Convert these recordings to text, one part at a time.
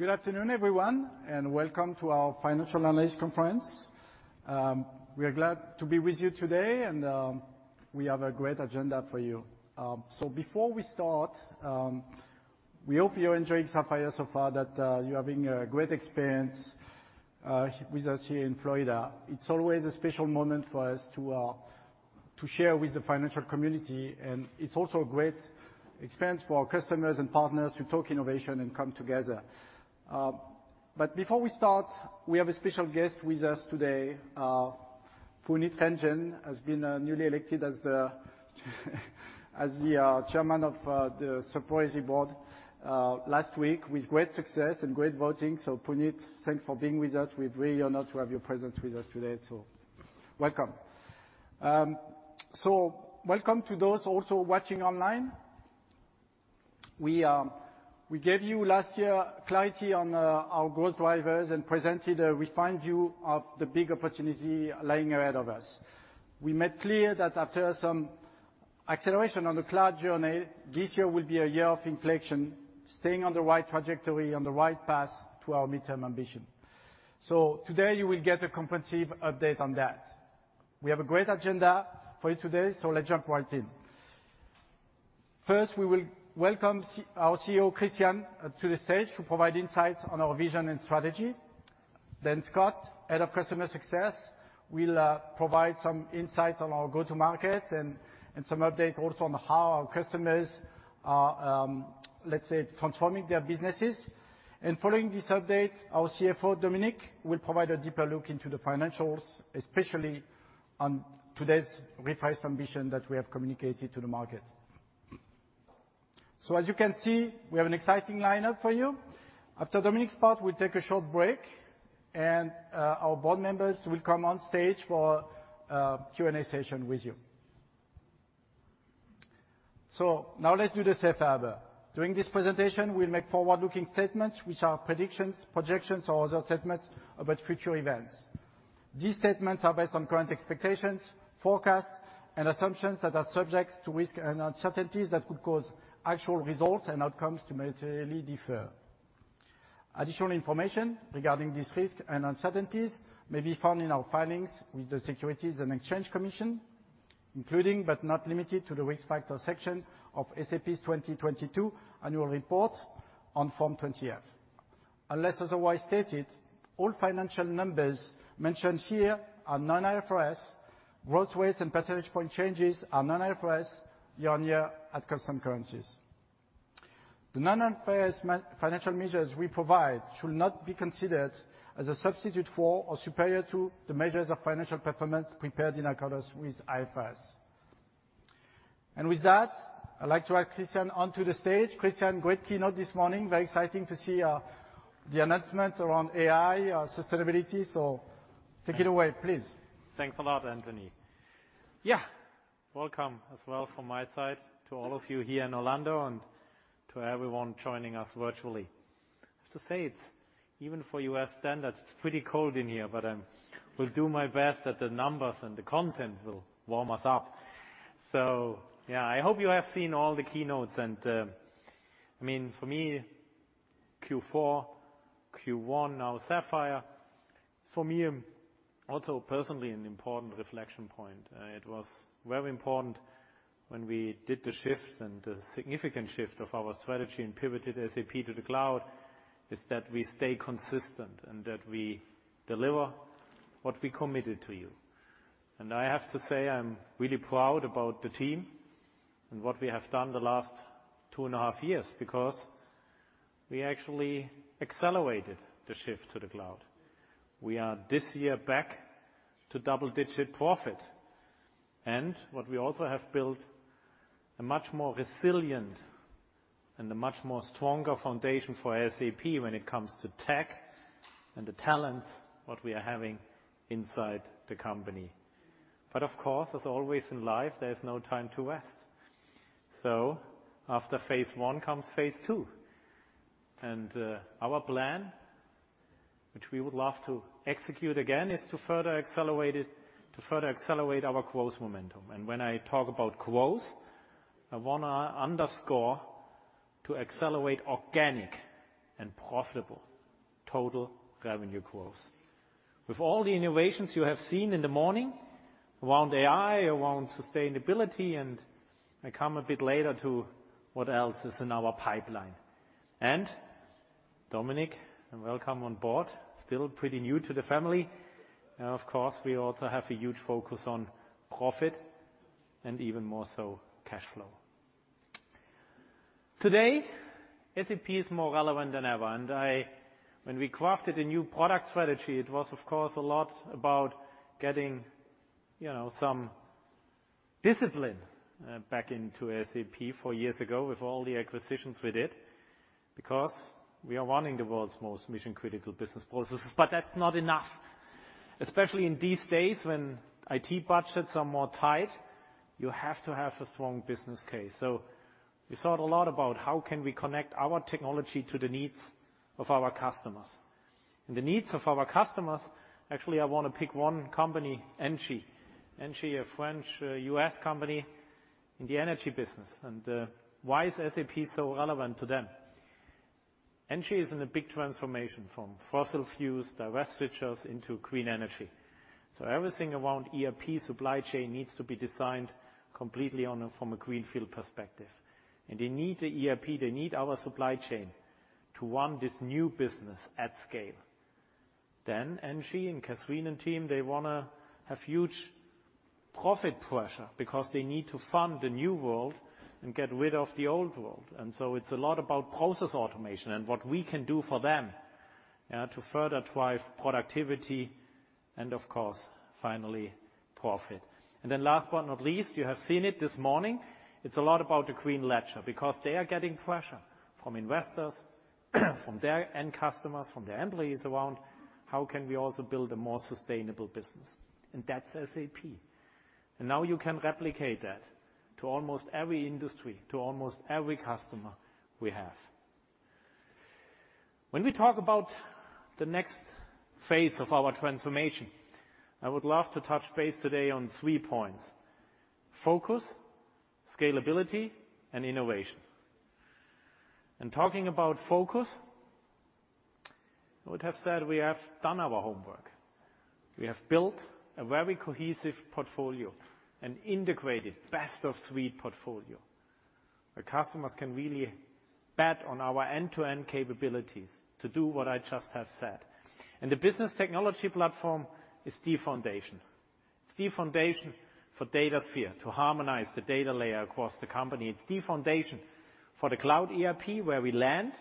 Good afternoon, everyone, and welcome to our financial analyst conference. We are glad to be with you today, and we have a great agenda for you. Before we start, we hope you're enjoying Sapphire so far, that you're having a great experience with us here in Florida. It's always a special moment for us to share with the financial community, and it's also a great experience for our customers and partners to talk innovation and come together. Before we start, we have a special guest with us today. Punit Renjen has been newly elected as the chairman of the SAP board last week with great success and great voting. Punit, thanks for being with us. We're really honored to have your presence with us today, welcome. Welcome to those also watching online. We gave you last year clarity on our growth drivers and presented a refined view of the big opportunity lying ahead of us. We made clear that after some acceleration on the cloud journey, this year will be a year of inflection, staying on the right trajectory, on the right path to our midterm ambition. Today you will get a comprehensive update on that. We have a great agenda for you today, let's jump right in. First, we will welcome our CEO, Christian, to the stage to provide insights on our vision and strategy. Scott, Head of Customer Success, will provide some insights on our go-to-markets and some updates also on how our customers are, let's say, transforming their businesses. Following this update, our CFO, Dominik, will provide a deeper look into the financials, especially on today's revised ambition that we have communicated to the market. As you can see, we have an exciting lineup for you. After Dominik's part, we'll take a short break and our board members will come on stage for a Q&A session with you. Now let's do the safe harbor. During this presentation, we'll make forward-looking statements, which are predictions, projections, or other statements about future events. These statements are based on current expectations, forecasts, and assumptions that are subject to risks and uncertainties that could cause actual results and outcomes to materially differ. Additional information regarding these risks and uncertainties may be found in our filings with the Securities and Exchange Commission, including but not limited to the Risk Factors section of SAP's 2022 Annual Report on Form 20-F. Unless otherwise stated, all financial numbers mentioned here are non-IFRS. Growth rates and percentage point changes are non-IFRS, year-on-year at custom currencies. The non-IFRS financial measures we provide should not be considered as a substitute for or superior to the measures of financial performance prepared in accordance with IFRS. With that, I'd like to welcome Christian onto the stage. Christian, great keynote this morning. Very exciting to see the announcements around AI, sustainability. Take it away, please. Thanks a lot, Anthony. Yeah, welcome as well from my side to all of you here in Orlando and to everyone joining us virtually. I have to say, it's, even for U.S. standards, it's pretty cold in here, but will do my best that the numbers and the content will warm us up. Yeah, I hope you have seen all the keynotes and I mean, for me, Q4, Q1, now SAP Sapphire, for me, also personally an important reflection point. It was very important when we did the shift and the significant shift of our strategy and pivoted SAP to the cloud, is that we stay consistent and that we deliver what we committed to you. I have to say, I'm really proud about the team and what we have done the last 2 and a half years because we actually accelerated the shift to the cloud. We are this year back to double-digit profit. What we also have built a much more resilient and a much stronger foundation for SAP when it comes to tech and the talents, what we are having inside the company. Of course, as always in life, there's no time to rest. After phase one comes phase two. Our plan, which we would love to execute again, is to further accelerate it, to further accelerate our growth momentum. When I talk about growth, I wanna underscore to accelerate organic and profitable total revenue growth. With all the innovations you have seen in the morning around AI, around sustainability, and I come a bit later to what else is in our pipeline. Dominik, welcome on board, still pretty new to the family. Of course, we also have a huge focus on profit and even more so, cash flow. Today, SAP is more relevant than ever, when we crafted a new product strategy, it was of course a lot about getting, you know, some discipline back into SAP four years ago with all the acquisitions we did, because we are running the world's most mission-critical business processes. That's not enough, especially in these days when IT budgets are more tight, you have to have a strong business case. We thought a lot about how can we connect our technology to the needs of our customers. The needs of our customers, actually, I wanna pick one company, ENGIE. ENGIE, a French, U.S. company in the energy business. Why is SAP so relevant to them? ENGIE is in a big transformation from fossil fuels, divestitures into green energy. Everything around ERP supply chain needs to be designed completely from a greenfield perspective. They need the ERP, they need our supply chain to run this new business at scale. ENGIE and Catherine and team, they wanna have huge profit pressure because they need to fund the new world and get rid of the old world. It's a lot about process automation and what we can do for them to further drive productivity and of course, finally, profit. Last but not least, you have seen it this morning, it's a lot about the Green Ledger because they are getting pressure from investors, from their end customers, from their employees around how can we also build a more sustainable business? That's SAP. Now you can replicate that to almost every industry, to almost every customer we have. When we talk about the next phase of our transformation, I would love to touch base today on three points: focus, scalability, and innovation. Talking about focus, I would have said we have done our homework. We have built a very cohesive portfolio, an integrated best-of-suite portfolio, where customers can really bet on our end-to-end capabilities to do what I just have said. The Business Technology Platform is the foundation. It's the foundation for Datasphere to harmonize the data layer across the company. It's the foundation for the cloud ERP, where we land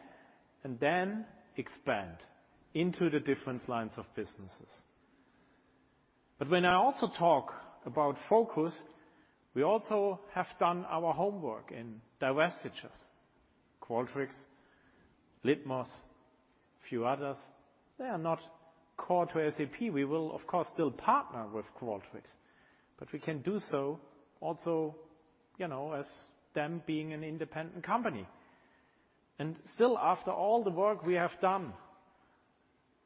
and then expand into the different lines of businesses. When I also talk about focus, we also have done our homework in divestitures. Qualtrics, Litmos, a few others, they are not core to SAP. We will of course still partner with Qualtrics, but we can do so also, you know, as them being an independent company. Still after all the work we have done,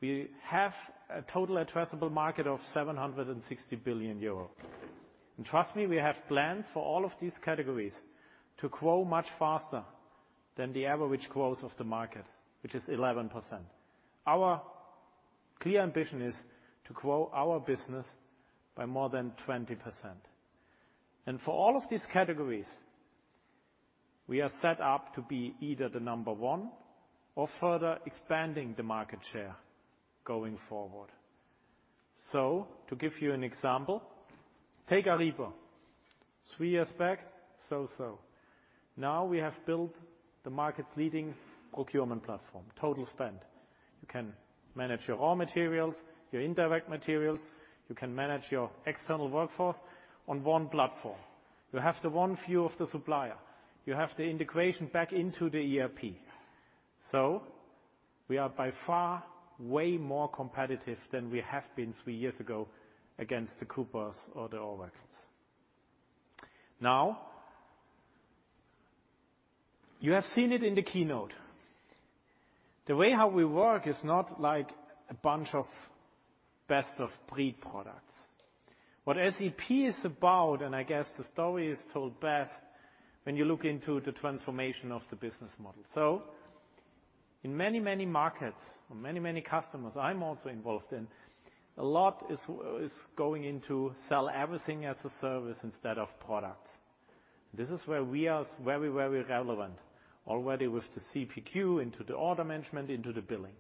we have a total addressable market of 760 billion euro. Trust me, we have plans for all of these categories to grow much faster than the average growth of the market, which is 11%. Our clear ambition is to grow our business by more than 20%. For all of these categories, we are set up to be either the number one or further expanding the market share going forward. To give you an example, take Ariba. Three years back. Now we have built the market's leading procurement platform, total spend. You can manage your raw materials, your indirect materials. You can manage your external workforce on one platform. You have the one view of the supplier. You have the integration back into the ERP. We are by far way more competitive than we have been three years ago against the Coupa or the Aureus. You have seen it in the keynote. The way how we work is not like a bunch of best-of-breed products. What SAP is about, and I guess the story is told best when you look into the transformation of the business model. In many, many markets, many, many customers I'm also involved in, a lot is going into sell everything as a service instead of products. This is where we are very, very relevant already with the CPQ into the order management, into the billing.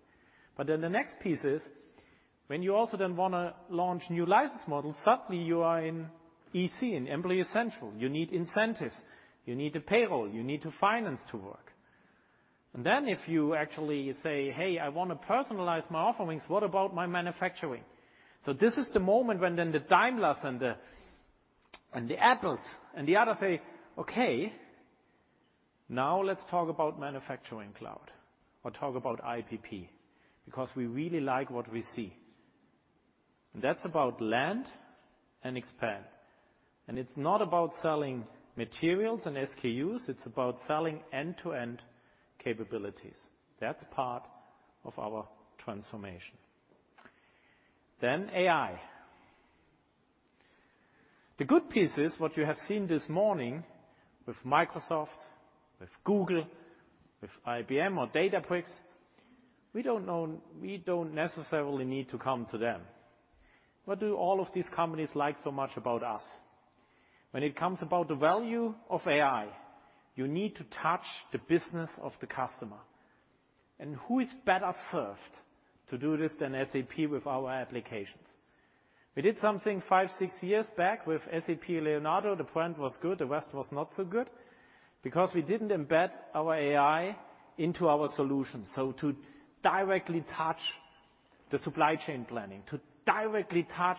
The next piece is when you also then wanna launch new license models, suddenly you are in EC, in Employee Central. You need incentives, you need the payroll, you need the finance to work. If you actually say, "Hey, I wanna personalize my offerings, what about my manufacturing?" This is the moment when the Daimlers and the Apples and the others say, "Okay, now let's talk about manufacturing cloud or talk about IPP, because we really like what we see." That's about land and expand. It's not about selling materials and SKUs, it's about selling end-to-end capabilities. That's part of our transformation. AI. The good piece is what you have seen this morning with Microsoft, with Google, with IBM or Databricks, we don't necessarily need to come to them. What do all of these companies like so much about us? When it comes about the value of AI, you need to touch the business of the customer. Who is better served to do this than SAP with our applications? We did something five, six years back with SAP Leonardo. The front was good, the rest was not so good because we didn't embed our AI into our solution. To directly touch the supply chain planning, to directly touch,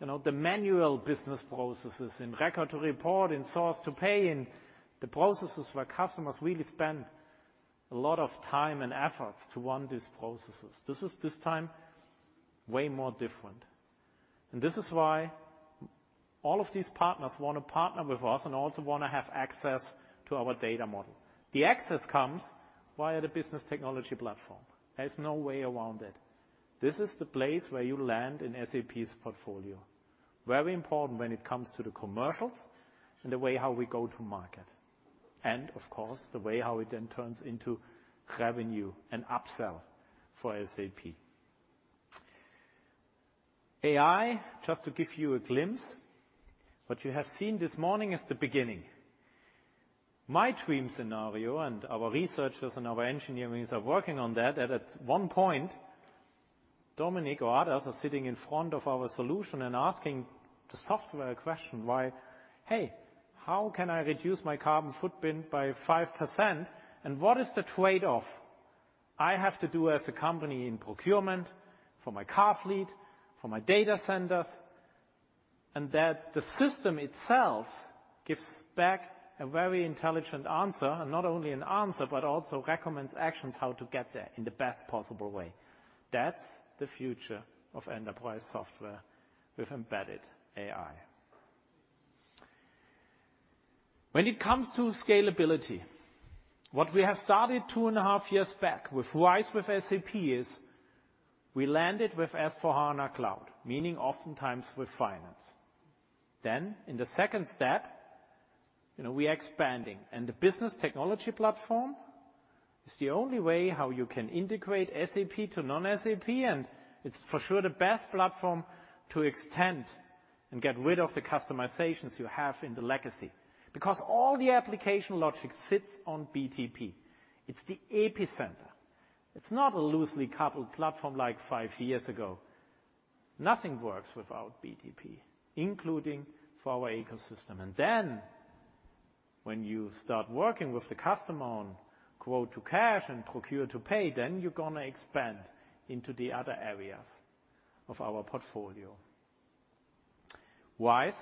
you know, the manual business processes in Record to Report, in Source to Pay, in the processes where customers really spend a lot of time and efforts to run these processes. This is time way more different. This is why all of these partners want to partner with us, also wanna have access to our data model. The access comes via the Business Technology Platform. There's no way around it. This is the place where you land in SAP's portfolio. Very important when it comes to the commercials and the way how we go to market, and of course the way how it then turns into revenue and upsell for SAP. AI, just to give you a glimpse, what you have seen this morning is the beginning. My dream scenario, and our researchers and our engineerings are working on that at one point, Dominik or others are sitting in front of our solution and asking the software a question. Why, "Hey, how can I reduce my carbon footprint by 5%, and what is the trade-off I have to do as a company in procurement for my car fleet, for my data centers?" And that the system itself gives back a very intelligent answer, and not only an answer, but also recommends actions how to get there in the best possible way. That's the future of enterprise software with embedded AI. When it comes to scalability, what we have started 2.5 years back with RISE with SAP is we landed with SAP S/4HANA Cloud, meaning oftentimes with finance. In the second step, you know, we are expanding, and the Business Technology Platform is the only way how you can integrate SAP to non-SAP, and it's for sure the best platform to extend and get rid of the customizations you have in the legacy. All the application logic sits on BTP. It's the epicenter. It's not a loosely coupled platform like five years ago. Nothing works without BTP, including for our ecosystem. When you start working with the customer on Quote to Cash and Procure to Pay, then you're gonna expand into the other areas of our portfolio. RISE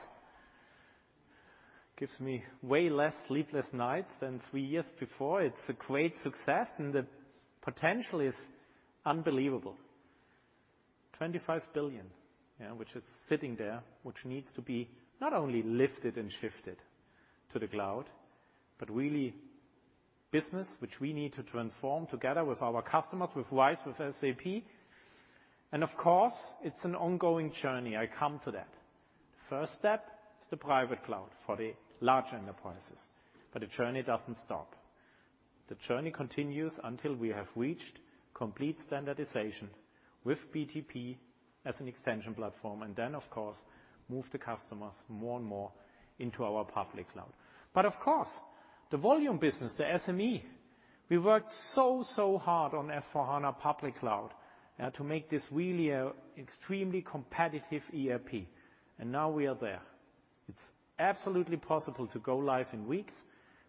gives me way less sleepless nights than three years before. It's a great success, and the potential is unbelievable. 25 billion, yeah, which is sitting there, which needs to be not only lifted and shifted to the cloud, but really business which we need to transform together with our customers, with RISE with SAP. Of course, it's an ongoing journey. I come to that. First step is the private cloud for the large enterprises, but the journey doesn't stop. The journey continues until we have reached complete standardization with BTP as an extension platform, and then of course move the customers more and more into our public cloud. Of course, the volume business, the SME, we worked so hard on SAP S/4HANA Cloud, Public Edition, to make this really a extremely competitive ERP and now we are there. It's absolutely possible to go live in weeks.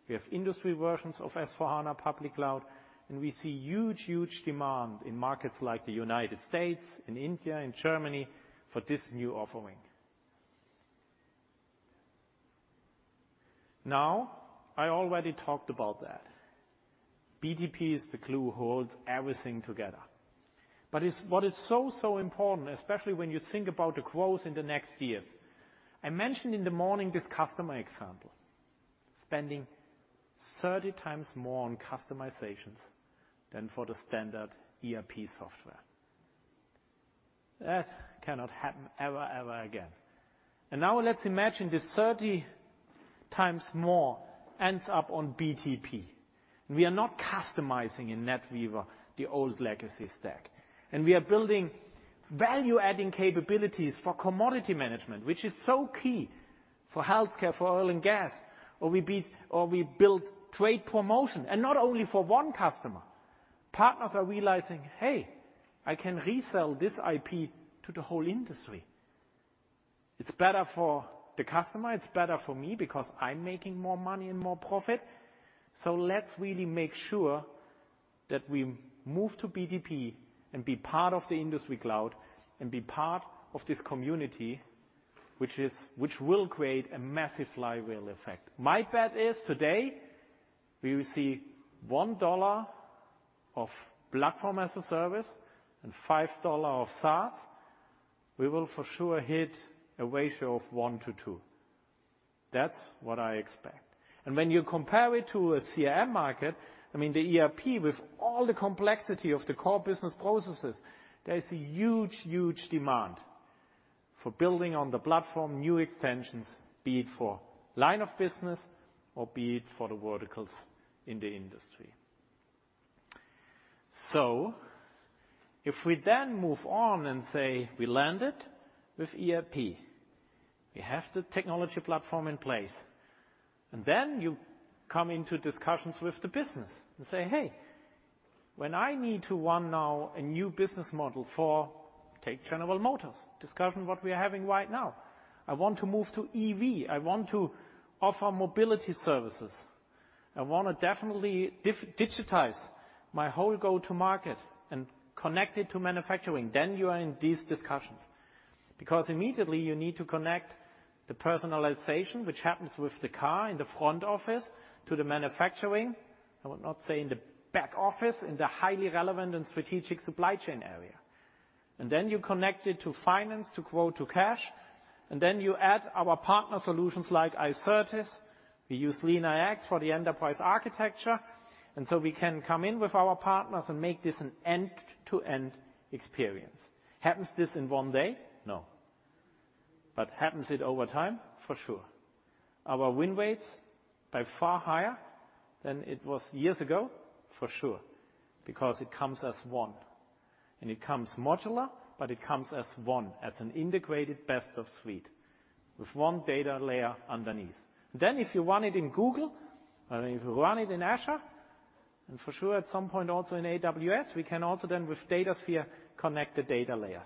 We have industry versions of S/4HANA Public Cloud, and we see huge demand in markets like the United States and India and Germany for this new offering. I already talked about that. BTP is the glue holds everything together. What is so important, especially when you think about the growth in the next years. I mentioned in the morning this customer example, spending 30 times more on customizations than for the standard ERP software. That cannot happen ever again. Now let's imagine this 30 times more ends up on BTP. We are not customizing in NetWeaver, the old legacy stack, and we are building value-adding capabilities for commodity management, which is so key for healthcare, for oil and gas, or we build trade promotion. Not only for 1 customer. Partners are realizing, "Hey, I can resell this IP to the whole industry. It's better for the customer, it's better for me because I'm making more money and more profit." Let's really make sure that we move to BTP and be part of the SAP Industry Cloud and be part of this community, which will create a massive flywheel effect. My bet is today we will see $1 of platform as a service and $5 of SaaS. We will for sure hit a ratio of 1 to 2. That's what I expect. When you compare it to a CRM market, I mean the ERP with all the complexity of the core business processes, there is a huge demand for building on the platform new extensions, be it for line of business or be it for the verticals in the industry. If we then move on and say we landed with ERP, we have the technology platform in place, you come into discussions with the business and say, "Hey, when I need to run now a new business model for," take General Motors, discussing what we are having right now. "I want to move to EV. I want to offer mobility services. I want to definitely digitize my whole go-to market and connect it to manufacturing." You are in these discussions. Immediately you need to connect the personalization which happens with the car in the front office to the manufacturing. I would not say in the back office, in the highly relevant and strategic supply chain area. You connect it to finance, to quote to cash. You add our partner solutions like Icertis. We use LeanIX for the enterprise architecture. We can come in with our partners and make this an end-to-end experience. Happens this in one day? No. Happens it over time? For sure. Our win rates are far higher than it was years ago, for sure, because it comes as one. It comes modular, but it comes as one, as an integrated best of suite with one data layer underneath. If you want it in Google, or if you run it in Azure, and for sure, at some point also in AWS, we can also then with Datasphere, connect the data layers,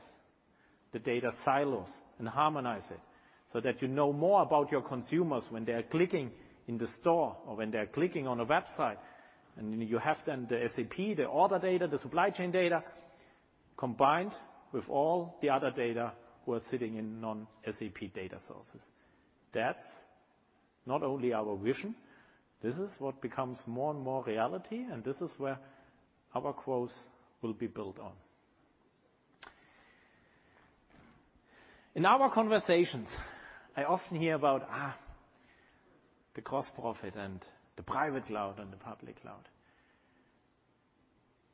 the data silos, and harmonize it, so that you know more about your consumers when they're clicking in the store or when they're clicking on a website. You have then the SAP, the order data, the supply chain data, combined with all the other data who are sitting in non-SAP data sources. That's not only our vision, this is what becomes more and more reality, and this is where our growth will be built on. In our conversations, I often hear about the cost profit and the private cloud and the public cloud.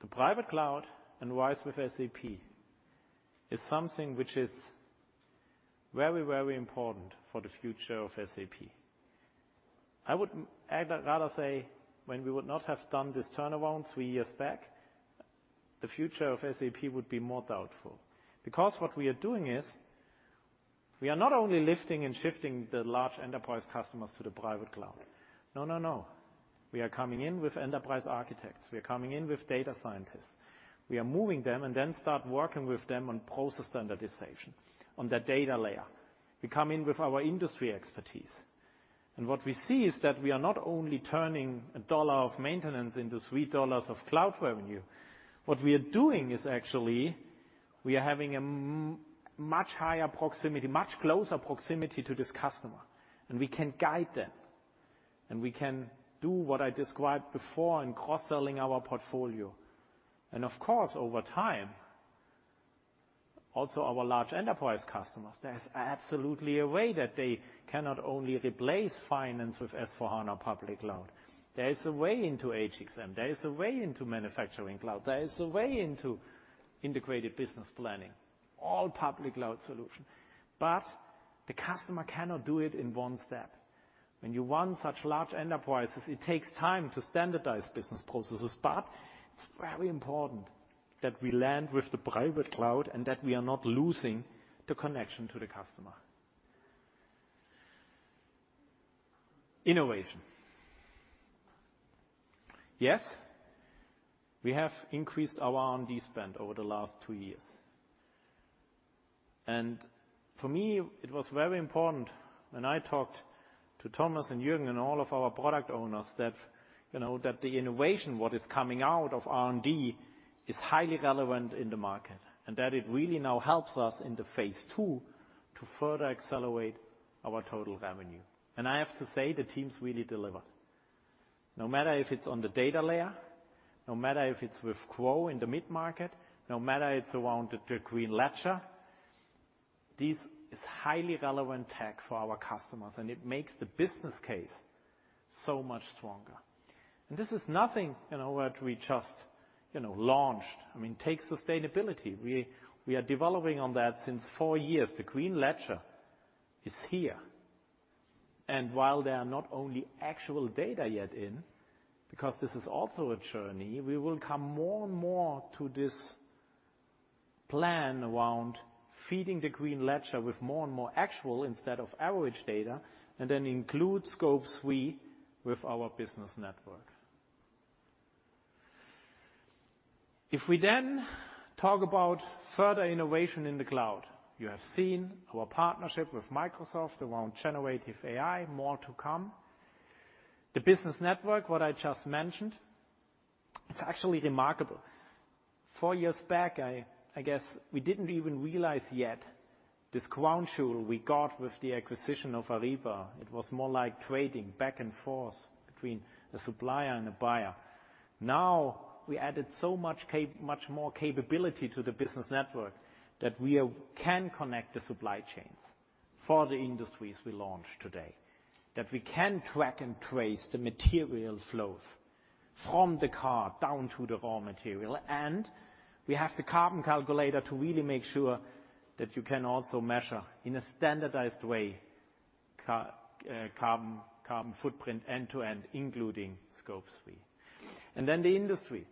The private cloud, and RISE with SAP, is something which is very, very important for the future of SAP. I would rather say when we would not have done this turnaround three years back, the future of SAP would be more doubtful. What we are doing is, we are not only lifting and shifting the large enterprise customers to the private cloud. No, no. We are coming in with enterprise architects. We are coming in with data scientists. We are moving them and then start working with them on process standardization, on the data layer. We come in with our industry expertise. What we see is that we are not only turning $1 of maintenance into $3 of cloud revenue. What we are doing is actually, we are having much higher proximity, much closer proximity to this customer, and we can guide them, and we can do what I described before in cross-selling our portfolio. Of course, over time, also our large enterprise customers, there's absolutely a way that they cannot only replace finance with S/4HANA public cloud. There is a way into HXM, there is a way into Manufacturing Cloud, there is a way into Integrated Business Planning, all public cloud solution. The customer cannot do it in one step. When you run such large enterprises, it takes time to standardize business processes, but it's very important that we land with the private cloud and that we are not losing the connection to the customer. Innovation. Yes, we have increased our R&D spend over the last 2 years. For me, it was very important when I talked to Thomas and Jürgen and all of our product owners that, you know, that the innovation, what is coming out of R&D is highly relevant in the market, and that it really now helps us in the phase 2 to further accelerate our total revenue. I have to say, the teams really deliver. No matter if it's on the data layer, no matter if it's with Quo in the mid-market, no matter it's around the SAP Green Ledger, this is highly relevant tech for our customers. It makes the business case so much stronger. This is nothing, you know, what we just, you know, launched. I mean, take sustainability. We are developing on that since four years. The SAP Green Ledger is here. While there are not only actual data yet in, because this is also a journey, we will come more and more to this plan around feeding the SAP Green Ledger with more and more actual instead of average data. Then include Scope 3 with our business network. If we then talk about further innovation in the cloud, you have seen our partnership with Microsoft around generative AI, more to come. The business network, what I just mentioned, it's actually remarkable. Four years back, I guess we didn't even realize yet this crown jewel we got with the acquisition of Ariba. It was more like trading back and forth between the supplier and the buyer. We added so much more capability to the business network that we can connect the supply chains for the industries we launched today. That we can track and trace the material flows from the car down to the raw material. We have the carbon calculator to really make sure that you can also measure, in a standardized way, carbon footprint end-to-end, including Scope 3. The industry.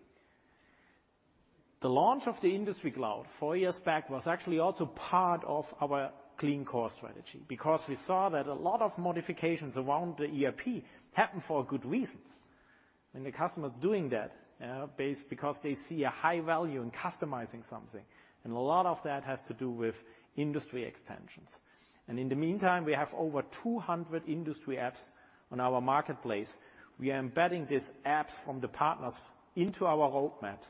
The launch of the Industry Cloud 4 years back was actually also part of our clean core strategy because we saw that a lot of modifications around the ERP happened for good reasons. The customer is doing that because they see a high value in customizing something, and a lot of that has to do with industry extensions. In the meantime, we have over 200 industry apps on our marketplace. We are embedding these apps from the partners into our roadmaps,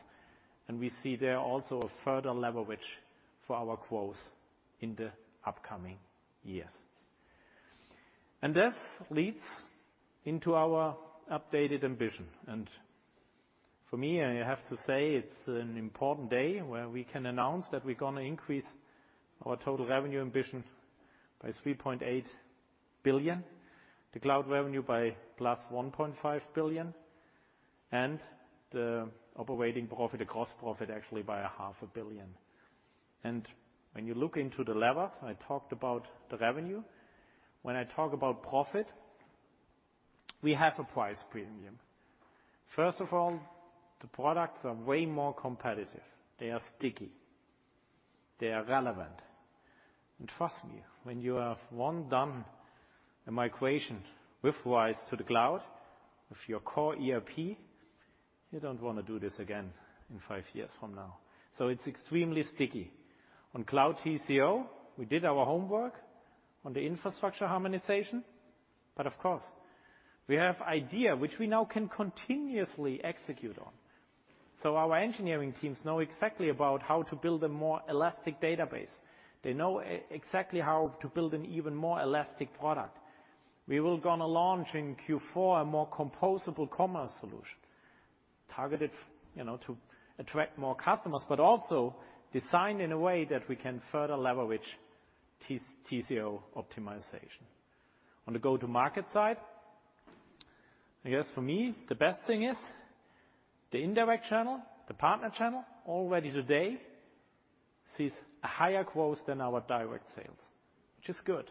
and we see there also a further leverage for our growth in the upcoming years. This leads into our updated ambition. For me, I have to say it's an important day where we can announce that we're gonna increase our total revenue ambition by 3.8 billion, the cloud revenue by +1.5 billion, and the operating profit, the cost profit actually by a half a billion. When you look into the levers, I talked about the revenue. When I talk about profit, we have a price premium. First of all, the products are way more competitive. They are sticky. They are relevant. Trust me, when you have one done a migration RISE with SAP to the cloud with your core ERP, you don't wanna do this again in five years from now. It's extremely sticky. On cloud TCO, we did our homework on the infrastructure Cloud Harmonization, but of course, we have APIs which we now can continuously execute on. Our engineering teams know exactly about how to build a more elastic database. They know exactly how to build an even more elastic product. We will gonna launch in Q4 a more composable commerce solution targeted, you know, to attract more customers, but also designed in a way that we can further leverage TCO optimization. On the go-to-market side, I guess for me, the best thing is the indirect channel, the partner channel already today sees a higher growth than our direct sales, which is good,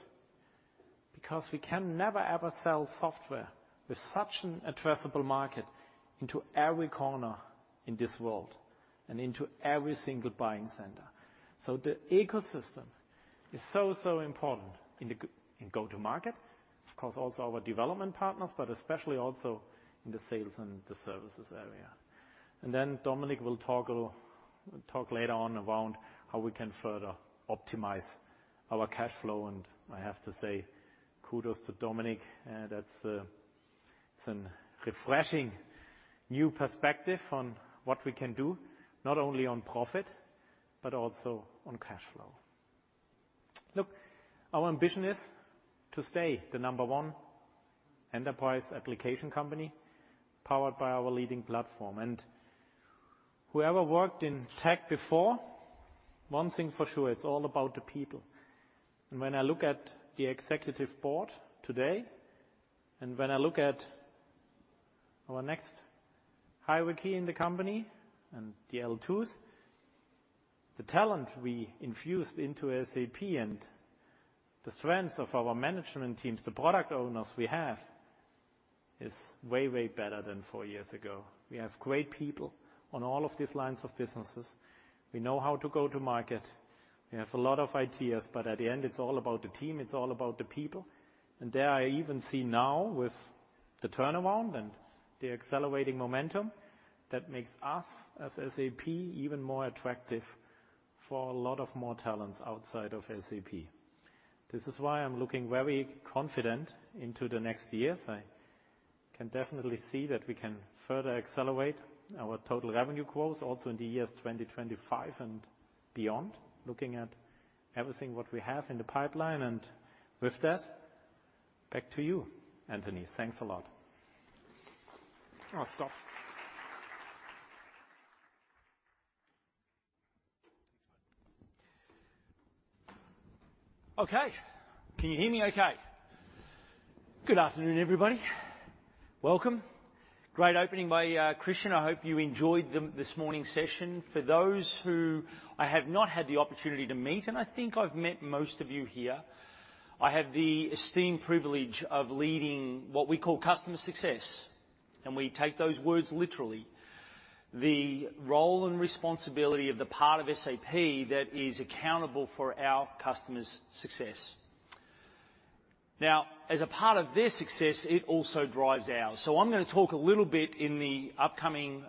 because we can never, ever sell software with such an addressable market into every corner in this world and into every single buying center. The ecosystem is so important in go to market. Of course, also our development partners, but especially also in the sales and the services area. Then Dominik will talk later on around how we can further optimize our cash flow. I have to say, kudos to Dominik. It's a refreshing new perspective on what we can do, not only on profit, but also on cash flow. Look, our ambition is to stay the number one enterprise application company powered by our leading platform. Whoever worked in tech before, one thing for sure, it's all about the people. When I look at the executive board today, and when I look at our next hierarchy in the company and the L2s, the talent we infused into SAP and the strengths of our management teams, the product owners we have, is way better than four years ago. We have great people on all of these lines of businesses. We know how to go to market. We have a lot of ideas, but at the end, it's all about the team, it's all about the people. There I even see now with the turnaround and the accelerating momentum that makes us as SAP even more attractive for a lot of more talents outside of SAP. This is why I'm looking very confident into the next years. I can definitely see that we can further accelerate our total revenue growth also in the years 2025 and beyond, looking at everything what we have in the pipeline. With that, back to you, Anthony. Thanks a lot. Oh, stop. Okay. Can you hear me okay? Good afternoon, everybody. Welcome. Great opening by Christian. I hope you enjoyed the this morning's session. For those who I have not had the opportunity to meet, and I think I've met most of you here, I have the esteemed privilege of leading what we call customer success, and we take those words literally. The role and responsibility of the part of SAP that is accountable for our customers' success. Now, as a part of their success, it also drives ours. I'm gonna talk a little bit in the upcoming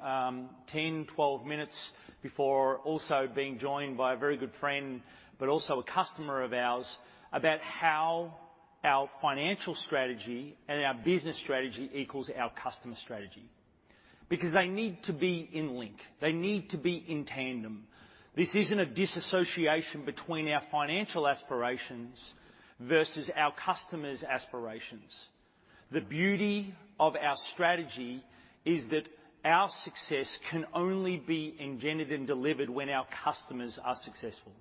10, 12 minutes before also being joined by a very good friend, but also a customer of ours, about how our financial strategy and our business strategy equals our customer strategy. They need to be in link. They need to be in tandem. This isn't a disassociation between our financial aspirations versus our customers' aspirations. The beauty of our strategy is that our success can only be engendered and delivered when our customers are successful.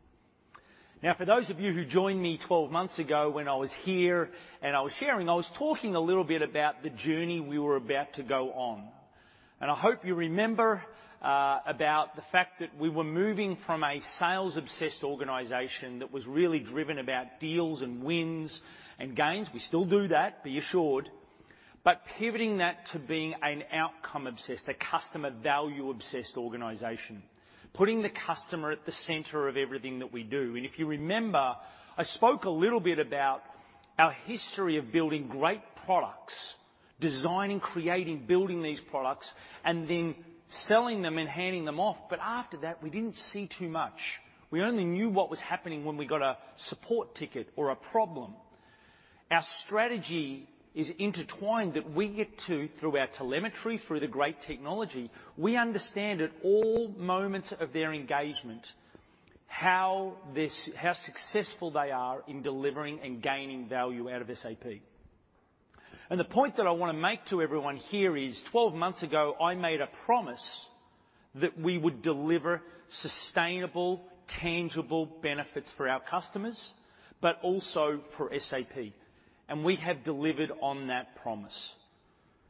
For those of you who joined me 12 months ago when I was here and I was sharing, I was talking a little bit about the journey we were about to go on. I hope you remember about the fact that we were moving from a sales-obsessed organization that was really driven about deals and wins and gains. We still do that, be assured, but pivoting that to being an outcome-obsessed, a customer value-obsessed organization, putting the customer at the center of everything that we do. If you remember, I spoke a little bit about History of building great products, designing, creating, building these products, and then selling them and handing them off. After that, we didn't see too much. We only knew what was happening when we got a support ticket or a problem. Our strategy is intertwined that we get to, through our telemetry, through the great technology, we understand at all moments of their engagement how successful they are in delivering and gaining value out of SAP. The point that I wanna make to everyone here is, 12 months ago, I made a promise that we would deliver sustainable, tangible benefits for our customers, but also for SAP, and we have delivered on that promise.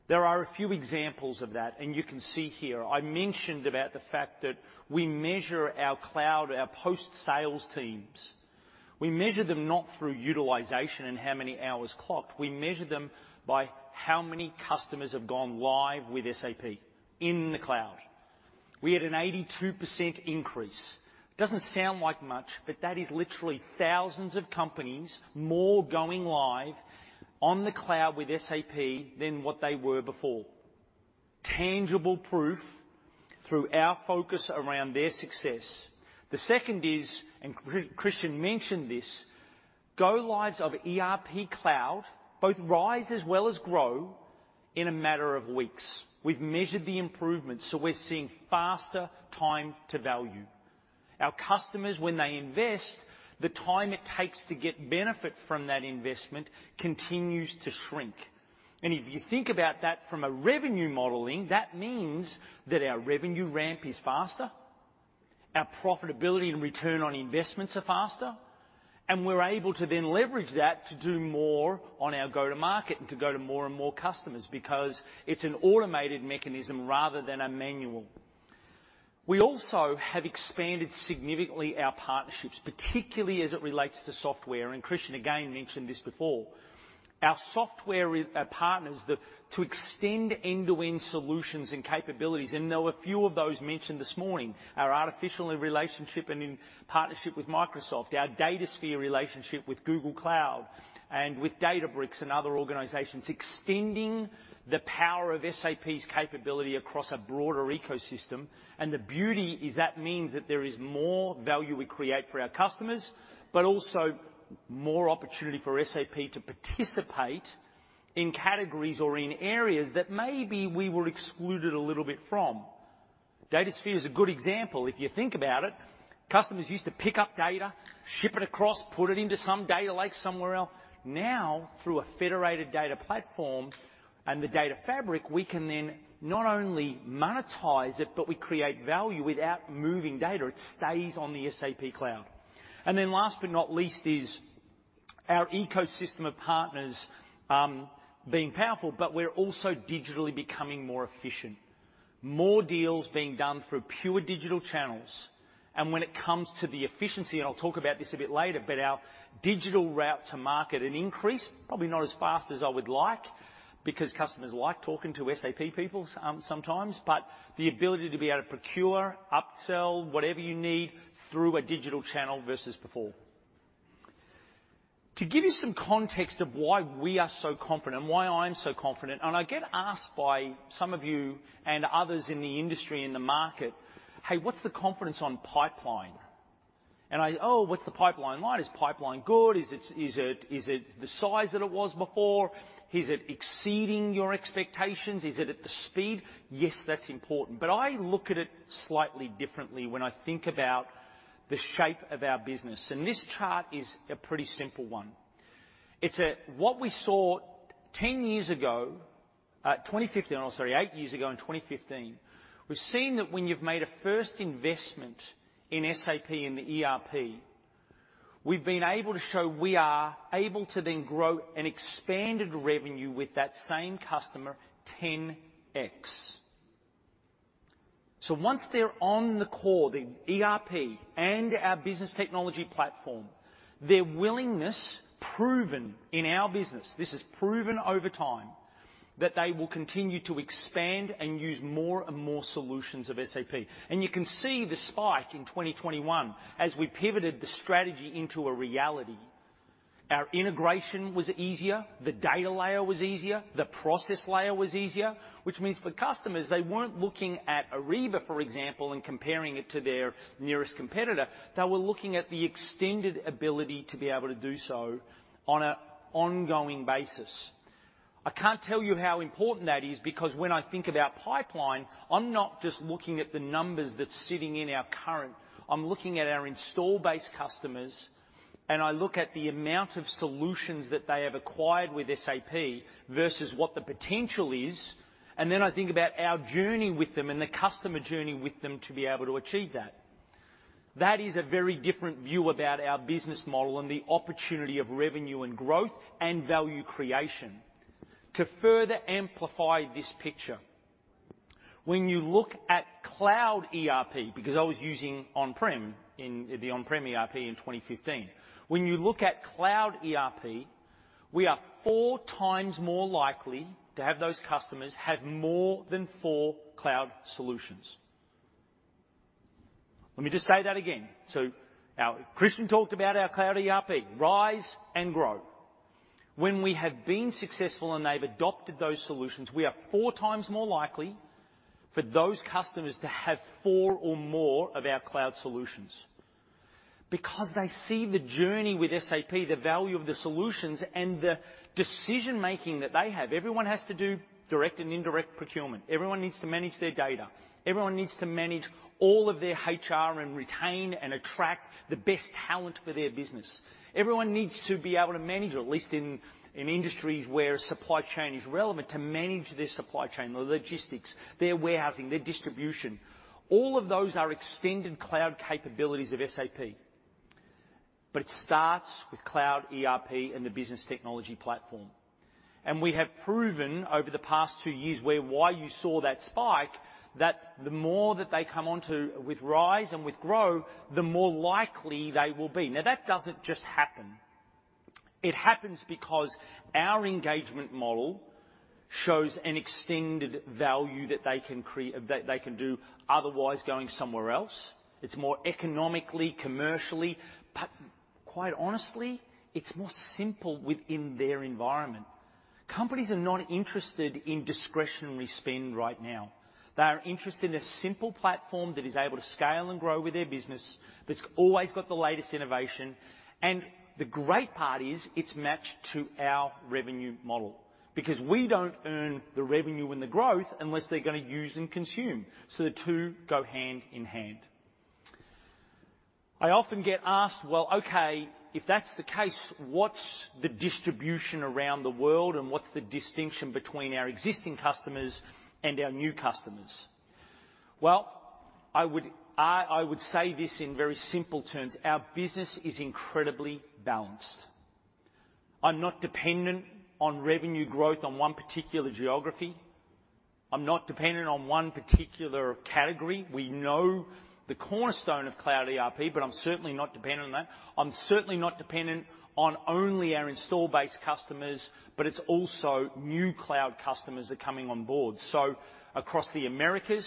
There are a few examples of that, and you can see here, I mentioned about the fact that we measure our cloud, our post-sales teams. We measure them not through utilization and how many hours clocked. We measure them by how many customers have gone live with SAP in the cloud. We had an 82% increase. It doesn't sound like much, but that is literally thousands of companies more going live on the cloud with SAP than what they were before. Tangible proof through our focus around their success. The second is, Christian mentioned this, go lives of ERP cloud both RISE as well as GROW in a matter of weeks. We've measured the improvements, so we're seeing faster time to value. Our customers, when they invest, the time it takes to get benefit from that investment continues to shrink. If you think about that from a revenue modeling, that means that our revenue ramp is faster, our profitability and return on investments are faster, We're able to then leverage that to do more on our go-to-market and to go to more and more customers because it's an automated mechanism rather than a manual. We also have expanded significantly our partnerships, particularly as it relates to software. Christian, again, mentioned this before. Our software our partners to extend end-to-end solutions and capabilities, and there were a few of those mentioned this morning. Our artificial relationship and in partnership with Microsoft, our Datasphere relationship with Google Cloud and with Databricks and other organizations, extending the power of SAP's capability across a broader ecosystem. The beauty is that means that there is more value we create for our customers, but also more opportunity for SAP to participate in categories or in areas that maybe we were excluded a little bit from. Datasphere is a good example. If you think about it, customers used to pick up data, ship it across, put it into some data lake somewhere else. Through a federated data platform and the data fabric, we can then not only monetize it, but we create value without moving data. It stays on the SAP cloud. Last but not least is our ecosystem of partners, being powerful, but we're also digitally becoming more efficient. More deals being done through pure digital channels. When it comes to the efficiency, and I'll talk about this a bit later, but our digital route to market, an increase, probably not as fast as I would like because customers like talking to SAP people, sometimes, but the ability to be able to procure, upsell, whatever you need through a digital channel versus before. To give you some context of why we are so confident and why I'm so confident. I get asked by some of you and others in the industry, in the market, "Hey, what's the confidence on pipeline?" "What's the pipeline like? Is pipeline good? Is it the size that it was before? Is it exceeding your expectations? Is it at the speed?" Yes, that's important. I look at it slightly differently when I think about the shape of our business. This chart is a pretty simple one. It's what we saw 10 years ago, 2015... sorry, 8 years ago in 2015. We've seen that when you've made a first investment in SAP and the ERP, we've been able to show we are able to then grow and expanded revenue with that same customer 10x. Once they're on the core, the ERP and our SAP Business Technology Platform, their willingness proven in our business, this is proven over time, that they will continue to expand and use more and more solutions of SAP. You can see the spike in 2021 as we pivoted the strategy into a reality. Our integration was easier, the data layer was easier, the process layer was easier, which means for customers, they weren't looking at Ariba, for example, and comparing it to their nearest competitor. They were looking at the extended ability to be able to do so on a ongoing basis. I can't tell you how important that is because when I think about pipeline, I'm not just looking at the numbers that's sitting in our current. I'm looking at our install-based customers, and I look at the amount of solutions that they have acquired with SAP versus what the potential is. I think about our journey with them and the customer journey with them to be able to achieve that. That is a very different view about our business model and the opportunity of revenue and growth and value creation. To further amplify this picture, when you look at Cloud ERP, because I was using the on-prem ERP in 2015. When you look at Cloud ERP, we are four times more likely to have those customers have more than four cloud solutions. Let me just say that again. Our Christian talked about our Cloud ERP, RISE and GROW. When we have been successful and they've adopted those solutions, we are 4 times more likely for those customers to have four or more of our cloud solutions. They see the journey with SAP, the value of the solutions and the decision-making that they have. Everyone has to do direct and indirect procurement. Everyone needs to manage their data. Everyone needs to manage all of their HR and retain and attract the best talent for their business. Everyone needs to be able to manage, or at least in industries where supply chain is relevant, to manage their supply chain, their logistics, their warehousing, their distribution. All of those are extended cloud capabilities of SAP. It starts with Cloud ERP and the Business Technology Platform. We have proven over the past two years where why you saw that spike, that the more that they come on to with RISE and with GROW, the more likely they will be. Now, that doesn't just happen. It happens because our engagement model shows an extended value that they can create, that they can do otherwise going somewhere else. It's more economically, commercially, but quite honestly, it's more simple within their environment. Companies are not interested in discretionary spend right now. They are interested in a simple platform that is able to scale and grow with their business, that's always got the latest innovation. The great part is it's matched to our revenue model because we don't earn the revenue and the growth unless they're gonna use and consume. The two go hand in hand. I often get asked, "Well, okay, if that's the case, what's the distribution around the world and what's the distinction between our existing customers and our new customers?" Well, I would say this in very simple terms. Our business is incredibly balanced. I'm not dependent on revenue growth on one particular geography. I'm not dependent on one particular category. We know the cornerstone of Cloud ERP, but I'm certainly not dependent on that. I'm certainly not dependent on only our install base customers, but it's also new cloud customers are coming on board. Across the Americas,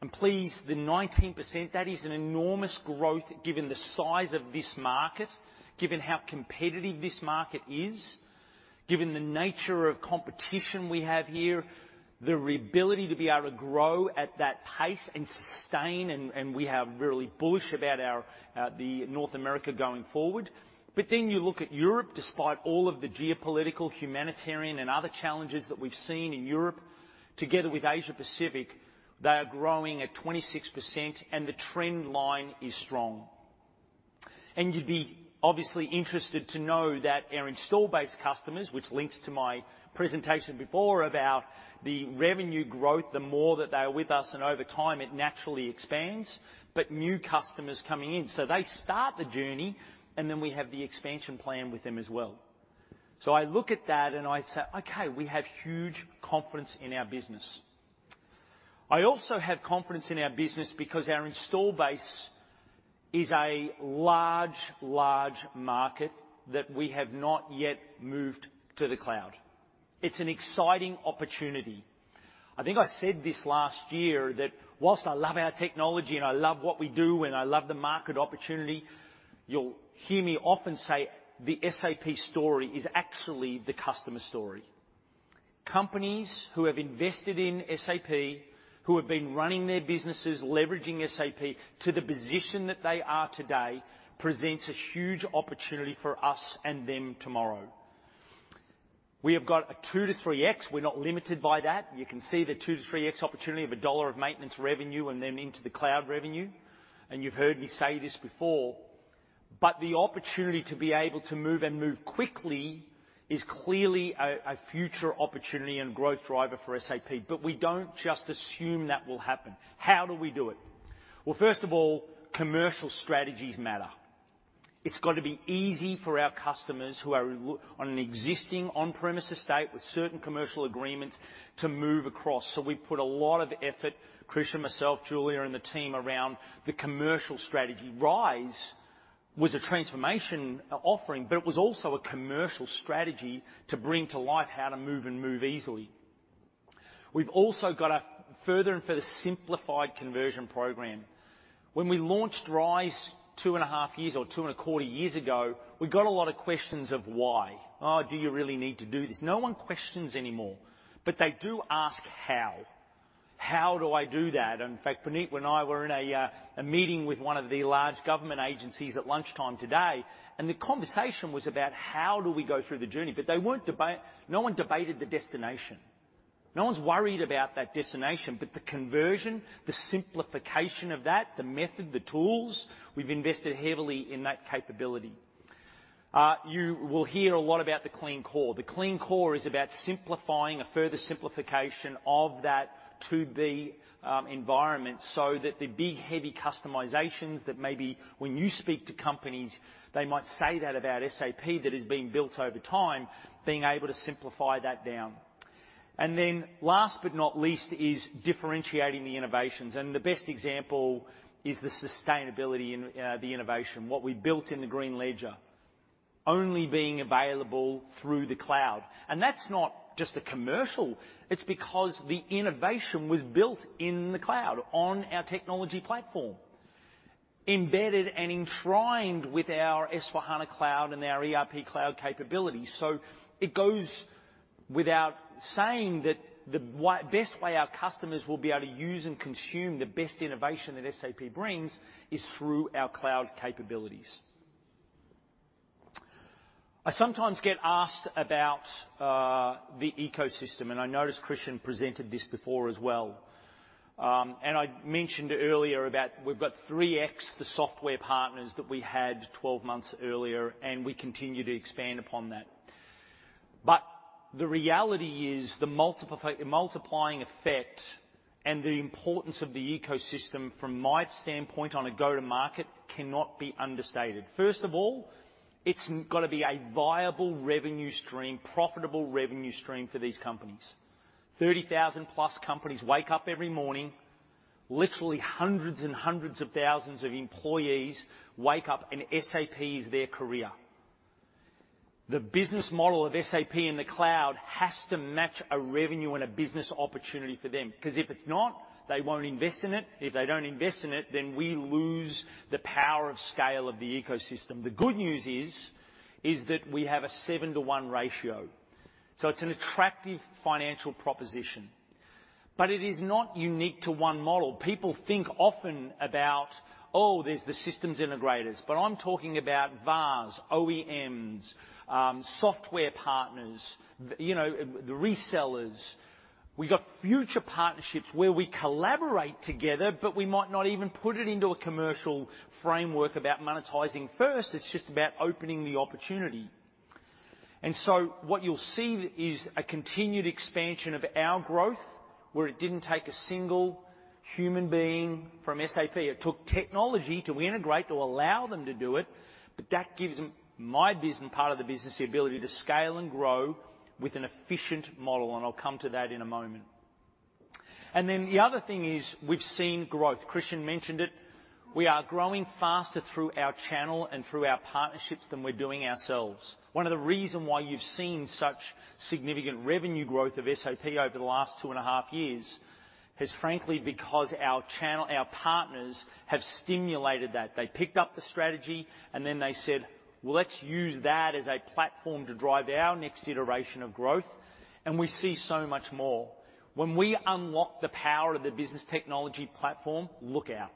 I'm pleased the 19%, that is an enormous growth given the size of this market, given how competitive this market is, given the nature of competition we have here, the ability to be able to grow at that pace and sustain, and we have really bullish about our the North America going forward. You look at Europe, despite all of the geopolitical, humanitarian, and other challenges that we've seen in Europe, together with Asia-Pacific, they are growing at 26%, and the trend line is strong. You'd be obviously interested to know that our install base customers, which links to my presentation before about the revenue growth, the more that they are with us, and over time, it naturally expands, but new customers coming in. They start the journey, we have the expansion plan with them as well. I look at that and I say, "Okay, we have huge confidence in our business." I also have confidence in our business because our install base is a large market that we have not yet moved to the cloud. It's an exciting opportunity. I think I said this last year that whilst I love our technology and I love what we do and I love the market opportunity, you'll hear me often say the SAP story is actually the customer story. Companies who have invested in SAP, who have been running their businesses leveraging SAP to the position that they are today presents a huge opportunity for us and them tomorrow. We have got a 2x-3x. We're not limited by that. You can see the 2-3x opportunity of EUR 1 of maintenance revenue and then into the cloud revenue. You've heard me say this before, but the opportunity to be able to move and move quickly is clearly a future opportunity and growth driver for SAP. We don't just assume that will happen. How do we do it? Well, first of all, commercial strategies matter. It's got to be easy for our customers who are on an existing on-premise estate with certain commercial agreements to move across. We put a lot of effort, Christian, myself, Julia, and the team around the commercial strategy. RISE was a transformation offering, but it was also a commercial strategy to bring to life how to move and move easily. We've also got a further and further simplified conversion program. When we launched RISE two and a half years or two and a quarter years ago, we got a lot of questions of why. "Oh, do you really need to do this?" No one questions anymore, but they do ask how. "How do I do that?" In fact, Puneet when I were in a meeting with one of the large government agencies at lunchtime today, and the conversation was about how do we go through the journey, but they no one debated the destination. No one's worried about that destination. The conversion, the simplification of that, the method, the tools, we've invested heavily in that capability. You will hear a lot about the clean core. The clean core is about simplifying a further simplification of that to the environment so that the big, heavy customizations that maybe when you speak to companies, they might say that about SAP that has been built over time, being able to simplify that down. Last but not least is differentiating the innovations. The best example is the sustainability and the innovation, what we built in the Green Ledger. Only being available through the cloud. That's not just a commercial, it's because the innovation was built in the cloud on our technology platform, embedded and enshrined with our S/4HANA Cloud and our ERP cloud capability. It goes without saying that the best way our customers will be able to use and consume the best innovation that SAP brings is through our cloud capabilities. I sometimes get asked about the ecosystem. I noticed Christian presented this before as well. I mentioned earlier about we've got 3x the software partners that we had 12 months earlier. We continue to expand upon that. The reality is the multiplying effect and the importance of the ecosystem from my standpoint on a go-to-market cannot be understated. First of all, it's gotta be a viable revenue stream, profitable revenue stream for these companies. 30,000+ companies wake up every morning, literally hundreds of thousands of employees wake up and SAP is their career. The business model of SAP in the cloud has to match a revenue and a business opportunity for them, because if it's not, they won't invest in it. If they don't invest in it, we lose the power of scale of the ecosystem. The good news is that we have a 7-to-1 ratio, so it's an attractive financial proposition. It is not unique to one model. People think often about, oh, there's the systems integrators, but I'm talking about VARs, OEMs, software partners, you know, the resellers. We got future partnerships where we collaborate together, but we might not even put it into a commercial framework about monetizing first. It's just about opening the opportunity. What you'll see is a continued expansion of our growth where it didn't take a single human being from SAP. It took technology to integrate to allow them to do it, but that gives my business, part of the business, the ability to scale and grow with an efficient model, and I'll come to that in a moment. The other thing is we've seen growth. Christian mentioned it. We are growing faster through our channel and through our partnerships than we're doing ourselves. One of the reason why you've seen such significant revenue growth of SAP over the last two and a half years is frankly because our channel, our partners have stimulated that. They picked up the strategy, they said, "Well, let's use that as a platform to drive our next iteration of growth." We see so much more. When we unlock the power of the Business Technology Platform, look out,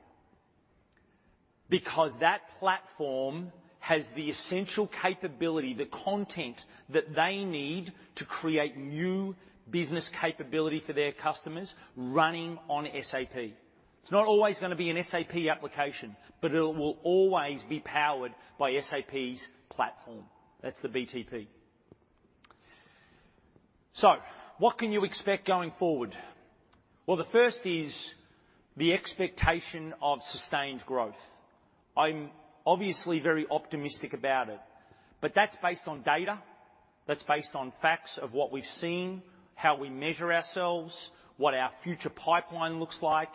because that platform has the essential capability, the content that they need to create new business capability for their customers running on SAP. It's not always gonna be an SAP application, but it will always be powered by SAP's platform. That's the BTP. What can you expect going forward? Well, the first is the expectation of sustained growth. I'm obviously very optimistic about it. That's based on data. That's based on facts of what we've seen, how we measure ourselves, what our future pipeline looks like.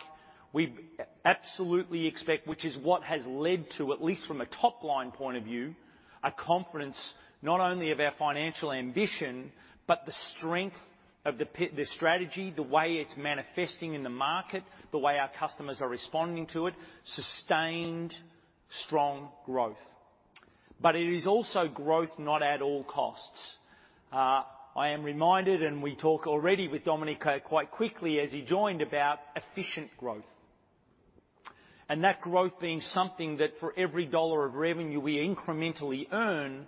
We absolutely expect, which is what has led to, at least from a top-line point of view, a confidence not only of our financial ambition, but the strength of the strategy, the way it's manifesting in the market, the way our customers are responding to it, sustained strong growth. It is also growth, not at all costs. I am reminded, and we talk already with Dominik quite quickly as he joined, about efficient growth. That growth being something that for every dollar of revenue we incrementally earn,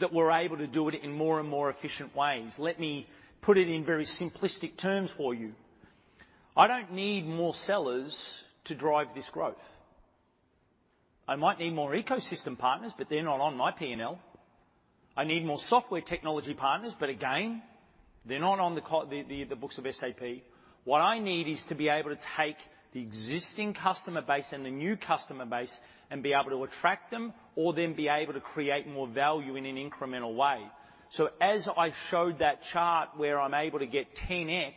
that we're able to do it in more and more efficient ways. Let me put it in very simplistic terms for you. I don't need more sellers to drive this growth. I might need more ecosystem partners, but they're not on my P&L. I need more software technology partners, but again, they're not on the books of SAP. What I need is to be able to take the existing customer base and the new customer base and be able to attract them or then be able to create more value in an incremental way. So as I showed that chart where I'm able to get 10x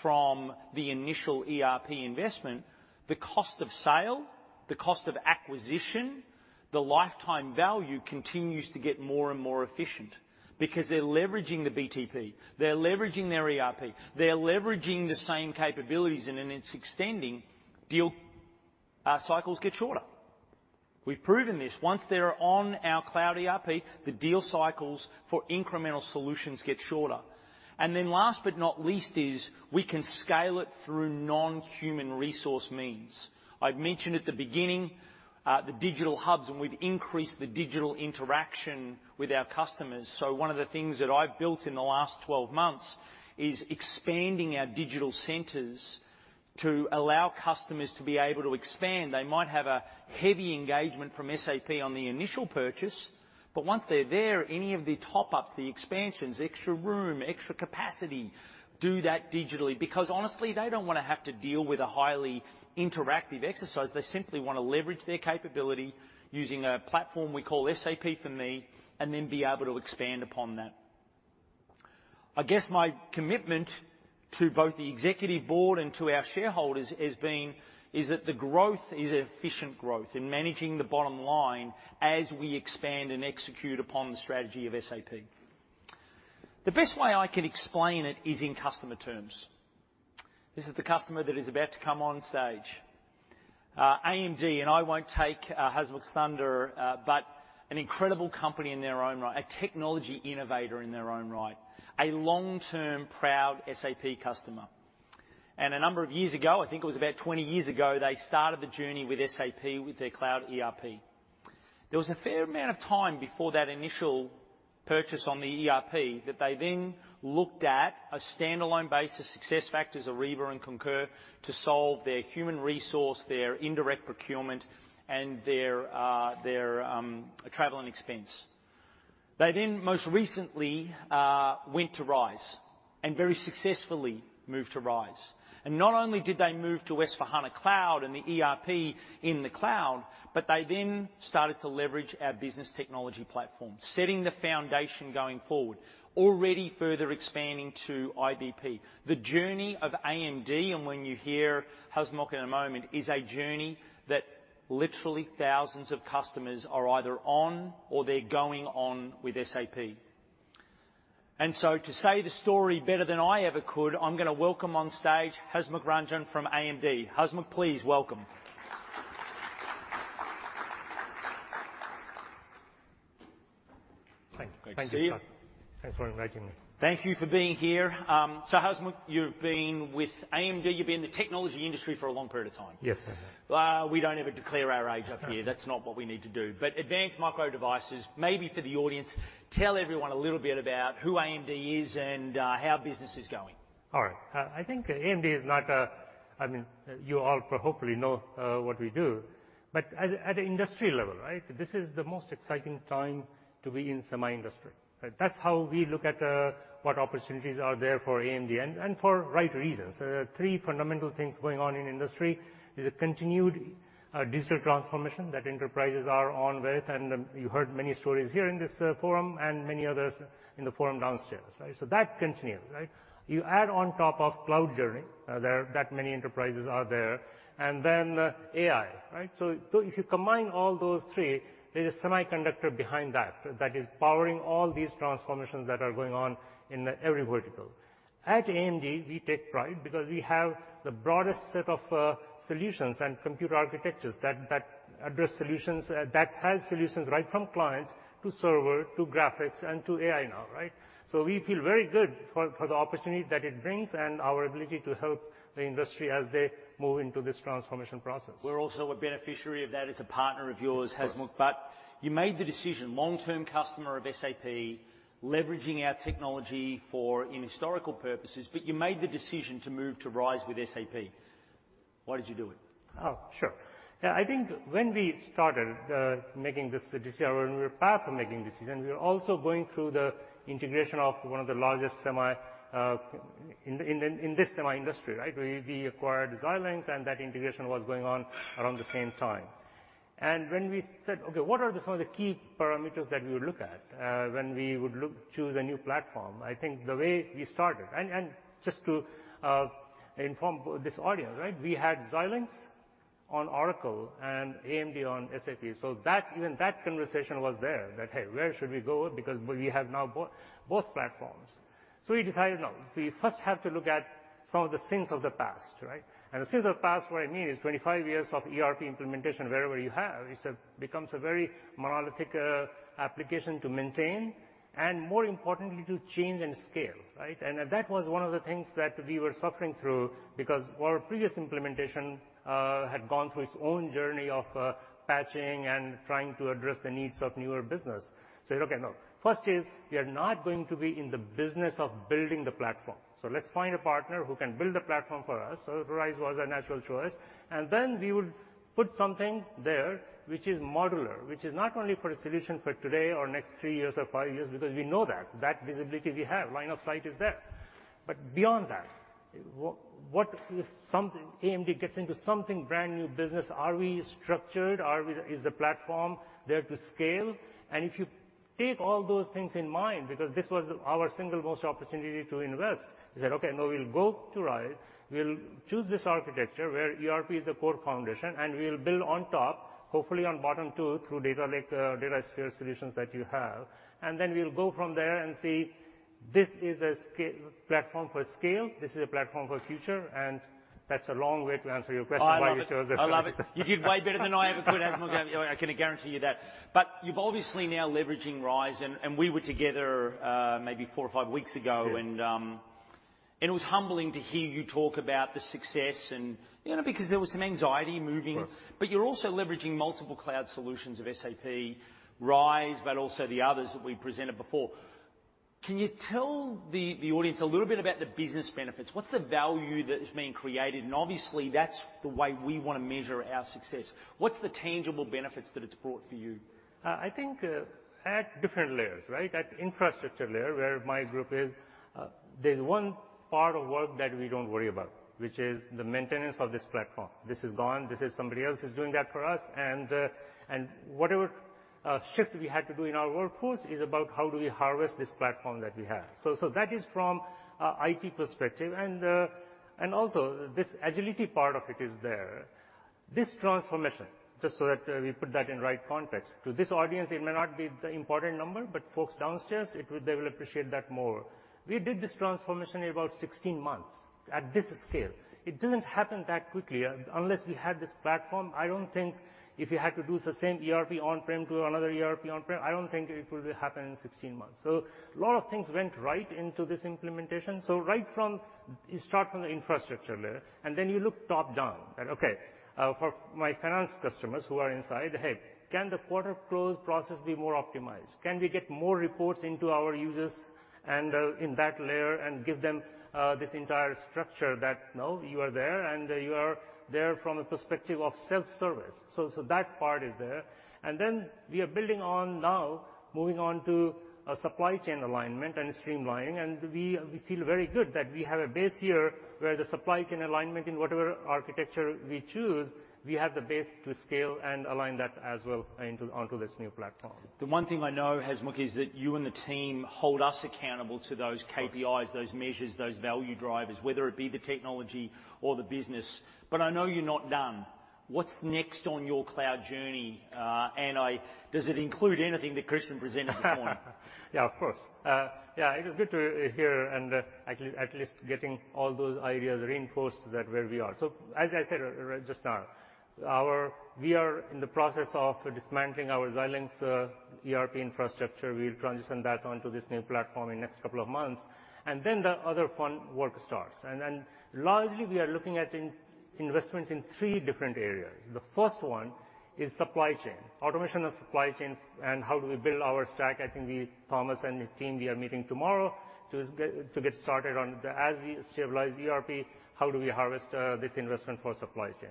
from the initial ERP investment, the cost of sale, the cost of acquisition, the lifetime value continues to get more and more efficient because they're leveraging the BTP. They're leveraging their ERP. They're leveraging the same capabilities, and then it's extending. Deal cycles get shorter. We've proven this. Once they're on our cloud ERP, the deal cycles for incremental solutions get shorter. Last but not least is we can scale it through non-human resource means. I've mentioned at the beginning, the digital hubs. We've increased the digital interaction with our customers. One of the things that I've built in the last 12 months is expanding our digital centers to allow customers to be able to expand. They might have a heavy engagement from SAP on the initial purchase, but once they're there, any of the top-ups, the expansions, extra room, extra capacity, do that digitally because honestly, they don't wanna have to deal with a highly interactive exercise. They simply wanna leverage their capability using a platform we call SAP for Me and then be able to expand upon that. I guess my commitment to both the executive board and to our shareholders has been, is that the growth is efficient growth in managing the bottom line as we expand and execute upon the strategy of SAP. The best way I can explain it is in customer terms. This is the customer that is about to come on stage. AMD, and I won't take Hasmukh's thunder, but an incredible company in their own right. A technology innovator in their own right. A long-term, proud SAP customer. A number of years ago, I think it was about 20 years ago, they started the journey with SAP, with their cloud ERP. There was a fair amount of time before that initial purchase on the ERP that they then looked at a standalone basis, SuccessFactors, Ariba and Concur, to solve their human resource, their indirect procurement, and their travel and expense. They then most recently went to RISE, and very successfully moved to RISE. Not only did they move to S/4HANA Cloud and the ERP in the cloud, but they then started to leverage our Business Technology Platform, setting the foundation going forward, already further expanding to IBP. The journey of AMD, and when you hear Hasmukh in a moment, is a journey that literally thousands of customers are either on or they're going on with SAP. To say the story better than I ever could, I'm gonna welcome on stage Hasmukh Ranjan from AMD. Hasmukh, please welcome. Thank you. Good to see you. Thanks for inviting me. Thank you for being here. Hasmukh, you've been with AMD, you've been in the technology industry for a long period of time. Yes, I have. Well, we don't ever declare our age up here. That's not what we need to do. Advanced Micro Devices, maybe for the audience, tell everyone a little bit about who AMD is and how business is going. All right. I think AMD is not... I mean you all hopefully know what we do, but at a industry level, right? This is the most exciting time to be in semi industry. That's how we look at what opportunities are there for AMD and for right reasons. There are three fundamental things going on in industry, is a continued digital transformation that enterprises are on with. You heard many stories here in this forum and many others in the forum downstairs. That continues, right? You add on top of cloud journey, there, that many enterprises are there, and then AI, right? If you combine all those three, there's a semiconductor behind that is powering all these transformations that are going on in every vertical. At AMD, we take pride because we have the broadest set of solutions and computer architectures that address solutions that has solutions right from client to server to graphics and to AI now, right? We feel very good for the opportunity that it brings and our ability to help the industry as they move into this transformation process. We're also a beneficiary of that as a partner of yours, Hasmukh. Of course. You made the decision, long-term customer of SAP, leveraging our technology for in historical purposes. You made the decision to move to RISE with SAP. Why did you do it? Oh, sure. Yeah, I think when we started making this decision, we were path for making decisions, we were also going through the integration of one of the largest semi in this semi industry, right? We acquired Xilinx and that integration was going on around the same time. When we said, "Okay, what are some of the key parameters that we would look at when we would choose a new platform?" I think the way we started... Just to inform this audience, right? We had Xilinx on Oracle and AMD on SAP. That, even that conversation was there that, "Hey, where should we go? Because we have now both platforms." We decided, no, we first have to look at some of the sins of the past, right? The sins of past, what I mean is 25 years of ERP implementation wherever you have, it becomes a very monolithic application to maintain and more importantly to change and scale, right? That was one of the things that we were suffering through because our previous implementation had gone through its own journey of patching and trying to address the needs of newer business. We said, "Okay, no. First is we are not going to be in the business of building the platform. Let's find a partner who can build a platform for us." RISE was a natural choice, and then we would put something there which is modular. Which is not only for a solution for today or next 3 years or 5 years, because we know that. That visibility we have. Line of sight is there. Beyond that, what if AMD gets into something brand-new business, are we structured? Is the platform there to scale? If you take all those things in mind, because this was our single most opportunity to invest. We said, "Okay, no, we'll go to RISE. We'll choose this architecture where ERP is a core foundation, and we'll build on top, hopefully on bottom too, through data lake, Datasphere solutions that you have. Then we'll go from there and see this is a platform for scale, this is a platform for future." That's a long way to answer your question, but I chose that path. I love it. You did way better than I ever could, Hasmukh. I can guarantee you that. You've obviously now leveraging RISE and we were together maybe four or five weeks ago. Yes. It was humbling to hear you talk about the success and, you know, because there was some anxiety moving. Of course. You're also leveraging multiple cloud solutions of SAP, RISE, but also the others that we presented before. Can you tell the audience a little bit about the business benefits? What's the value that is being created? Obviously that's the way we wanna measure our success. What's the tangible benefits that it's brought for you? I think, at different layers, right? At infrastructure layer where my group is, there's one part of work that we don't worry about, which is the maintenance of this platform. This is gone. This is somebody else is doing that for us. A shift we had to do in our workforce is about how do we harvest this platform that we have. That is from IT perspective. Also this agility part of it is there. This transformation, just so that we put that in right context. To this audience, it may not be the important number, but folks downstairs, they will appreciate that more. We did this transformation in about 16 months at this scale. It didn't happen that quickly. Unless we had this platform, I don't think if you had to do the same ERP on-prem to another ERP on-prem, I don't think it would happen in 16 months. A lot of things went right into this implementation. Right from... You start from the infrastructure layer, then you look top-down. That, okay, for my finance customers who are inside, "Hey, can the quarter close process be more optimized? Can we get more reports into our users and in that layer, and give them this entire structure that, 'No, you are there, and you are there from a perspective of self-service.'" That part is there. Then we are building on now, moving on to a supply chain alignment and streamlining. We feel very good that we have a base year where the supply chain alignment in whatever architecture we choose, we have the base to scale and align that as well onto this new platform. The one thing I know, Hasmukh, is that you and the team hold us accountable to those KPIs. Of course. those measures, those value drivers, whether it be the technology or the business. I know you're not done. What's next on your cloud journey? Does it include anything that Christian presented this morning? Yeah, of course. Yeah, it is good to hear and actually at least getting all those ideas reinforced that where we are. As I said right just now, We are in the process of dismantling our Xilinx ERP infrastructure. We'll transition that onto this new platform in next couple of months. The other fun work starts. Largely, we are looking at investments in three different areas. The first one is supply chain. Automation of supply chain and how do we build our stack. I think we, Thomas and his team, we are meeting tomorrow to get started on the, as we stabilize ERP, how do we harvest this investment for supply chain?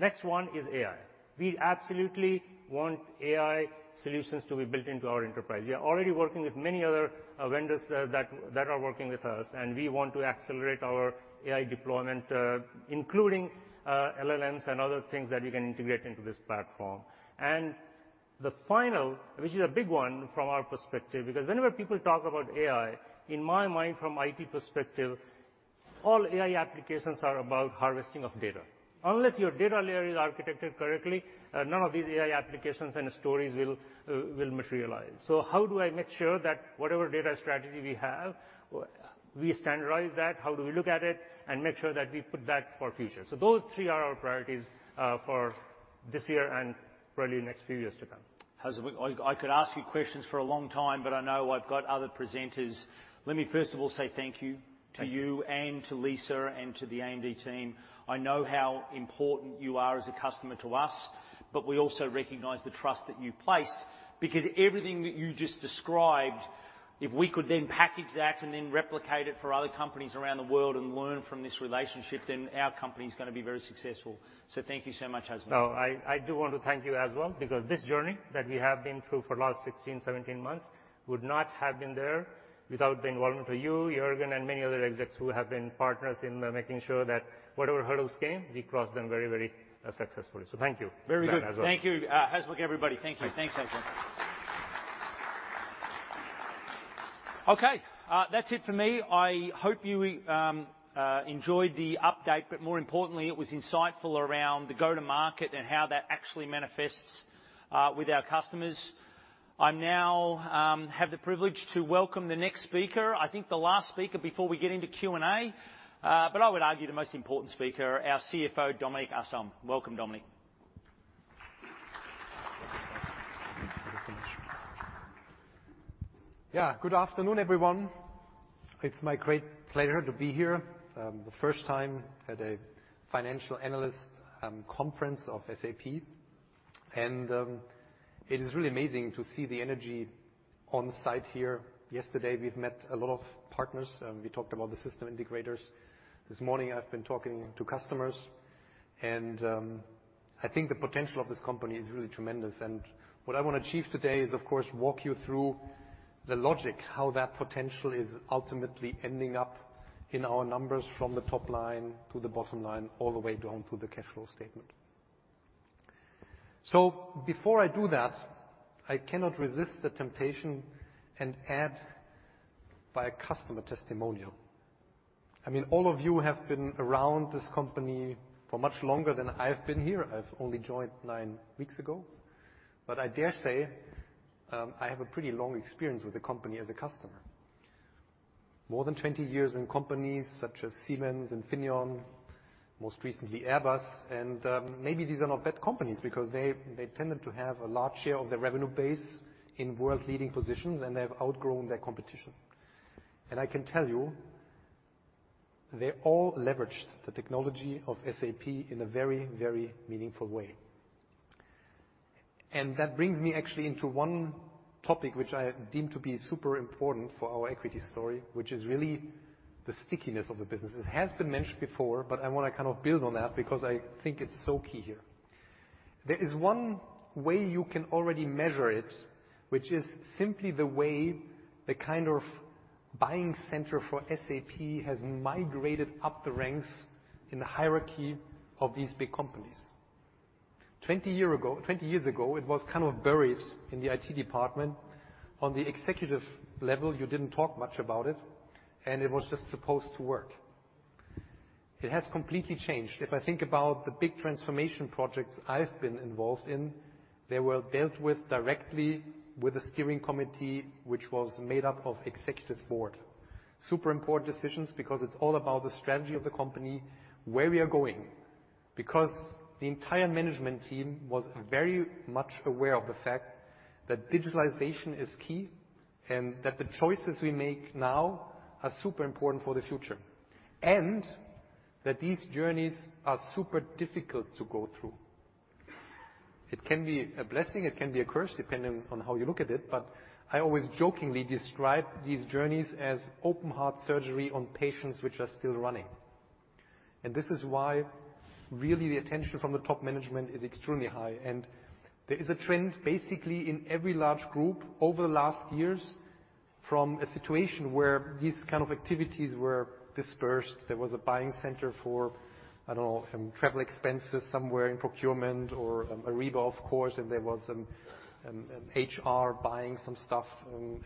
Next one is AI. We absolutely want AI solutions to be built into our enterprise. We are already working with many other vendors that are working with us, and we want to accelerate our AI deployment, including LLMs and other things that we can integrate into this platform. The final, which is a big one from our perspective, because whenever people talk about AI, in my mind, from IT perspective, all AI applications are about harvesting of data. Unless your data layer is architected correctly, none of these AI applications and stories will materialize. How do I make sure that whatever data strategy we have, we standardize that? How do we look at it and make sure that we put that for future? Those three are our priorities for this year and probably next few years to come. Hasmukh, I could ask you questions for a long time, but I know I've got other presenters. Let me first of all say thank you. Thank you. to you and to Lisa and to the AMD team. I know how important you are as a customer to us, but we also recognize the trust that you place. Everything that you just described, if we could then package that and then replicate it for other companies around the world and learn from this relationship, then our company's gonna be very successful. Thank you so much, Hasmukh. No, I do want to thank you as well, because this journey that we have been through for the last 16, 17 months would not have been there without the involvement of you, Jürgen, and many other execs who have been partners in making sure that whatever hurdles came, we crossed them very, very successfully. Thank you. Very good. Ma'am, as well. Thank you, Hasmukh, everybody. Thank you. Thanks, Hasmukh. Okay. That's it for me. I hope you enjoyed the update, but more importantly, it was insightful around the go-to-market and how that actually manifests with our customers. I now have the privilege to welcome the next speaker. I think the last speaker before we get into Q&A. I would argue the most important speaker, our CFO, Dominik Asam. Welcome, Dominik. Thank you so much. Yeah, good afternoon, everyone. It's my great pleasure to be here, the first time at a financial analyst conference of SAP. It is really amazing to see the energy on site here. Yesterday, we've met a lot of partners, and we talked about the system integrators. This morning, I've been talking to customers. I think the potential of this company is really tremendous. What I wanna achieve today is, of course, walk you through the logic, how that potential is ultimately ending up in our numbers from the top line to the bottom line, all the way down to the cash flow statement. Before I do that, I cannot resist the temptation and add by a customer testimonial. I mean, all of you have been around this company for much longer than I've been here. I've only joined nine weeks ago. I dare say, I have a pretty long experience with the company as a customer. More than 20 years in companies such as Siemens, Infineon, most recently Airbus. Maybe these are not bad companies because they tended to have a large share of their revenue base in world-leading positions, and they have outgrown their competition. I can tell you, they all leveraged the technology of SAP in a very, very meaningful way. That brings me actually into one topic which I deem to be super important for our equity story, which is really the stickiness of the business. It has been mentioned before, but I wanna kind of build on that because I think it's so key here. There is one way you can already measure it, which is simply the way the kind of Buying center for SAP has migrated up the ranks in the hierarchy of these big companies. 20 years ago, it was kind of buried in the IT department. On the executive level, you didn't talk much about it, and it was just supposed to work. It has completely changed. If I think about the big transformation projects I've been involved in, they were dealt with directly with the steering committee, which was made up of executive board. Super important decisions because it's all about the strategy of the company, where we are going, because the entire management team was very much aware of the fact that digitalization is key and that the choices we make now are super important for the future, that these journeys are super difficult to go through. It can be a blessing, it can be a curse, depending on how you look at it, but I always jokingly describe these journeys as open-heart surgery on patients which are still running. This is why, really, the attention from the top management is extremely high. There is a trend basically in every large group over the last years from a situation where these kind of activities were dispersed. There was a buying center for, I don't know, travel expenses somewhere in procurement or Ariba, of course, and there was HR buying some stuff.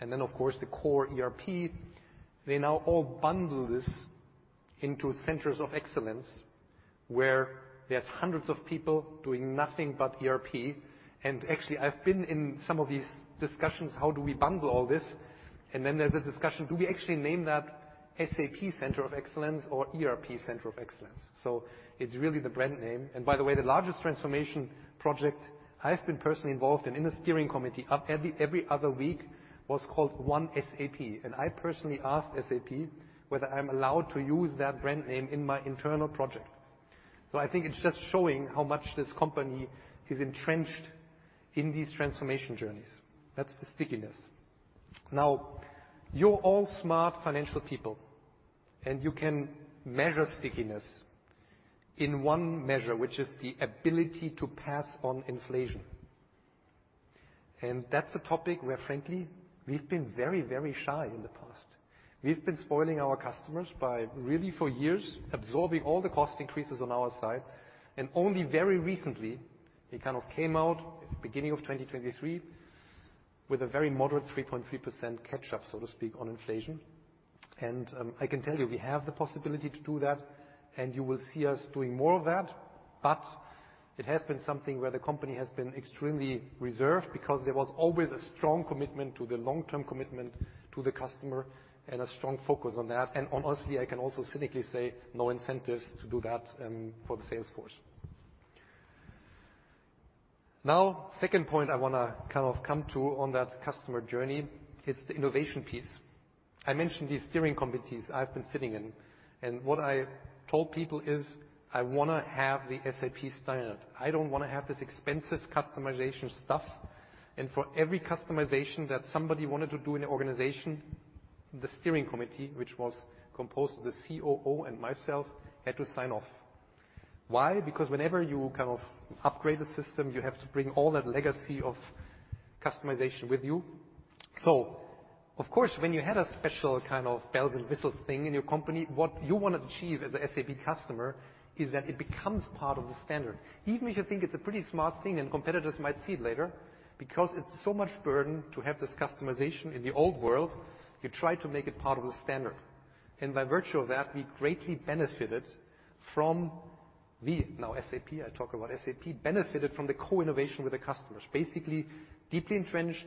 Of course, the core ERP. They now all bundle this into centers of excellence where there's hundreds of people doing nothing but ERP. Actually, I've been in some of these discussions, how do we bundle all this? Then there's a discussion, do we actually name that SAP Center of Excellence or ERP Center of Excellence? It's really the brand name. By the way, the largest transformation project I've been personally involved in the steering committee up every other week, was called One SAP. I personally asked SAP whether I'm allowed to use that brand name in my internal project. I think it's just showing how much this company is entrenched in these transformation journeys. That's the stickiness. Now, you're all smart financial people, and you can measure stickiness in one measure, which is the ability to pass on inflation. That's a topic where frankly, we've been very, very shy in the past. We've been spoiling our customers by really for years absorbing all the cost increases on our side, and only very recently, we kind of came out beginning of 2023 with a very moderate 3.3% catch up, so to speak, on inflation. I can tell you, we have the possibility to do that, and you will see us doing more of that. It has been something where the company has been extremely reserved because there was always a strong commitment to the long-term commitment to the customer and a strong focus on that. Honestly, I can also cynically say no incentives to do that for the sales force. Second point I wanna kind of come to on that customer journey is the innovation piece. I mentioned these steering committees I've been sitting in, and what I told people is, "I wanna have the SAP standard. I don't wanna have this expensive customization stuff." For every customization that somebody wanted to do in the organization, the steering committee, which was composed of the COO and myself, had to sign off. Why? Because whenever you kind of upgrade the system, you have to bring all that legacy of customization with you. Of course, when you had a special kind of bells and whistles thing in your company, what you want to achieve as a SAP customer is that it becomes part of the standard. Even if you think it's a pretty smart thing and competitors might see it later, because it's so much burden to have this customization in the old world, you try to make it part of the standard. By virtue of that, we greatly benefited from... we, now SAP, I talk about SAP, benefited from the co-innovation with the customers, basically deeply entrenched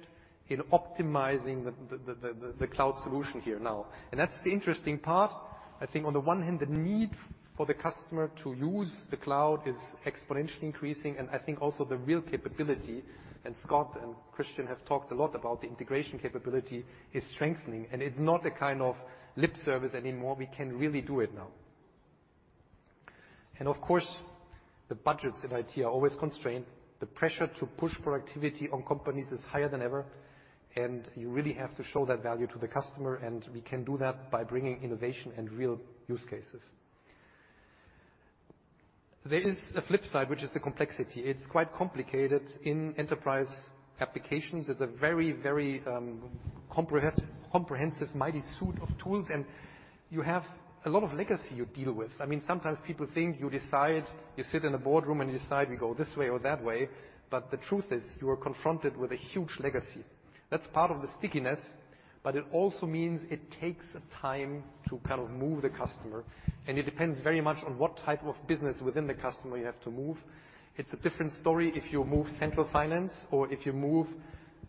in optimizing the cloud solution here now. That's the interesting part. I think on the one hand, the need for the customer to use the cloud is exponentially increasing, I think also the real capability, Scott and Christian have talked a lot about the integration capability, is strengthening. It's not a kind of lip service anymore. We can really do it now. Of course, the budgets in IT are always constrained. The pressure to push productivity on companies is higher than ever. You really have to show that value to the customer, and we can do that by bringing innovation and real use cases. There is a flip side, which is the complexity. It's quite complicated in enterprise applications. It's a very, very comprehensive mighty suit of tools, and you have a lot of legacy you deal with. I mean, sometimes people think you decide, you sit in a boardroom and you decide we go this way or that way. The truth is, you are confronted with a huge legacy. That's part of the stickiness. It also means it takes a time to kind of move the customer, and it depends very much on what type of business within the customer you have to move. It's a different story if you move central finance or if you move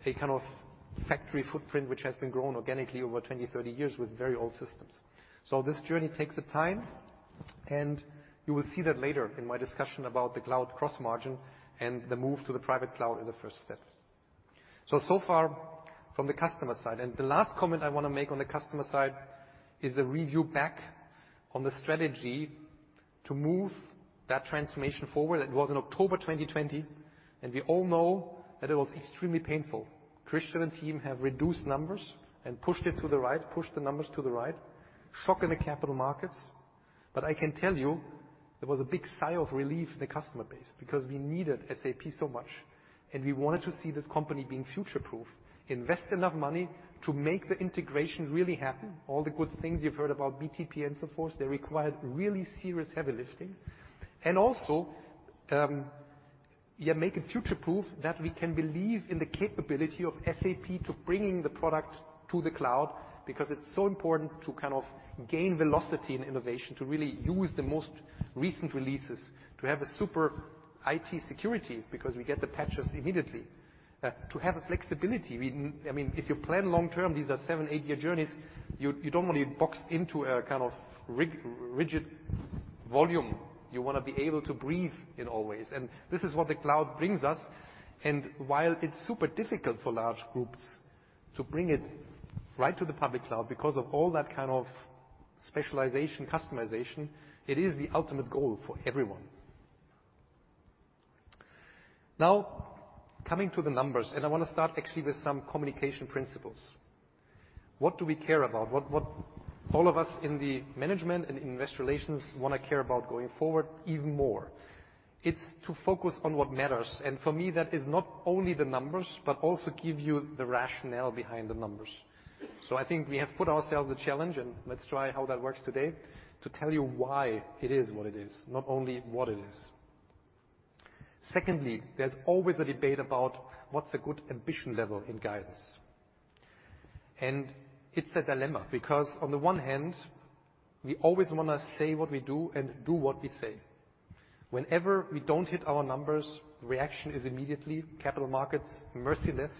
a kind of factory footprint, which has been grown organically over 20, 30 years with very old systems. This journey takes a time, and you will see that later in my discussion about the cloud gross margin and the move to the private cloud in the first steps. So far from the customer side. The last comment I wanna make on the customer side is a review back on the strategy to move that transformation forward. It was in October 2020, and we all know that it was extremely painful. Christian and team have reduced numbers and pushed it to the right, pushed the numbers to the right. Shock in the capital markets. I can tell you there was a big sigh of relief in the customer base because we needed SAP so much, and we wanted to see this company being future-proof, invest enough money to make the integration really happen. All the good things you've heard about BTP and so forth, they required really serious heavy lifting. Also, yeah, make it future-proof that we can believe in the capability of SAP to bringing the product to the cloud because it's so important to kind of gain velocity and innovation to really use the most recent releases to have a super IT security because we get the patches immediately. To have a flexibility, I mean, if you plan long-term, these are seven, eight-year journeys, you don't want to be boxed into a kind of rigid volume. You wanna be able to breathe in all ways. This is what the cloud brings us. While it's super difficult for large groups to bring it right to the public cloud because of all that kind of specialization, customization, it is the ultimate goal for everyone. Coming to the numbers, I want to start actually with some communication principles. What do we care about? What all of us in the management and investor relations want to care about going forward even more? It's to focus on what matters. For me, that is not only the numbers, but also give you the rationale behind the numbers. I think we have put ourselves a challenge, and let's try how that works today to tell you why it is what it is, not only what it is. Secondly, there's always a debate about what's a good ambition level in guidance. It's a dilemma because on the one hand, we always want to say what we do and do what we say. Whenever we don't hit our numbers, reaction is immediately capital markets merciless.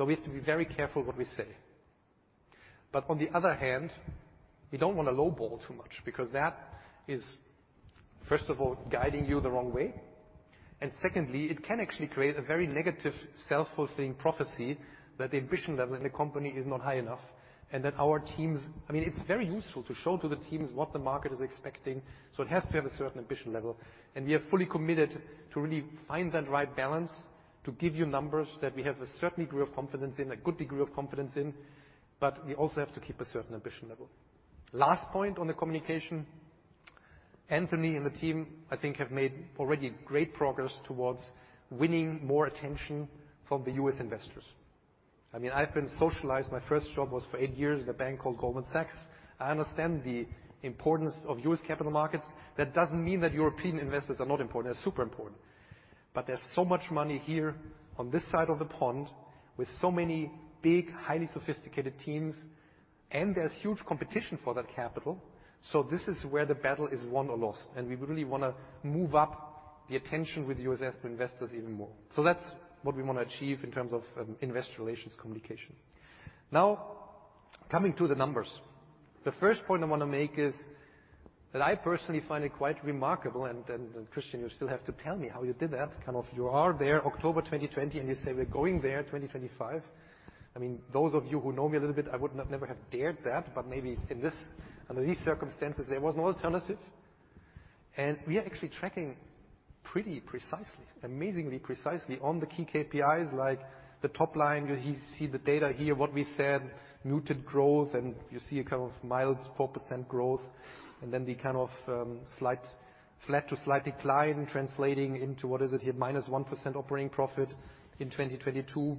We have to be very careful what we say. On the other hand, we don't want to low ball too much because that is, first of all, guiding you the wrong way. Secondly, it can actually create a very negative self-fulfilling prophecy that the ambition level in the company is not high enough, and that our teams. I mean, it's very useful to show to the teams what the market is expecting. It has to have a certain ambition level. We are fully committed to really find that right balance to give you numbers that we have a certain degree of confidence in, a good degree of confidence in, but we also have to keep a certain ambition level. Last point on the communication, Anthony and the team, I think, have made already great progress towards winning more attention from the U.S. investors. I mean, I've been socialized. My first job was for eight years in a bank called Goldman Sachs. I understand the importance of US capital markets. That doesn't mean that European investors are not important. They're super important. There's so much money here on this side of the pond with so many big, highly sophisticated teams, and there's huge competition for that capital. This is where the battle is won or lost, and we really wanna move up the attention with US investors even more. That's what we want to achieve in terms of investor relations communication. Coming to the numbers. The first point I want to make is that I personally find it quite remarkable and Christian, you still have to tell me how you did that. Kind of you are there October 2020, and you say, "We're going there, 2025." I mean, those of you who know me a little bit, I would not never have dared that. Maybe under these circumstances, there was no alternative. We are actually tracking pretty precisely, amazingly precisely on the key KPIs like the top line. You see the data here, what we said, muted growth, and you see a kind of mild 4% growth. Then the kind of slight flat to slight decline translating into, what is it here, -1% operating profit in 2022.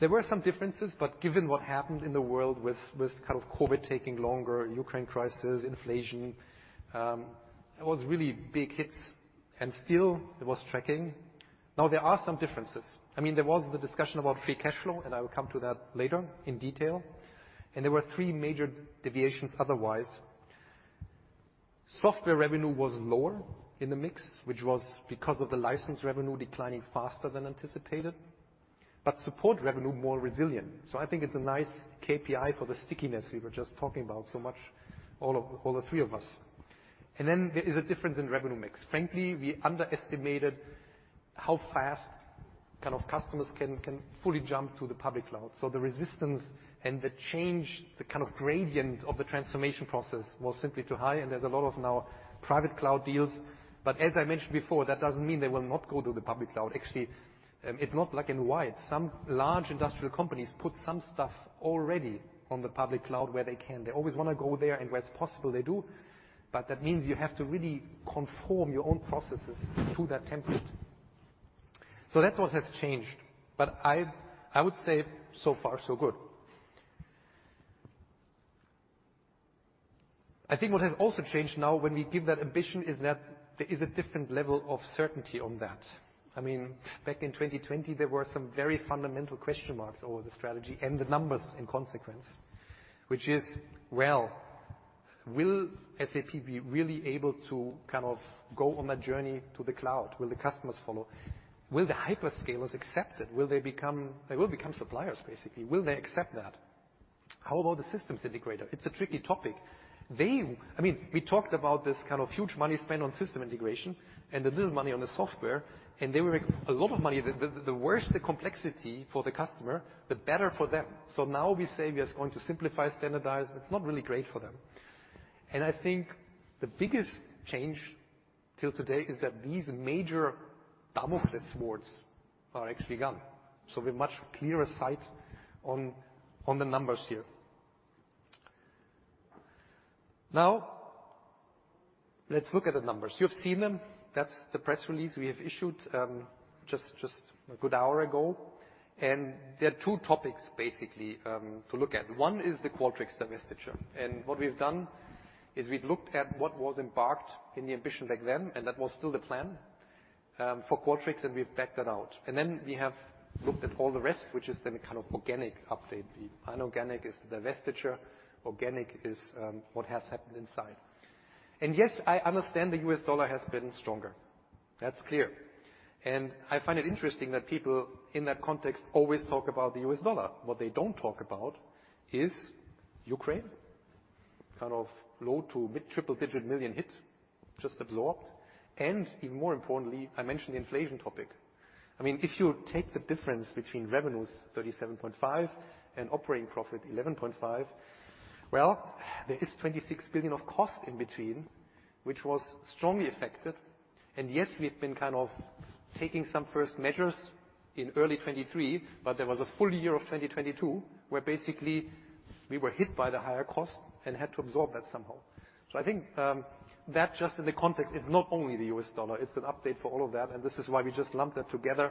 There were some differences, but given what happened in the world with kind of COVID taking longer, Ukraine crisis, inflation, it was really big hits and still it was tracking. Now there are some differences. I mean, there was the discussion about free cash flow, and I will come to that later in detail. There were three major deviations otherwise. Software revenue was lower in the mix, which was because of the license revenue declining faster than anticipated. Support revenue more resilient. I think it's a nice KPI for the stickiness we were just talking about so much, all the three of us. There is a difference in revenue mix. Frankly, we underestimated how fast kind of customers can fully jump to the public cloud. The resistance and the change, the kind of gradient of the transformation process was simply too high and there's a lot of now private cloud deals. As I mentioned before, that doesn't mean they will not go to the public cloud. Actually, it's not black and white. Some large industrial companies put some stuff already on the public cloud where they can. They always want to go there and where it's possible they do. That means you have to really conform your own processes to that template. That's what has changed. I would say so far so good. I think what has also changed now when we give that ambition is that there is a different level of certainty on that. I mean, back in 2020, there were some very fundamental question marks over the strategy and the numbers in consequence. Well, will SAP be really able to kind of go on that journey to the cloud? Will the customers follow? Will the hyperscalers accept it? They will become suppliers, basically. Will they accept that? How about the systems integrator? It's a tricky topic. I mean, we talked about this kind of huge money spent on system integration and the little money on the software, and they make a lot of money. The worse the complexity for the customer, the better for them. Now we say we are going to simplify, standardize. It's not really great for them. I think the biggest change till today is that these major Damocles swords are actually gone. We're much clearer sight on the numbers here. Now, let's look at the numbers. You've seen them. That's the press release we have issued just a good hour ago. There are two topics basically to look at. One is the Qualtrics divestiture. What we've done is we've looked at what was embarked in the ambition back then, and that was still the plan for Qualtrics, and we've backed that out. We have looked at all the rest, which is then a kind of organic update. The inorganic is the divestiture, organic is what has happened inside. Yes, I understand the US dollar has been stronger. That's clear. I find it interesting that people in that context always talk about the US dollar. What they don't talk about is Ukraine, kind of low to mid triple-digit million hit, just absorbed. Even more importantly, I mentioned the inflation topic. I mean, if you take the difference between revenues, 37.5, and operating profit, 11.5, well, there is 26 billion of cost in between, which was strongly affected. Yes, we've been kind of taking some first measures in early 2023, but there was a full year of 2022, where basically we were hit by the higher cost and had to absorb that somehow. I think that just in the context is not only the US dollar, it's an update for all of that, and this is why we just lumped that together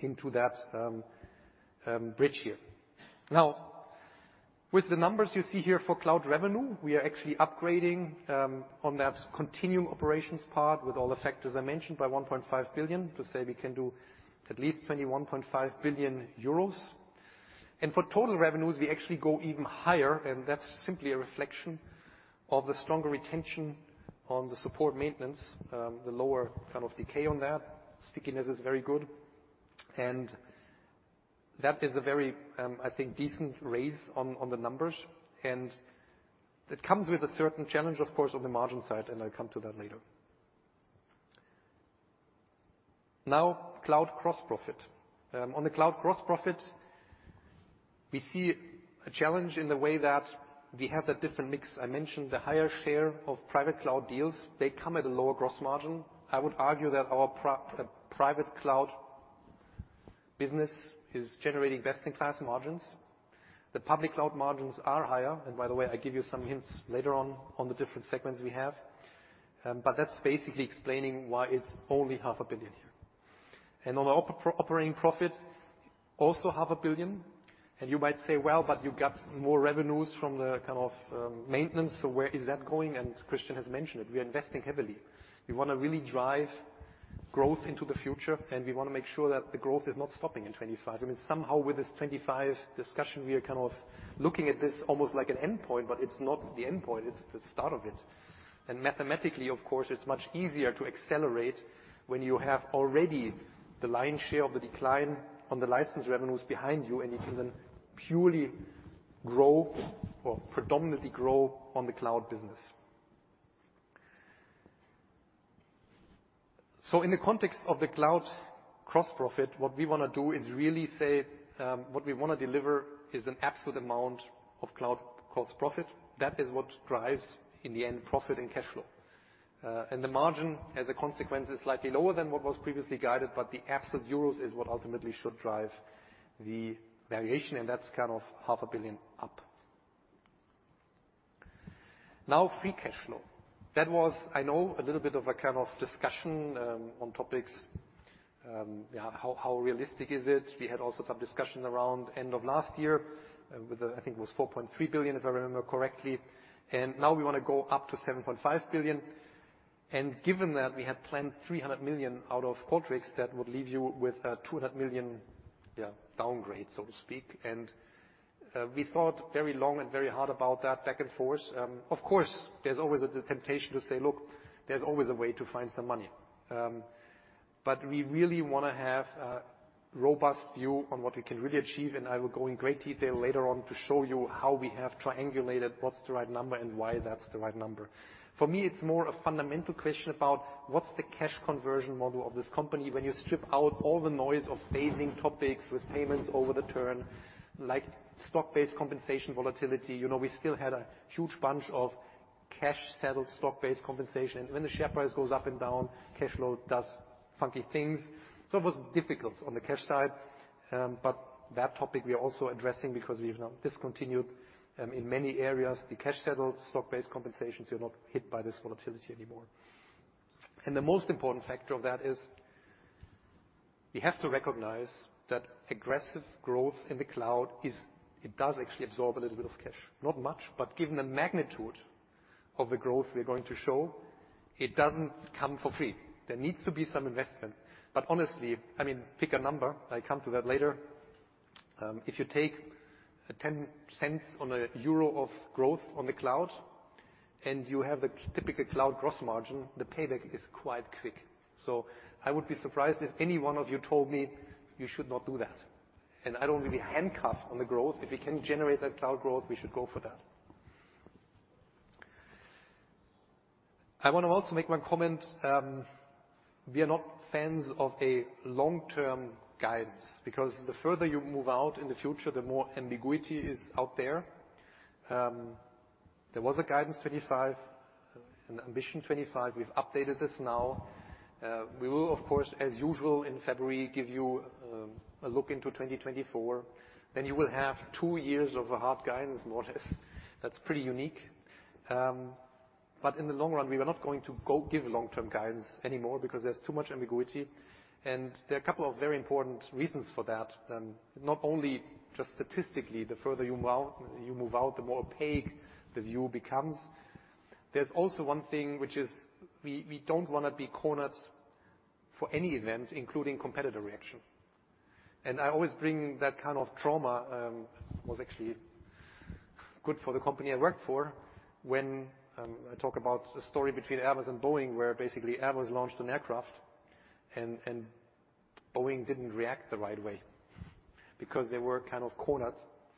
into that bridge here. With the numbers you see here for cloud revenue, we are actually upgrading on that continuing operations part with all the factors I mentioned by 1.5 billion to say we can do at least 21.5 billion euros. For total revenues, we actually go even higher, and that's simply a reflection of the stronger retention on the support maintenance, the lower kind of decay on that. Stickiness is very good. That is a very, I think, decent raise on the numbers. That comes with a certain challenge, of course, on the margin side, and I'll come to that later. Now, cloud gross profit. On the cloud gross profit, we see a challenge in the way that we have that different mix. I mentioned the higher share of private cloud deals. They come at a lower gross margin. I would argue that our private cloud business is generating best-in-class margins. The public cloud margins are higher. By the way, I give you some hints later on the different segments we have. But that's basically explaining why it's only half a billion EUR here. On operating profit, also half a billion EUR. You might say, "Well, but you got more revenues from the kind of maintenance, so where is that going?" Christian has mentioned it. We are investing heavily. We wanna really drive growth into the future, and we wanna make sure that the growth is not stopping in 25. I mean, somehow with this 25 discussion, we are kind of looking at this almost like an endpoint, but it's not the endpoint, it's the start of it. Mathematically, of course, it's much easier to accelerate when you have already the lion's share of the decline on the license revenues behind you, and you can then purely grow or predominantly grow on the cloud business. In the context of the cloud gross profit, what we wanna do is really say, what we wanna deliver is an absolute amount of cloud gross profit. That is what drives, in the end, profit and cash flow. The margin, as a consequence, is slightly lower than what was previously guided, but the absolute euros is what ultimately should drive the variation, and that's kind of half a billion EUR up. Free cash flow. That was, I know, a little bit of a kind of discussion on topics, how realistic is it? We had also some discussion around end of last year with, I think it was 4.3 billion, if I remember correctly. Now we wanna go up to 7.5 billion. Given that we had planned 300 million out of Qualtrics, that would leave you with a 200 million downgrade, so to speak. We thought very long and very hard about that back and forth. Of course, there's always a temptation to say, "Look, there's always a way to find some money." We really wanna have a robust view on what we can really achieve. I will go in great detail later on to show you how we have triangulated what's the right number and why that's the right number. For me, it's more a fundamental question about what's the cash conversion model of this company when you strip out all the noise of phasing topics with payments over the turn, like stock-based compensation volatility. You know, we still had a huge bunch of cash settled stock-based compensation. When the share price goes up and down, cash flow does funky things. It was difficult on the cash side. That topic we are also addressing because we've now discontinued in many areas, the cash settled stock-based compensations. You're not hit by this volatility anymore. The most important factor of that is we have to recognize that aggressive growth in the cloud is, it does actually absorb a little bit of cash. Not much, but given the magnitude of the growth we're going to show, it doesn't come for free. There needs to be some investment. Honestly, I mean, pick a number. I come to that later. If you take 0.10 on a euro of growth on the cloud and you have the typical cloud gross margin, the payback is quite quick. I would be surprised if any one of you told me you should not do that. I don't want to be handcuffed on the growth. If we can generate that cloud growth, we should go for that. I want to also make one comment. We are not fans of a long-term guidance because the further you move out in the future, the more ambiguity is out there. There was a guidance 25, an ambition 25. We've updated this now. We will, of course, as usual in February, give you a look into 2024. Then you will have 2 years of a hard guidance more or less. That's pretty unique. In the long run, we are not going to go give long-term guidance anymore because there's too much ambiguity. There are a couple of very important reasons for that. Not only just statistically, the further you move out, the more opaque the view becomes. There's also 1 thing which is we don't want to be cornered for any event, including competitor reaction. I always bring that kind of trauma, was actually good for the company I worked for when I talk about the story between Airbus and Boeing, where basically Airbus launched an aircraft and Boeing didn't react the right way because they were kind of cornered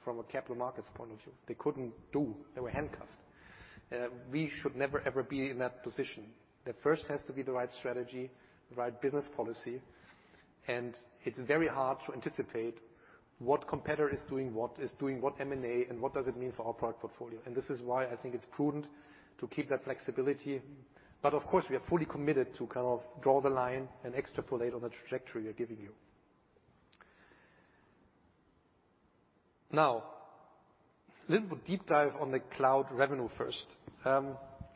from a capital markets point of view. They couldn't do. They were handcuffed. We should never, ever be in that position. That first has to be the right strategy, the right business policy, and it's very hard to anticipate what competitor is doing what M&A, and what does it mean for our product portfolio. This is why I think it's prudent to keep that flexibility. Of course, we are fully committed to kind of draw the line and extrapolate on the trajectory we're giving you. Now, a little bit deep dive on the cloud revenue first.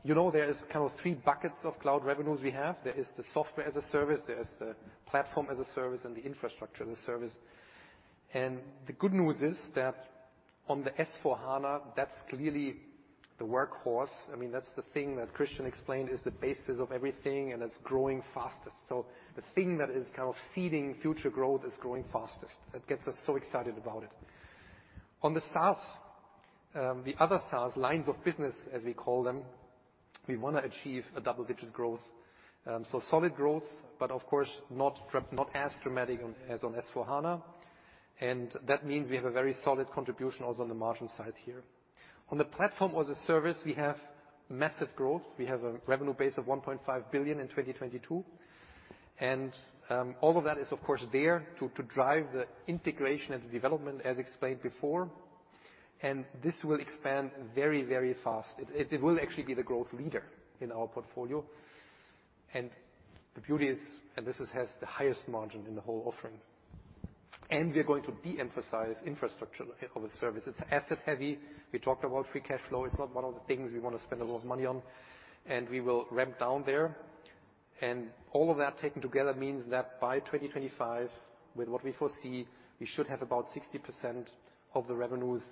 you know, there is kind of 3 buckets of cloud revenues we have. There is the software as a service, there is the platform as a service, and the infrastructure as a service. The good news is that on the S/4HANA, that's clearly the workhorse. I mean, that's the thing that Christian explained is the basis of everything, and it's growing fastest. The thing that is kind of seeding future growth is growing fastest. That gets us so excited about it. On the SaaS, the other SaaS lines of business, as we call them, we want to achieve a double-digit growth. solid growth, but of course, not as dramatic on, as on S/4HANA, and that means we have a very solid contribution also on the margin side here. On the platform as a service, we have massive growth. We have a revenue base of 1.5 billion in 2022. All of that is of course there to drive the integration and development as explained before. This will expand very, very fast. It will actually be the growth leader in our portfolio. The beauty is, and this is has the highest margin in the whole offering. We're going to de-emphasize infrastructure as a service. It's asset heavy. We talked about free cash flow. It's not one of the things we want to spend a lot of money on, and we will ramp down there. All of that taken together means that by 2025, with what we foresee, we should have about 60% of the revenues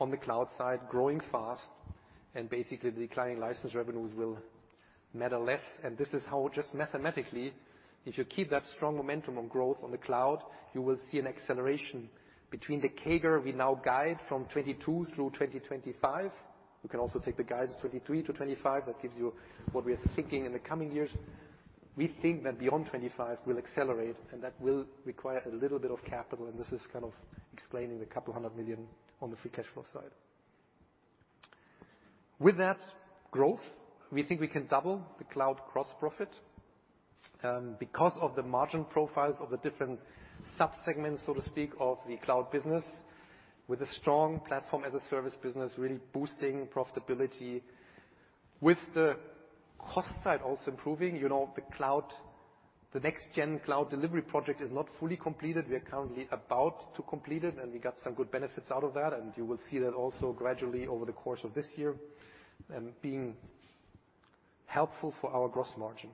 on the cloud side growing fast. Basically, the declining license revenues will matter less. This is how, just mathematically, if you keep that strong momentum on growth on the cloud, you will see an acceleration between the CAGR we now guide from 2022 through 2025. You can also take the guidance 2023 to 2025. That gives you what we are thinking in the coming years. We think that beyond 2025 will accelerate, and that will require a little bit of capital, and this is kind of explaining the couple hundred million EUR on the free cash flow side. With that growth, we think we can double the cloud gross profit because of the margin profiles of the different sub-segments, so to speak, of the cloud business, with a strong platform as a service business, really boosting profitability. With the cost side also improving, you know, the cloud, the next-gen cloud delivery project is not fully completed. We are currently about to complete it, we got some good benefits out of that. You will see that also gradually over the course of this year, being helpful for our gross margin.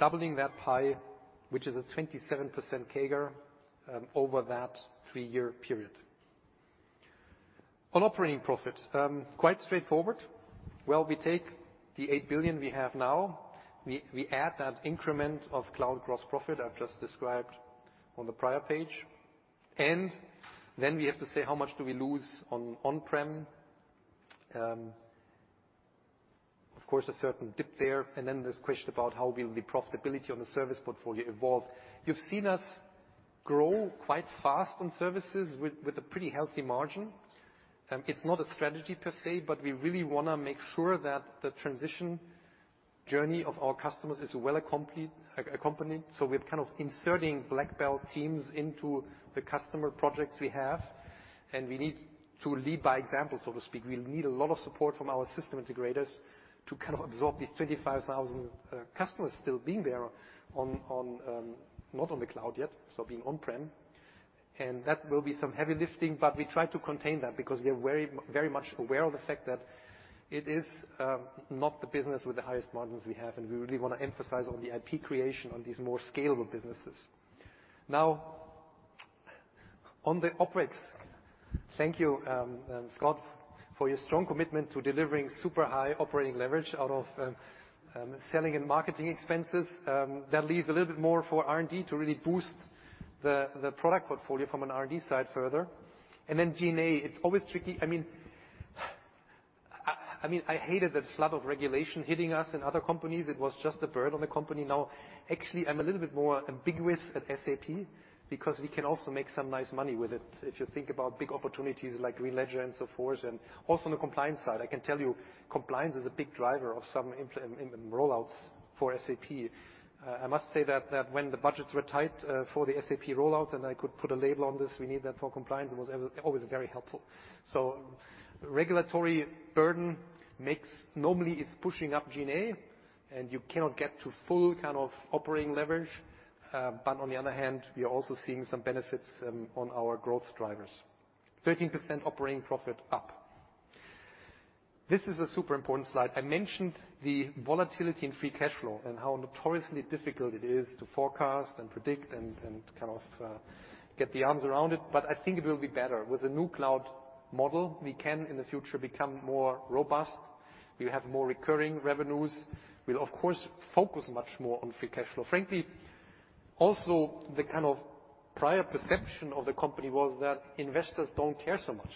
Doubling that pie, which is a 27% CAGR, over that three-year period. On operating profit, quite straightforward. Well, we take the 8 billion we have now. We add that increment of cloud gross profit I've just described on the prior page. Then we have to say, how much do we lose on on-prem? Of course, a certain dip there. Then there's question about how will the profitability on the service portfolio evolve. You've seen us grow quite fast on services with a pretty healthy margin. It's not a strategy per se, but we really wanna make sure that the transition journey of our customers is well accompanied. We're kind of inserting black belt teams into the customer projects we have, and we need to lead by example, so to speak. We need a lot of support from our system integrators to kind of absorb these 25,000 customers still being there on not on the cloud yet, so being on-prem. That will be some heavy lifting, but we try to contain that because we are very, very much aware of the fact that it is not the business with the highest margins we have, and we really wanna emphasize on the IP creation on these more scalable businesses. Now, on the OpEx, thank you, Scott, for your strong commitment to delivering super high operating leverage out of selling and marketing expenses. That leaves a little bit more for R&D to really boost the product portfolio from an R&D side further. G&A, it's always tricky. I mean, I hated that flood of regulation hitting us and other companies. It was just a burden on the company. Now, actually, I'm a little bit more ambiguous at SAP because we can also make some nice money with it. If you think about big opportunities like Green Ledger and so forth, and also on the compliance side. I can tell you compliance is a big driver of some rollouts for SAP. I must say that when the budgets were tight for the SAP rollouts, and I could put a label on this, we need that for compliance, it was always very helpful. Regulatory burden normally it's pushing up GA, and you cannot get to full kind of operating leverage. On the other hand, we are also seeing some benefits on our growth drivers. 13% operating profit up. This is a super important slide. I mentioned the volatility in free cash flow and how notoriously difficult it is to forecast and predict and kind of get the arms around it. I think it will be better. With the new cloud model, we can, in the future, become more robust. We have more recurring revenues. We'll of course, focus much more on free cash flow. Frankly, also the kind of prior perception of the company was that investors don't care so much.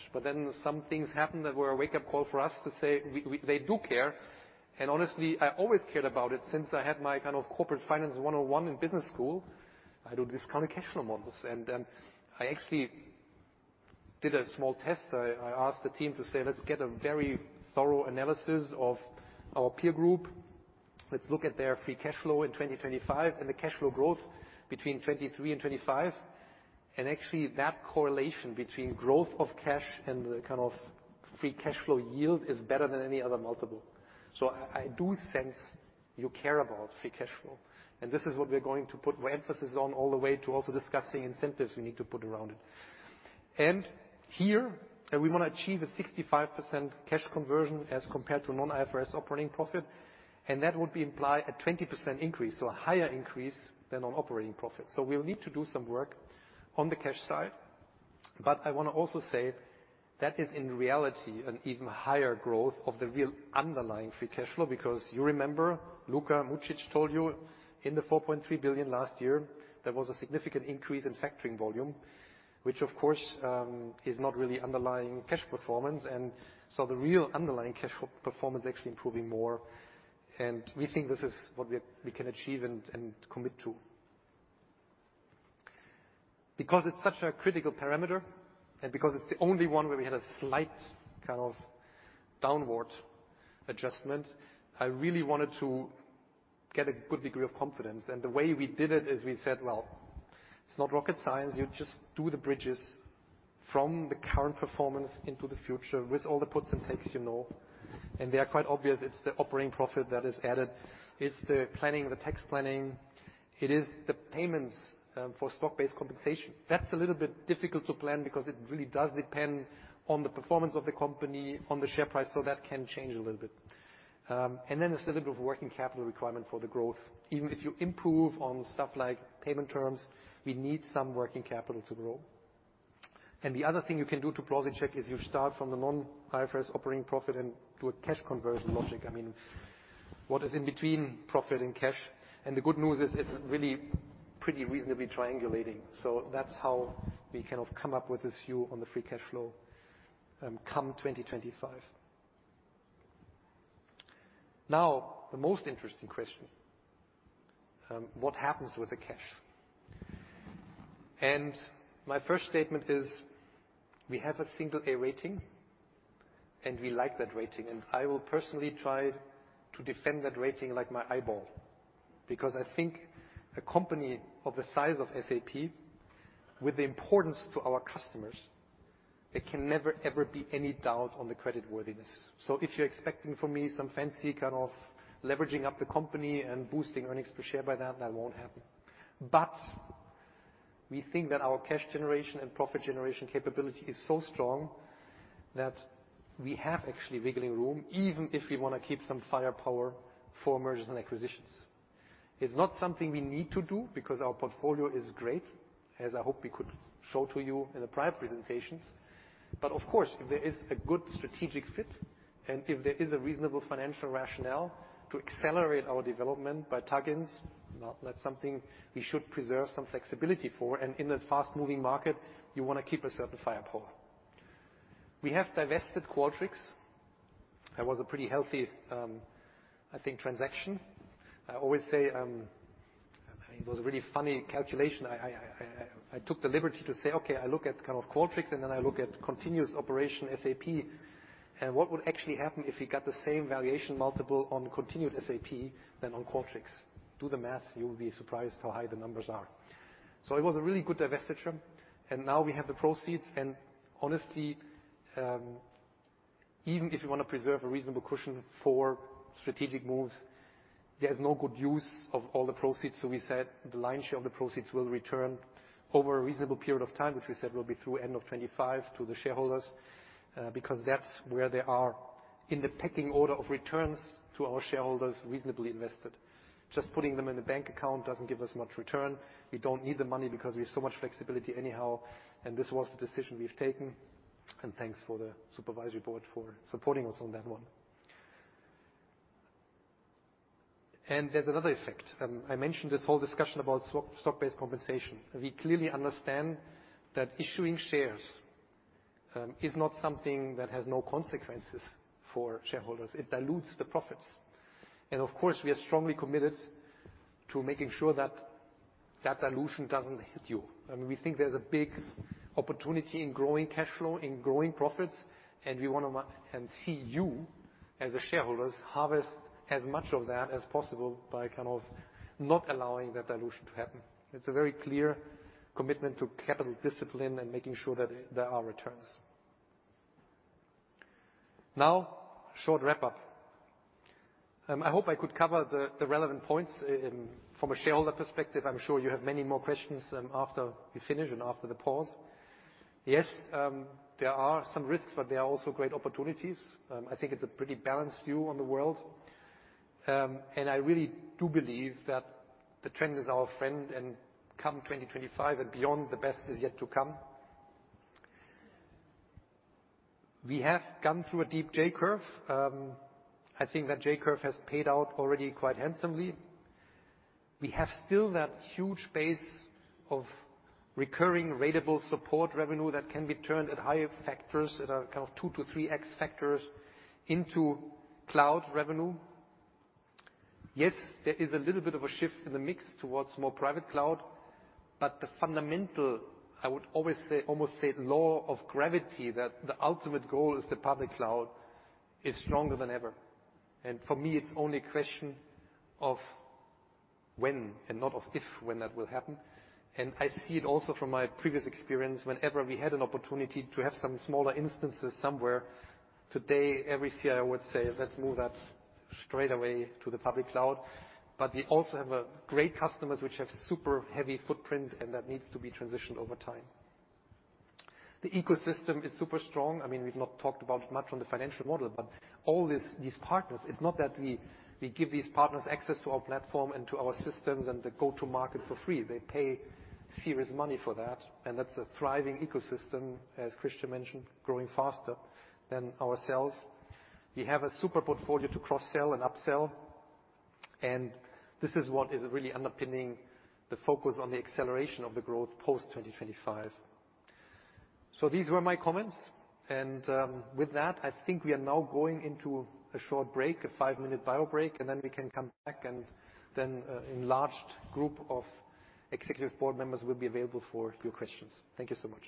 Some things happened that were a wake-up call for us to say they do care. Honestly, I always cared about it. Since I had my kind of corporate finance one-on-one in business school, I do discounted cash flow models. Actually, I actually did a small test. I asked the team to say, "Let's get a very thorough analysis of our peer group. Let's look at their free cash flow in 2025 and the cash flow growth between 2023 and 2025." Actually, that correlation between growth of cash and the kind of free cash flow yield is better than any other multiple. I do sense you care about free cash flow, and this is what we're going to put our emphasis on all the way to also discussing incentives we need to put around it. Here, we want to achieve a 65% cash conversion as compared to non-IFRS operating profit. That would be imply a 20% increase, so a higher increase than on operating profit. We'll need to do some work on the cash side. I want to also say that is, in reality, an even higher growth of the real underlying free cash flow. You remember Luka Mucic told you in the 4.3 billion last year, there was a significant increase in factoring volume, which of course, is not really underlying cash performance. The real underlying cash flow performance is actually improving more. We think this is what we can achieve and commit to. Because it's such a critical parameter and because it's the only one where we had a slight kind of downward adjustment, I really wanted to get a good degree of confidence. The way we did it is we said, "Well, it's not rocket science. You just do the bridges from the current performance into the future with all the puts and takes you know." They are quite obvious. It's the operating profit that is added. It's the planning, the tax planning. It is the payments for stock-based compensation. That's a little bit difficult to plan because it really does depend on the performance of the company on the share price, so that can change a little bit. Then there's a little bit of working capital requirement for the growth. Even if you improve on stuff like payment terms, we need some working capital to grow. The other thing you can do to plausi-check is you start from the non-IFRS operating profit and do a cash conversion logic. I mean, what is in between profit and cash? The good news is it's really pretty reasonably triangulating. That's how we kind of come up with this view on the free cash flow, come 2025. The most interesting question, what happens with the cash? My first statement is we have a single A rating, and we like that rating. I will personally try to defend that rating like my eyeball, because I think a company of the size of SAP with the importance to our customers, there can never, ever be any doubt on the creditworthiness. If you're expecting from me some fancy kind of leveraging up the company and boosting earnings per share by that won't happen. We think that our cash generation and profit generation capability is so strong that we have actually wiggling room, even if we want to keep some firepower for mergers and acquisitions. It's not something we need to do because our portfolio is great, as I hope we could show to you in the prior presentations. Of course, if there is a good strategic fit and if there is a reasonable financial rationale to accelerate our development by tuck-ins, well, that's something we should preserve some flexibility for. In this fast-moving market, you want to keep a certain firepower. We have divested Qualtrics. That was a pretty healthy, I think transaction. I always say, it was a really funny calculation. I took the liberty to say, "Okay, I look at kind of Qualtrics, and then I look at continuous operation SAP, and what would actually happen if you got the same valuation multiple on continued SAP than on Qualtrics?" Do the math. You'll be surprised how high the numbers are. It was a really good divestiture. Now we have the proceeds. Honestly, even if you want to preserve a reasonable cushion for strategic moves, there is no good use of all the proceeds. We said the lion's share of the proceeds will return over a reasonable period of time, which we said will be through end of 25 to the shareholders, because that's where they are in the pecking order of returns to our shareholders reasonably invested. Just putting them in a bank account doesn't give us much return. We don't need the money because we have so much flexibility anyhow. This was the decision we've taken. Thanks for the supervisory board for supporting us on that one. There's another effect. I mentioned this whole discussion about stock-based compensation. We clearly understand that issuing shares is not something that has no consequences for shareholders. It dilutes the profits. Of course, we are strongly committed to making sure that that dilution doesn't hit you. We think there's a big opportunity in growing cash flow, in growing profits, and we wanna and see you as the shareholders harvest as much of that as possible by kind of not allowing that dilution to happen. It's a very clear commitment to capital discipline and making sure that there are returns. Now, short wrap-up. I hope I could cover the relevant points from a shareholder perspective. I'm sure you have many more questions after we finish and after the pause. Yes, there are some risks, but there are also great opportunities. I think it's a pretty balanced view on the world. I really do believe that the trend is our friend, and come 2025 and beyond, the best is yet to come. We have gone through a deep J curve. I think that J curve has paid out already quite handsomely. We have still that huge base of recurring ratable support revenue that can be turned at higher factors that are kind of 2x-3x factors into cloud revenue. Yes, there is a little bit of a shift in the mix towards more private cloud, but the fundamental, I would always say, almost say law of gravity, that the ultimate goal is the public cloud is stronger than ever. For me, it's only a question of when and not of if, when that will happen. I see it also from my previous experience. Whenever we had an opportunity to have some smaller instances somewhere, today, every CIO would say, "Let's move that straight away to the public cloud." We also have great customers which have super heavy footprint, and that needs to be transitioned over time. The ecosystem is super strong. I mean, we've not talked about much on the financial model, but all these partners, it's not that we give these partners access to our platform and to our systems and they go to market for free. They pay serious money for that, and that's a thriving ecosystem, as Christian mentioned, growing faster than ourselves. We have a super portfolio to cross-sell and up-sell, and this is what is really underpinning the focus on the acceleration of the growth post 2025. These were my comments. With that, I think we are now going into a short break, a 5-minute bio break, and then we can come back and then enlarged group of executive board members will be available for your questions. Thank you so much.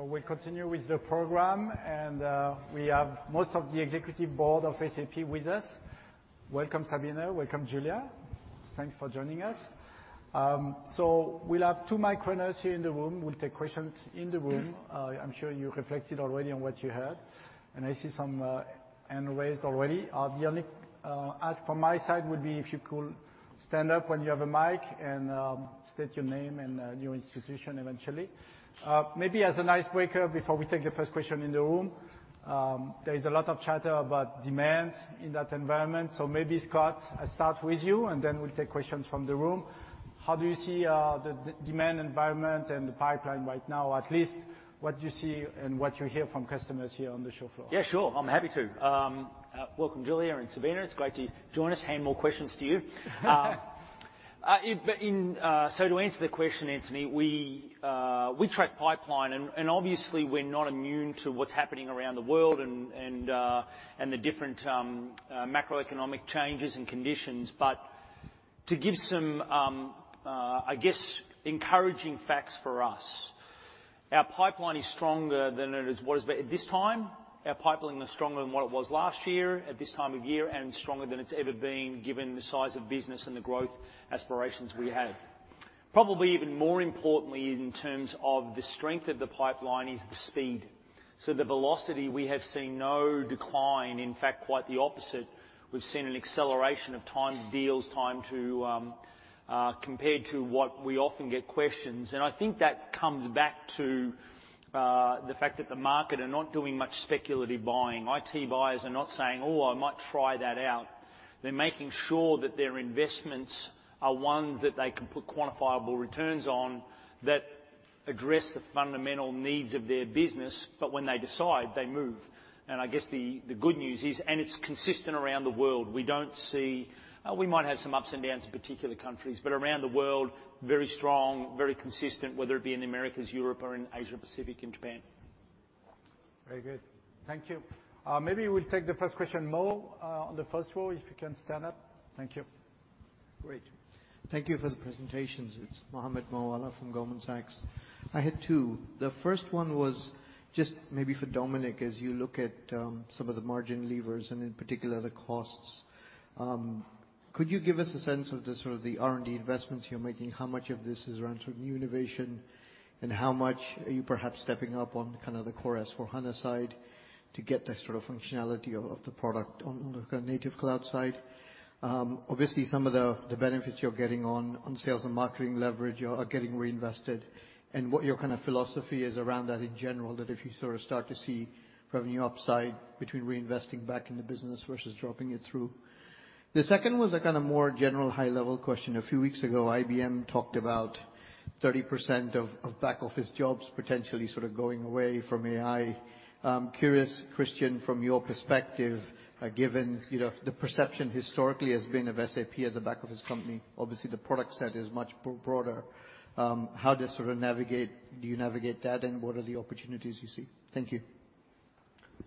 All right. We continue with the program, and we have most of the executive board of SAP with us. Welcome, Sabine. Welcome, Julia. Thanks for joining us. We'll have two microphones here in the room. We'll take questions in the room. I'm sure you reflected already on what you heard, and I see some hand raised already. The only ask from my side would be if you could stand up when you have a mic and state your name and your institution eventually. Maybe as an icebreaker before we take the first question in the room, there is a lot of chatter about demand in that environment. Maybe, Scott, I start with you, and then we'll take questions from the room. How do you see the demand environment and the pipeline right now, at least what you see and what you hear from customers here on the show floor? Yeah, sure. I'm happy to. Welcome, Julia and Sabine. It's great to join us. Hey, more questions to you. To answer the question, Anthony, we track pipeline and obviously we're not immune to what's happening around the world and the different macroeconomic changes and conditions. To give some, I guess, encouraging facts for us, our pipeline is stronger than what it was last year at this time of year and stronger than it's ever been, given the size of business and the growth aspirations we have. Probably even more importantly in terms of the strength of the pipeline is the speed. The velocity, we have seen no decline. In fact, quite the opposite. We've seen an acceleration of time to deals, time to, compared to what we often get questions. I think that comes back to the fact that the market are not doing much speculative buying. IT buyers are not saying, "Oh, I might try that out." They're making sure that their investments are ones that they can put quantifiable returns on that address the fundamental needs of their business. When they decide, they move. I guess the good news is, and it's consistent around the world, we don't see. We might have some ups and downs in particular countries, but around the world, very strong, very consistent, whether it be in Americas, Europe or in Asia Pacific and Japan. Very good. Thank you. maybe we'll take the first question. Mo, on the first row, if you can stand up. Thank you. Great. Thank you for the presentations. It's Mohammed Moawalla from Goldman Sachs. I had two. The first one was just maybe for Dominik. As you look at some of the margin levers and in particular, the costs, could you give us a sense of the sort of the R&D investments you're making, how much of this is around sort of new innovation, and how much are you perhaps stepping up on kind of the core S/4HANA side to get that sort of functionality of the product on the kind of native cloud side? Obviously some of the benefits you're getting on sales and marketing leverage are getting reinvested and what your kind of philosophy is around that in general, that if you sort of start to see revenue upside between reinvesting back in the business versus dropping it through. The second was a kinda more general high-level question. A few weeks ago, IBM talked about 30% of back office jobs potentially sort of going away from AI. I'm curious, Christian, from your perspective, given, you know, the perception historically has been of SAP as a back office company, obviously the product set is much broader, how do you sort of navigate, do you navigate that, and what are the opportunities you see? Thank you. Do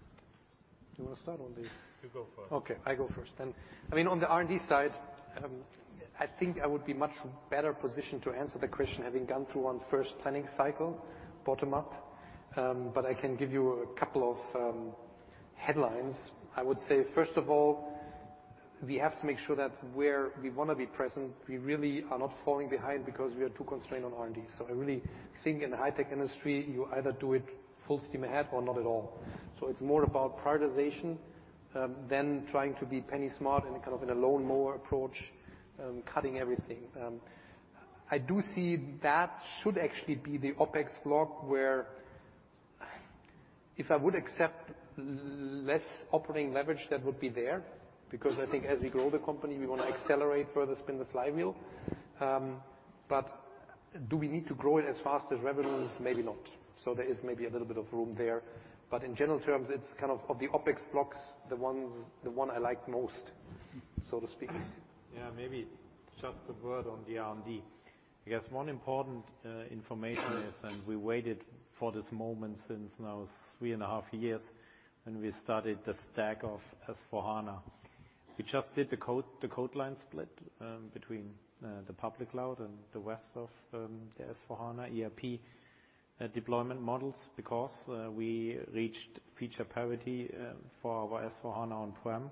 you wanna start? You go first. I go first then. I mean, on the R&D side, I think I would be much better positioned to answer the question, having gone through one first planning cycle, bottom up. I can give you a couple of headlines. I would say, first of all, we have to make sure that where we wanna be present, we really are not falling behind because we are too constrained on R&D. I really think in the high-tech industry, you either do it full steam ahead or not at all. It's more about prioritization than trying to be penny smart and kind of in a lawnmower approach, cutting everything. I do see that should actually be the OpEx block where if I would accept less operating leverage, that would be there, because I think as we grow the company, we wanna accelerate further, spin the flywheel. Do we need to grow it as fast as revenues? Maybe not. There is maybe a little bit of room there. In general terms, it's kind of the OpEx blocks, the one I like most, so to speak. Yeah. Maybe just a word on the R&D. I guess one important information is, we waited for this moment since now 3.5 years, when we started the stack of S/4HANA. We just did the codeline split between the public cloud and the rest of the S/4HANA ERP deployment models because we reached feature parity for our S/4HANA on-prem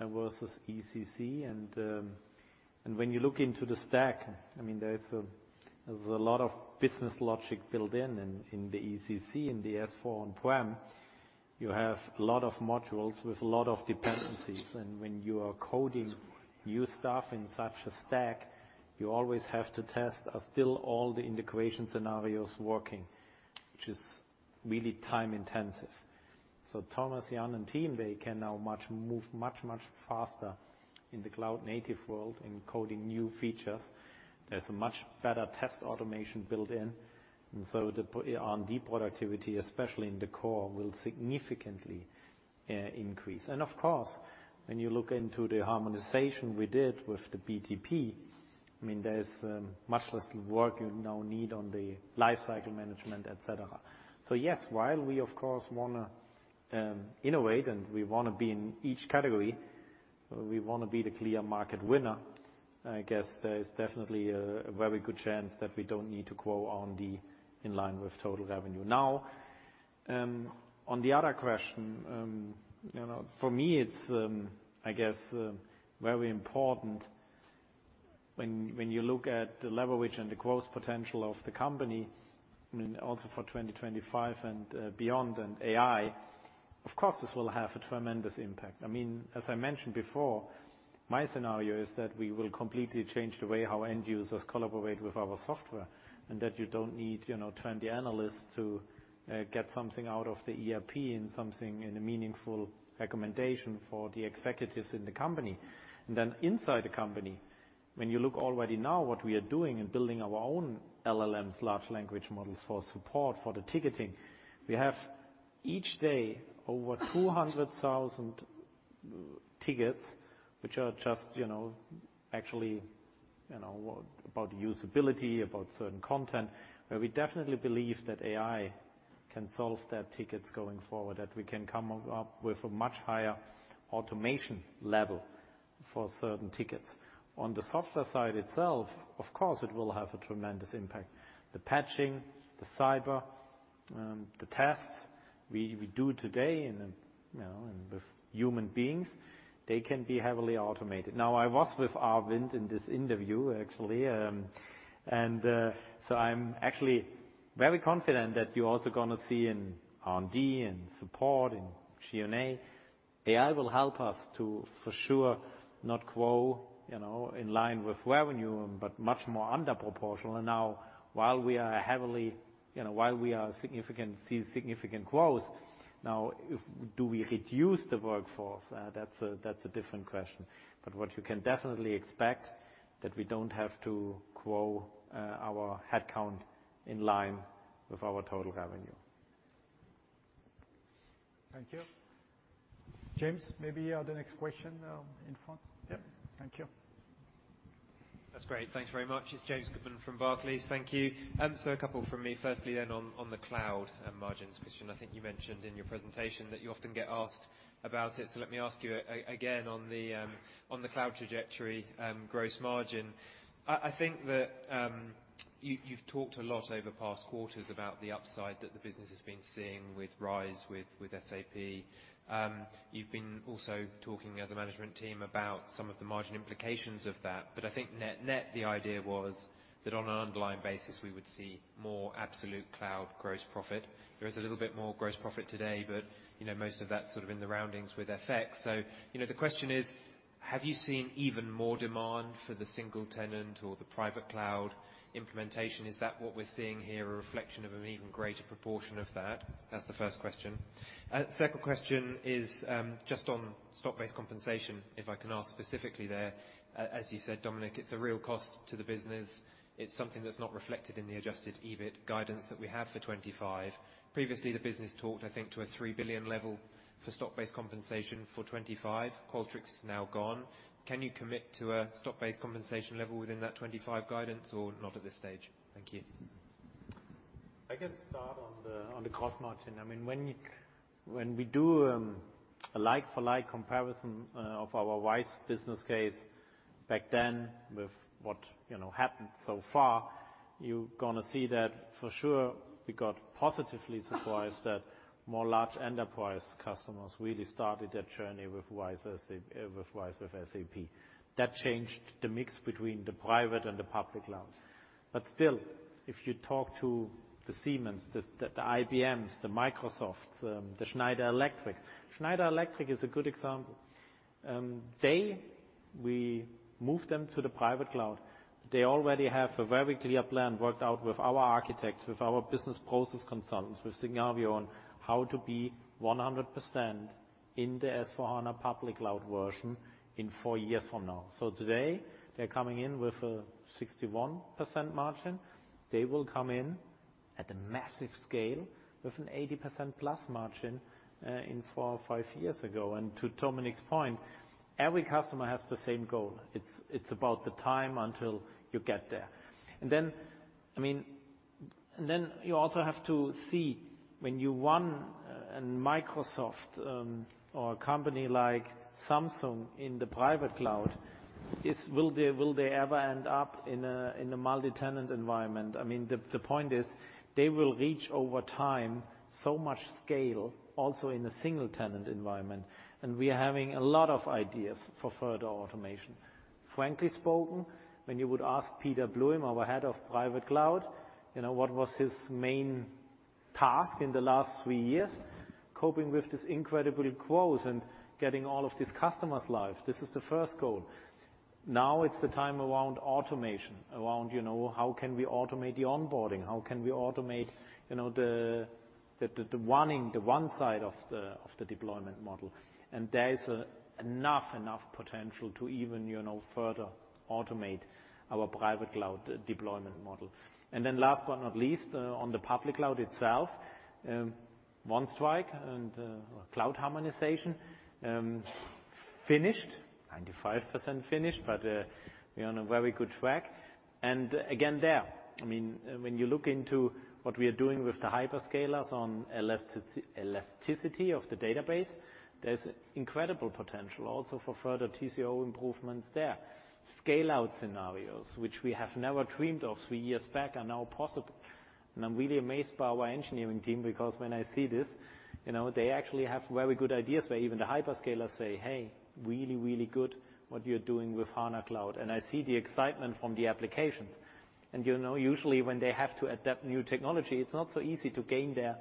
versus ECC. When you look into the stack, I mean, there's a lot of business logic built in the ECC. In the S4 on-prem, you have a lot of modules with a lot of dependencies. When you are coding new stuff in such a stack, you always have to test, are still all the integration scenarios working, which is really time intensive. Thomas, Jan, and team, they can now move much, much faster. In the cloud native world, in coding new features, there's a much better test automation built in. The put it on the productivity, especially in the core, will significantly increase. Of course, when you look into the harmonization we did with the BTP, I mean, there's much less work you now need on the life cycle management, et cetera. Yes, while we of course wanna innovate and we wanna be in each category, we wanna be the clear market winner, I guess there is definitely a very good chance that we don't need to grow on the in line with total revenue. On the other question, you know, for me, it's, I guess, very important when you look at the leverage and the growth potential of the company, I mean, also for 2025 and beyond and AI, of course, this will have a tremendous impact. I mean, as I mentioned before, my scenario is that we will completely change the way how end users collaborate with our software, and that you don't need, you know, 20 analysts to get something out of the ERP and something in a meaningful recommendation for the executives in the company. Then inside the company, when you look already now what we are doing in building our own LLMs, large language models for support for the ticketing. We have each day over 200,000 tickets, which are just, you know, actually, you know, about usability, about certain content, where we definitely believe that AI can solve their tickets going forward, that we can come up with a much higher automation level for certain tickets. On the software side itself, of course, it will have a tremendous impact. The patching, the cyber, the tests we do today and, you know, and with human beings, they can be heavily automated. I was with Arvind in this interview, actually. I'm actually very confident that you're also gonna see in R&D and support, in G&A, AI will help us to, for sure, not grow, you know, in line with revenue, but much more under proportional. Now while we are heavily, you know, while we are see significant growth, now do we reduce the workforce? That's a different question. What you can definitely expect, that we don't have to grow, our headcount in line with our total revenue. Thank you. James, maybe you are the next question in front. Yeah. Thank you. That's great. Thanks very much. It's James Goodman from Barclays. Thank you. A couple from me. Firstly then on the cloud margins. Christian, I think you mentioned in your presentation that you often get asked about it, so let me ask you again on the cloud trajectory gross margin. I think that you've talked a lot over past quarters about the upside that the business has been seeing with RISE with SAP. You've been also talking as a management team about some of the margin implications of that. I think net, the idea was that on an underlying basis, we would see more absolute cloud gross profit. There is a little bit more gross profit today, but, you know, most of that's sort of in the roundings with FX. You know, the question is: Have you seen even more demand for the single tenant or the private cloud implementation? Is that what we're seeing here, a reflection of an even greater proportion of that? That's the first question. Second question is, just on stock-based compensation, if I can ask specifically there. As you said, Dominik, it's a real cost to the business. It's something that's not reflected in the adjusted EBIT guidance that we have for 2025. Previously, the business talked, I think, to a 3 billion level for stock-based compensation for 2025. Qualtrics is now gone. Can you commit to a stock-based compensation level within that 2025 guidance or not at this stage? Thank you. I can start on the gross margin. I mean, when we do a like-for-like comparison of our RISE business case back then with what, you know, happened so far, you're gonna see that for sure we got positively surprised that more large enterprise customers really started their journey with RISE, as they with RISE with SAP. That changed the mix between the private and the public cloud. If you talk to the Siemens, the IBMs, the Microsofts, the Schneider Electrics. Schneider Electric is a good example. We moved them to the private cloud. They already have a very clear plan worked out with our architects, with our business process consultants, with Signavio on how to be 100% in the S/4HANA Public Cloud version in four years from now. Today they're coming in with a 61% margin. They will come in at a massive scale with an 80%+ margin in four or five years ago. To Dominik's point, every customer has the same goal. It's about the time until you get there. Then, I mean, then you also have to see when you won and Microsoft or a company like Samsung in the private cloud, is will they ever end up in a multi-tenant environment? I mean, the point is they will reach over time so much scale also in a single tenant environment. We are having a lot of ideas for further automation. Frankly spoken, when you would ask Peter Bauer, our head of private cloud, you know, what was his main task in the last three years? Coping with this incredible growth and getting all of these customers live. This is the first goal. Now it's the time around automation, around, you know, how can we automate the onboarding? How can we automate, you know, the one-ing, the one side of the deployment model. There is enough potential to even, you know, further automate our private cloud deployment model. Last but not least, on the public cloud itself, One Strike and Cloud Harmonization finished. 95% finished, but we're on a very good track. Again, there, I mean, when you look into what we are doing with the hyperscalers on elasticity of the database, there's incredible potential also for further TCO improvements there. Scale-out scenarios, which we have never dreamed of three years back, are now possible. I'm really amazed by our engineering team, because when I see this, you know, they actually have very good ideas, where even the hyperscalers say, "Hey, really, really good what you're doing with HANA Cloud." I see the excitement from the applications. You know, usually when they have to adapt new technology, it's not so easy to gain their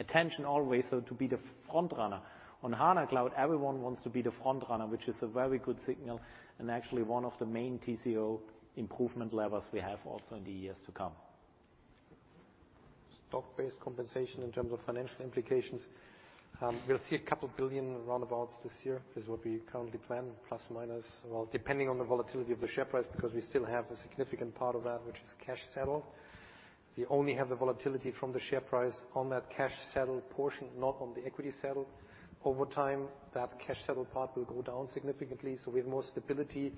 attention always so to be the front runner. On HANA Cloud, everyone wants to be the front runner, which is a very good signal and actually one of the main TCO improvement levers we have also in the years to come. Stock-based compensation in terms of financial implications, you'll see 2 billion roundabouts this year. This is what we currently plan, ±. Well, depending on the volatility of the share price, because we still have a significant part of that, which is cash settled. We only have the volatility from the share price on that cash settled portion, not on the equity settled. Over time, that cash settled part will go down significantly, so we have more stability.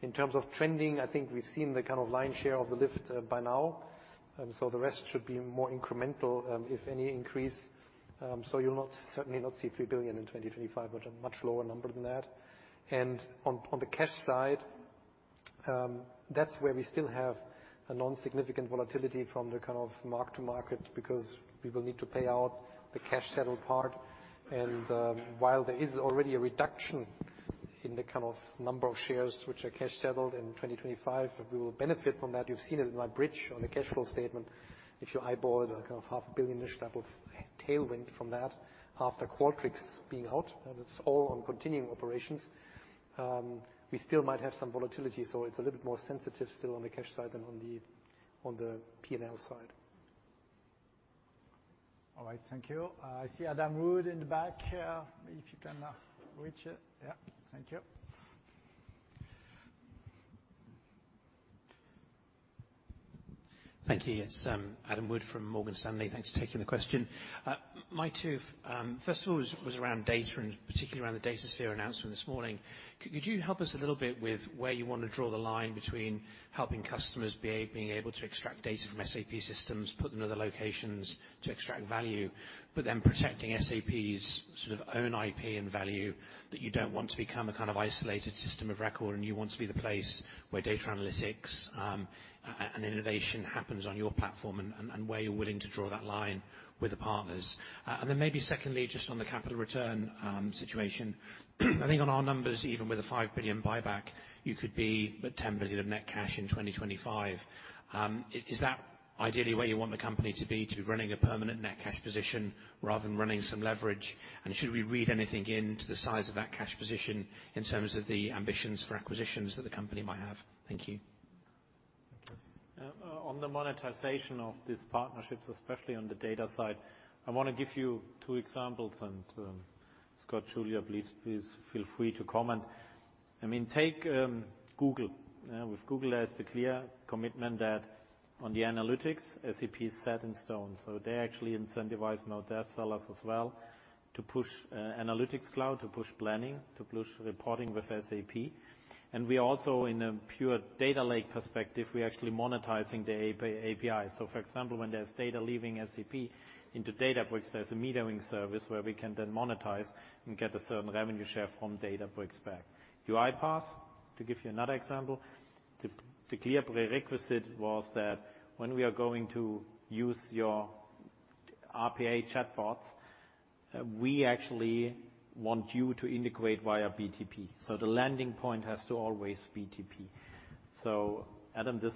In terms of trending, I think we've seen the kind of lion share of the lift by now. The rest should be more incremental, if any increase. You'll not, certainly not see 3 billion in 2025, but a much lower number than that. On the cash side, that's where we still have a non-significant volatility from the kind of mark-to-market, because we will need to pay out the cash settled part. While there is already a reduction in the kind of number of shares which are cash settled in 2025, we will benefit from that. You've seen it in my bridge on the cash flow statement. If you eyeball it, a kind of half a billion-ish type of tailwind from that, after Qualtrics being out, and it's all on continuing operations. We still might have some volatility, so it's a little bit more sensitive still on the cash side than on the P&L side. All right. Thank you. I see Adam Wood in the back. If you can reach it. Yeah. Thank you. Thank you. Yes. Adam Wood from Morgan Stanley. Thanks for taking the question. My two, first of all was around data and particularly around the SAP Datasphere announcement this morning. Could you help us a little bit with where you want to draw the line between helping customers being able to extract data from SAP systems, put them in other locations to extract value, but then protecting SAP's sort of own IP and value, that you don't want to become a kind of isolated system of record, and you want to be the place where data analytics, and innovation happens on your platform, and where you're willing to draw that line with the partners? Maybe secondly, just on the capital return situation. I think on our numbers, even with a 5 billion buyback, you could be at 10 billion of net cash in 2025. Is that ideally where you want the company to be, to be running a permanent net cash position rather than running some leverage? Should we read anything into the size of that cash position in terms of the ambitions for acquisitions that the company might have? Thank you. On the monetization of these partnerships, especially on the data side, I want to give you two examples. Scott, Julia, please feel free to comment. I mean, take Google. With Google has the clear commitment that on the analytics, SAP is set in stone. They actually incentivize now their sellers as well to push SAP Analytics Cloud, to push planning, to push reporting with SAP. We also, in a pure data lake perspective, we're actually monetizing the API. For example, when there's data leaving SAP into Databricks, there's a metering service where we can then monetize and get a certain revenue share from Databricks back. UiPath, to give you another example. The clear prerequisite was that when we are going to use your RPA chatbots, we actually want you to integrate via BTP. The landing point has to always BTP. Adam, this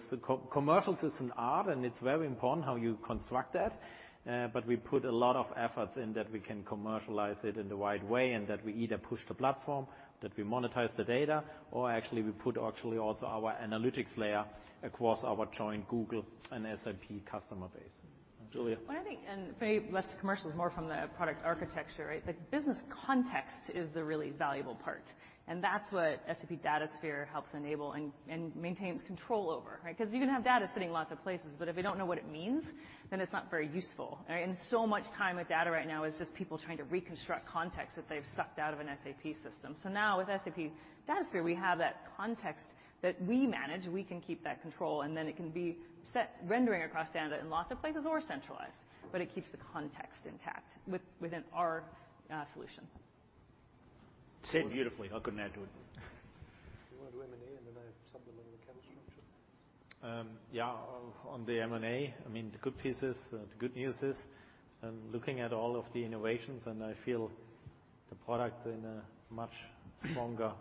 commercial system art, and it's very important how you construct that. We put a lot of efforts in that we can commercialize it in the right way and that we either push the platform, that we monetize the data, or actually we put actually also our analytics layer across our joint Google and SAP customer base. Julia. What I think, maybe less commercials, more from the product architecture, right? The business context is the really valuable part. That's what SAP DataSphere helps enable and maintains control over, right? You can have data sitting lots of places, but if you don't know what it means, then it's not very useful, right? So much time with data right now is just people trying to reconstruct context that they've sucked out of an SAP system. Now with SAP DataSphere, we have that context that we manage, we can keep that control, and then it can be set rendering across data in lots of places or centralized, but it keeps the context intact within our solution. Said beautifully. I couldn't add to it. You want M&A, and then I have something on the capital structure. Yeah. On the M&A, I mean, the good pieces, the good news is, looking at all of the innovations and I feel the product in a much stronger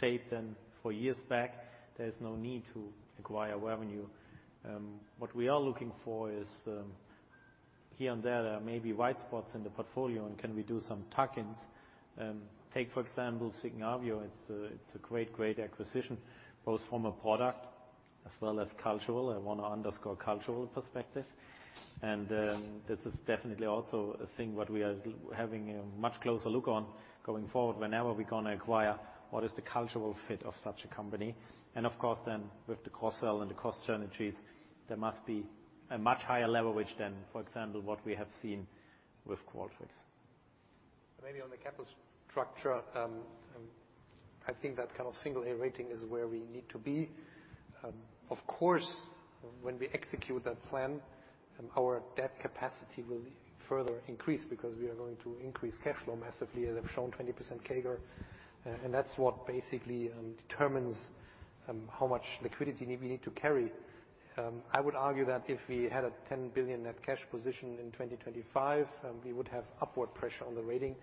shape than four years back, there's no need to acquire revenue. What we are looking for is, here and there are maybe white spots in the portfolio and can we do some tuck-ins. Take for example, Signavio. It's a great acquisition, both from a product as well as cultural. I wanna underscore cultural perspective. This is definitely also a thing what we are having a much closer look on going forward. Whenever we're gonna acquire, what is the cultural fit of such a company? Of course then with the cross-sell and the cost synergies, there must be a much higher level, which then, for example, what we have seen with Qualtrics. Maybe on the capital structure, I think that kind of single A rating is where we need to be. Of course, when we execute that plan, our debt capacity will further increase because we are going to increase cash flow massively, as I've shown 20% CAGR. That's what basically determines how much liquidity we need to carry. I would argue that if we had a 10 billion net cash position in 2025, we would have upward pressure on the rating.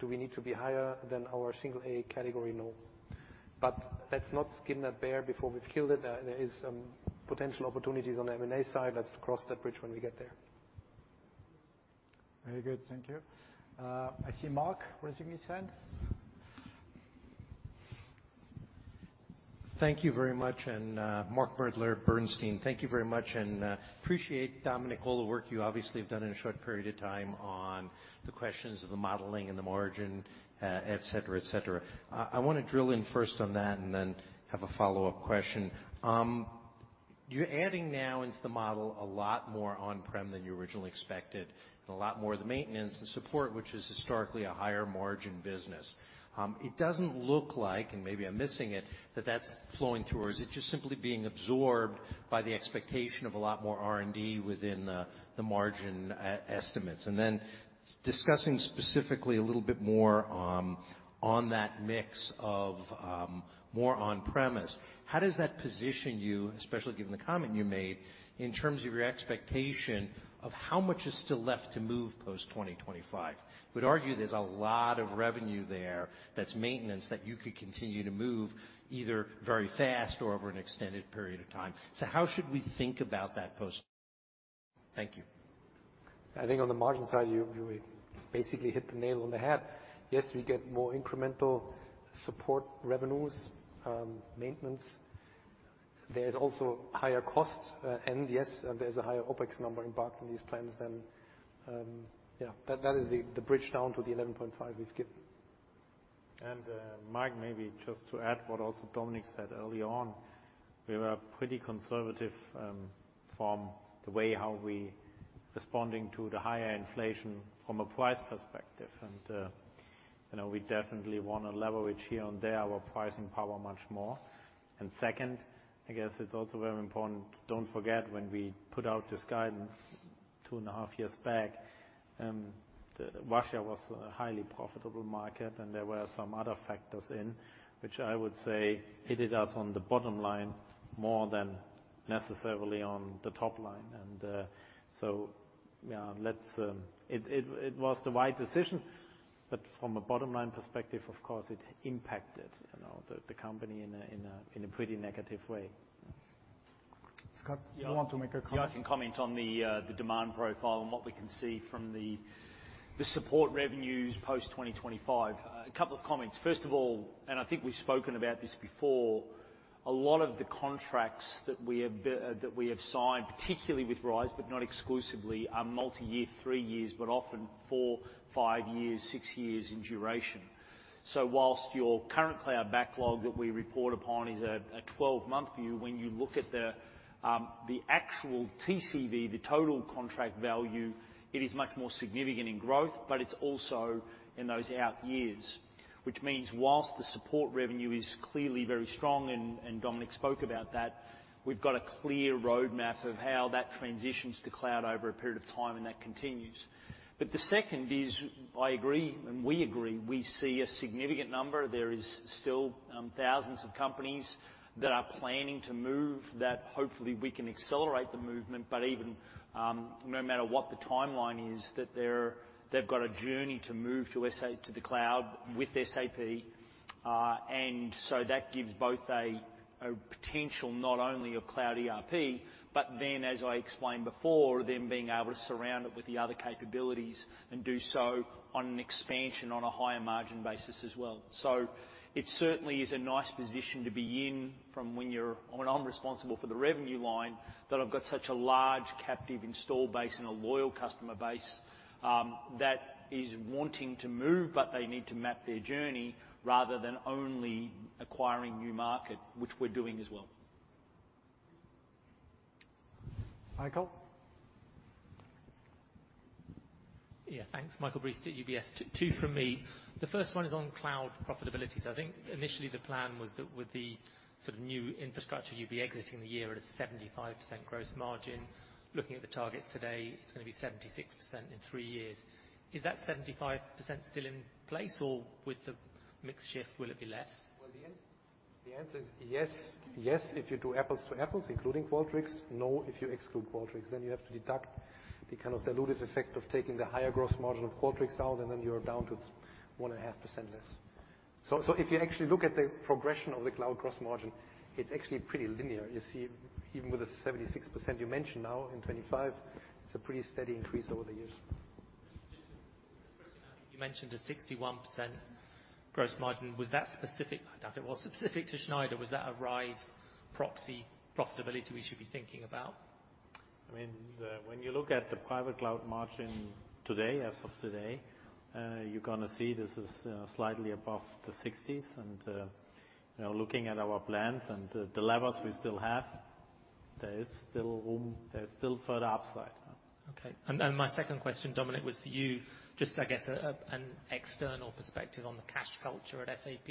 Do we need to be higher than our single A category? No. Let's not skin that bear before we've killed it. There is potential opportunities on the M&A side. Let's cross that bridge when we get there. Very good. Thank you. I see Mark raising his hand. Thank you very much. Mark Moerdler, Bernstein. Thank you very much. Appreciate, Dominik, all the work you obviously have done in a short period of time on the questions of the modeling and the margin, et cetera, et cetera. I wanna drill in first on that and then have a follow-up question. You're adding now into the model a lot more on-prem than you originally expected, and a lot more of the maintenance, the support, which is historically a higher margin business. It doesn't look like, and maybe I'm missing it, that that's flowing through. Or is it just simply being absorbed by the expectation of a lot more R&D within the margin estimates? Discussing specifically a little bit more on that mix of more on-premise, how does that position you, especially given the comment you made, in terms of your expectation of how much is still left to move post 2025? Would argue there's a lot of revenue there that's maintenance that you could continue to move either very fast or over an extended period of time. How should we think about that post? Thank you. I think on the margin side, you basically hit the nail on the head. Yes, we get more incremental support revenues, maintenance. There is also higher costs. Yes, there's a higher OpEx number embarked in these plans than, yeah. That is the bridge down to the 11.5 we've given. Mark, maybe just to add what also Dominik said early on, we were pretty conservative from the way how we responding to the higher inflation from a price perspective. You know, we definitely wanna leverage here and there our pricing power much more. Second, I guess it's also very important, don't forget when we put out this guidance two and a half years back, Russia was a highly profitable market and there were some other factors in which I would say hit us on the bottom line more than necessarily on the top line. Yeah, let's, it was the right decision, but from a bottom line perspective, of course it impacted, you know, the company in a pretty negative way. Scott, you want to make a comment? Yeah, I can comment on the demand profile and what we can see from the support revenues post 2025. A couple of comments. First of all, I think we've spoken about this before, a lot of the contracts that we have signed, particularly with RISE, but not exclusively, are multi-year, 3 years, but often 4, 5, 6 years in duration. Whilst your current cloud backlog that we report upon is a 12-month view, when you look at the actual TCV, the total contract value, it is much more significant in growth, but it's also in those out years. Which means whilst the support revenue is clearly very strong, and Dominik spoke about that, we've got a clear roadmap of how that transitions to cloud over a period of time, and that continues. The second is, I agree, and we agree, we see a significant number. There is still thousands of companies that are planning to move that hopefully we can accelerate the movement. Even, no matter what the timeline is, that they're, they've got a journey to move to the cloud with SAP. That gives both a potential not only of cloud ERP, but then as I explained before, them being able to surround it with the other capabilities and do so on an expansion on a higher margin basis as well. It certainly is a nice position to be in from when I'm responsible for the revenue line, that I've got such a large captive install base and a loyal customer base, that is wanting to move, but they need to map their journey rather than only acquiring new market, which we're doing as well. Michael? Yeah, thanks. Michael Briest at UBS. T-two from me. The first one is on cloud profitability. I think initially the plan was that with the sort of new infrastructure, you'd be exiting the year at a 75% gross margin. Looking at the targets today, it's gonna be 76% in 3 years. Is that 75% still in place, or with the mix shift, will it be less? Well, the answer is yes. Yes, if you do apples to apples, including Qualtrics. No, if you exclude Qualtrics, then you have to deduct the kind of dilutive effect of taking the higher gross margin of Qualtrics out, and then you're down to 1.5% less. If you actually look at the progression of the cloud gross margin, it's actually pretty linear. You see, even with the 76% you mentioned now in 2025, it's a pretty steady increase over the years. Christian, I think you mentioned a 61% gross margin. Was that specific? I doubt it was specific to Schneider. Was that a RISE proxy profitability we should be thinking about? I mean, the, when you look at the private cloud margin today, as of today, you're gonna see this is, slightly above the sixties. You know, looking at our plans and the levers we still have, there is still room, there's still further upside. Okay. My second question, Dominik, was to you, just I guess an external perspective on the cash culture at SAP.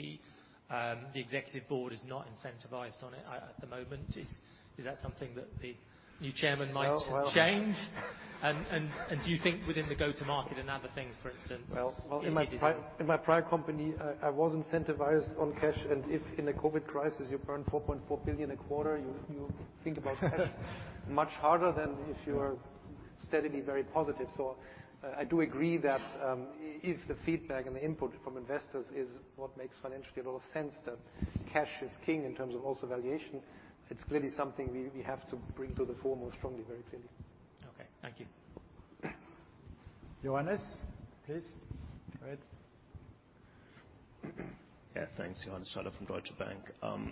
The executive board is not incentivized on it at the moment. Is that something that the new chairman might change? Well, well. Do you think within the go-to-market and other things, for instance, it'll be different? Well, in my prior company, I was incentivized on cash. If in a COVID crisis you burn $4.4 billion a quarter, you think about cash much harder than if you are steadily very positive. I do agree that if the feedback and the input from investors is what makes financially a lot of sense, that cash is king in terms of also valuation, it's clearly something we have to bring to the fore more strongly, very clearly. Okay. Thank you. Johannes, please go ahead. Yeah, thanks. Johannes Schaller from Deutsche Bank.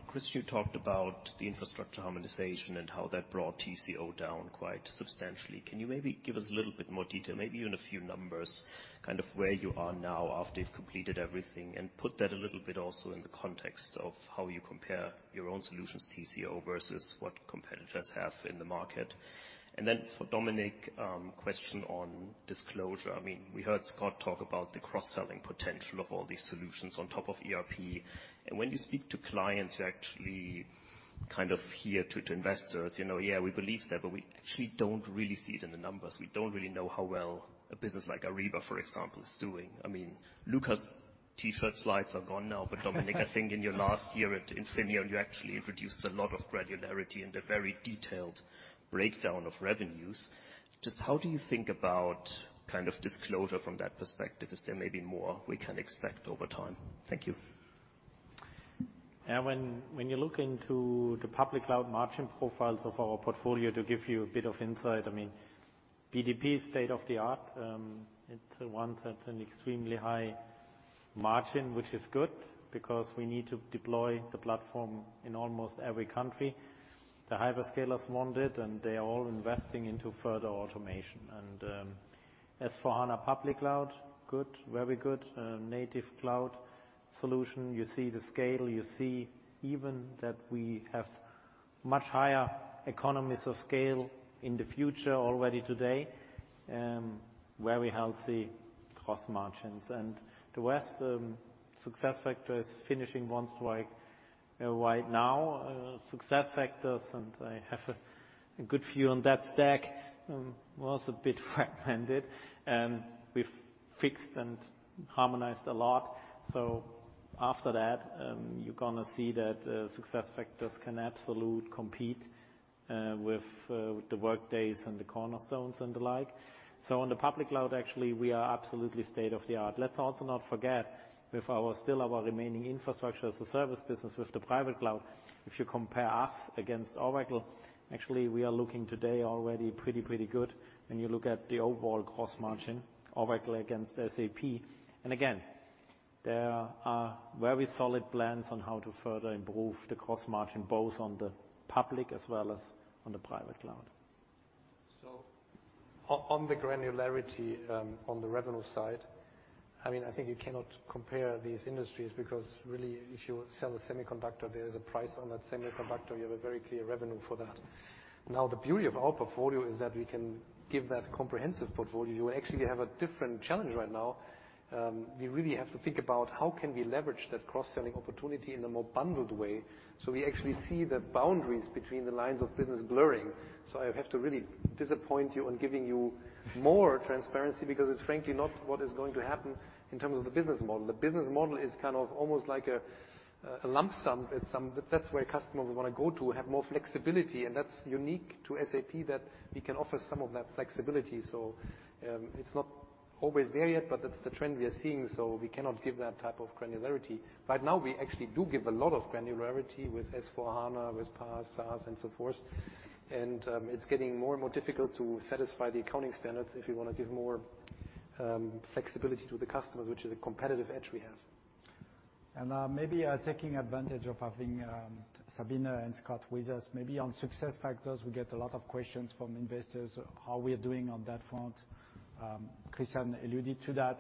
Christian, you talked about the infrastructure harmonization and how that brought TCO down quite substantially. Can you maybe give us a little bit more detail, maybe even a few numbers, kind of where you are now after you've completed everything? Put that a little bit also in the context of how you compare your own solutions TCO versus what competitors have in the market. For Dominik, question on disclosure. I mean, we heard Scott talk about the cross-selling potential of all these solutions on top of ERP. When you speak to clients, you actually kind of hear to investors, you know, "Yeah, we believe that," but we actually don't really see it in the numbers. We don't really know how well a business like Ariba, for example, is doing. I mean, Luka's T-shirt slides are gone now. Dominik, I think in your last year at Infineon, you actually introduced a lot of granularity in the very detailed breakdown of revenues. Just how do you think about kind of disclosure from that perspective? Is there maybe more we can expect over time? Thank you. Yeah. When you look into the public cloud margin profiles of our portfolio, to give you a bit of insight, I mean, BTP is state-of-the-art. it's one that's an extremely high margin, which is good because we need to deploy the platform in almost every country. The hyperscalers want it, they are all investing into further automation. SAP S/4HANA Public Cloud, good, very good. native cloud solution. You see the scale. You see even that we have much higher economies of scale in the future already today. very healthy gross margins. The rest, SAP SuccessFactors finishing onestrike right now. SAP SuccessFactors, and I have a good view on that stack, was a bit fragmented and we've fixed and harmonized a lot. After that, you're gonna see that SAP SuccessFactors can absolute compete with the Workday and the Cornerstone OnDemand and the like. On the public cloud, actually, we are absolutely state-of-the-art. Let's also not forget with our, still our remaining infrastructure as a service business with the private cloud, if you compare us against Oracle, actually we are looking today already pretty good when you look at the overall cloud gross margin, Oracle against SAP. Again, there are very solid plans on how to further improve the cloud gross margin, both on the public as well as on the private cloud. On the granularity, on the revenue side, I mean, I think you cannot compare these industries because really if you sell a semiconductor, there is a price on that semiconductor. You have a very clear revenue for that. The beauty of our portfolio is that we can give that comprehensive portfolio. You actually have a different challenge right now. We really have to think about how can we leverage that cross-selling opportunity in a more bundled way. We actually see the boundaries between the lines of business blurring. I have to really disappoint you on giving you more transparency, because it's frankly not what is going to happen in terms of the business model. The business model is kind of almost like a lump sum at some... That's where customers want to go to, have more flexibility, and that's unique to SAP that we can offer some of that flexibility. It's not always there yet, but that's the trend we are seeing. We cannot give that type of granularity. Right now we actually do give a lot of granularity with SAP S/4HANA, with PaaS, SaaS, and so forth. It's getting more and more difficult to satisfy the accounting standards if we want to give more flexibility to the customers, which is a competitive edge we have. Maybe, taking advantage of having Sabine and Scott with us, maybe on SAP SuccessFactors, we get a lot of questions from investors, how we are doing on that front. Christian alluded to that.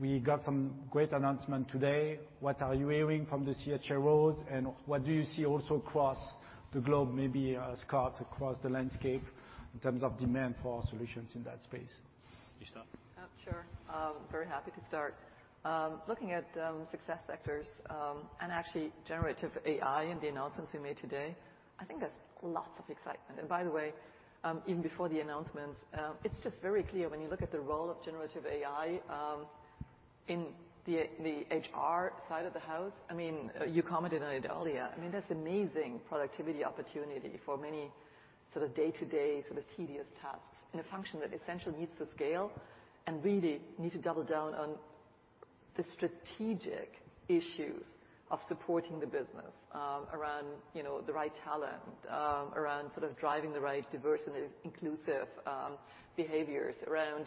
We got some great announcement today. What are you hearing from the CHROs, and what do you see also across the globe, maybe, Scott, across the landscape in terms of demand for our solutions in that space? You start. Sure. Very happy to start. Looking at SuccessFactors, and actually generative AI and the announcements we made today, I think there's lots of excitement. By the way, even before the announcements, it's just very clear when you look at the role of generative AI in the HR side of the house, I mean, you commented on it earlier. I mean, that's amazing productivity opportunity for many sort of day-to-day, sort of tedious tasks in a function that essentially needs to scale and really need to double down on the strategic issues of supporting the business, around, you know, the right talent, around sort of driving the right diversity inclusive behaviors, around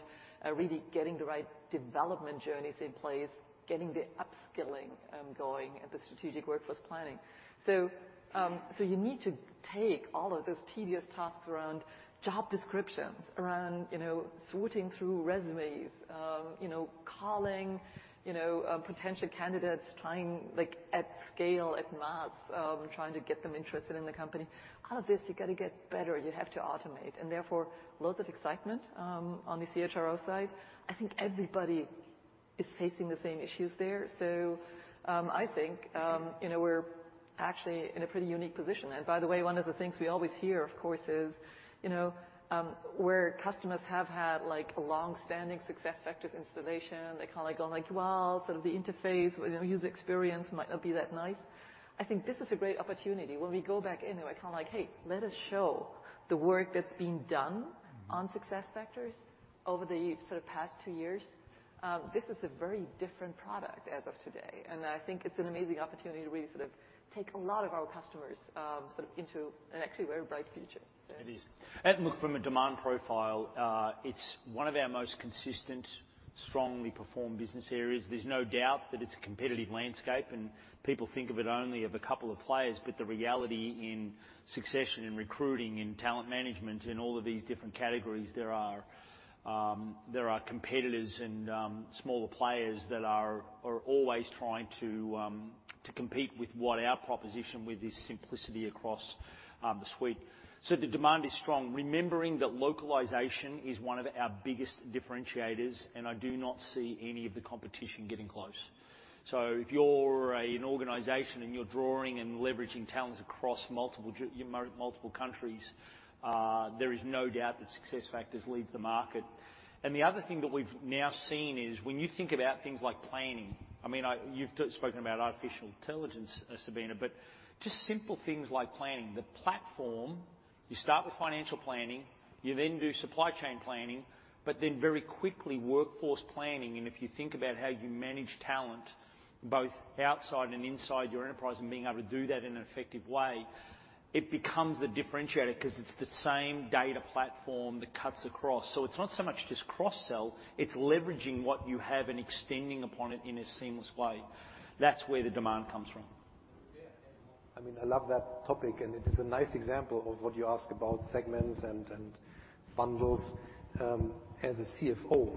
really getting the right development journeys in place, getting the upskilling going, and the strategic workforce planning. You need to take all of those tedious tasks around job descriptions, around, you know, sorting through resumes, you know, calling, you know, potential candidates, trying, like, at scale, at mass, trying to get them interested in the company. Out of this, you gotta get better. You have to automate, and therefore, loads of excitement on the CHRO side. I think everybody is facing the same issues there. I think, you know, we're actually in a pretty unique position. By the way, one of the things we always hear, of course, is, you know, where customers have had, like, a long-standing SuccessFactors installation, they kinda like go like, "Well, sort of the interface, you know, user experience might not be that nice." I think this is a great opportunity when we go back in and we're kinda like, "Hey, let us show the work that's been done- Mm-hmm. -on SuccessFactors over the sort of past two years." This is a very different product as of today, and I think it's an amazing opportunity to really sort of take a lot of our customers, sort of into an actually very bright future. It is. Look, from a demand profile, it's one of our most consistent, strongly performed business areas. There's no doubt that it's a competitive landscape, and people think of it only of a couple of players. The reality in succession, in recruiting, in talent management, in all of these different categories, there are competitors and smaller players that are always trying to compete with what our proposition with this simplicity across the suite. The demand is strong. Remembering that localization is one of our biggest differentiators, and I do not see any of the competition getting close. If you're an organization and you're drawing and leveraging talents across multiple multiple countries, there is no doubt that SuccessFactors leads the market. The other thing that we've now seen is when you think about things like planning, I mean, you've spoken about artificial intelligence, Sabine, but just simple things like planning. The platform, you start with financial planning, you then do supply chain planning, but then very quickly workforce planning. If you think about how you manage talent both outside and inside your enterprise and being able to do that in an effective way, it becomes the differentiator 'cause it's the same data platform that cuts across. It's not so much just cross-sell, it's leveraging what you have and extending upon it in a seamless way. That's where the demand comes from. I mean, I love that topic, and it is a nice example of what you ask about segments and bundles. As a CFO,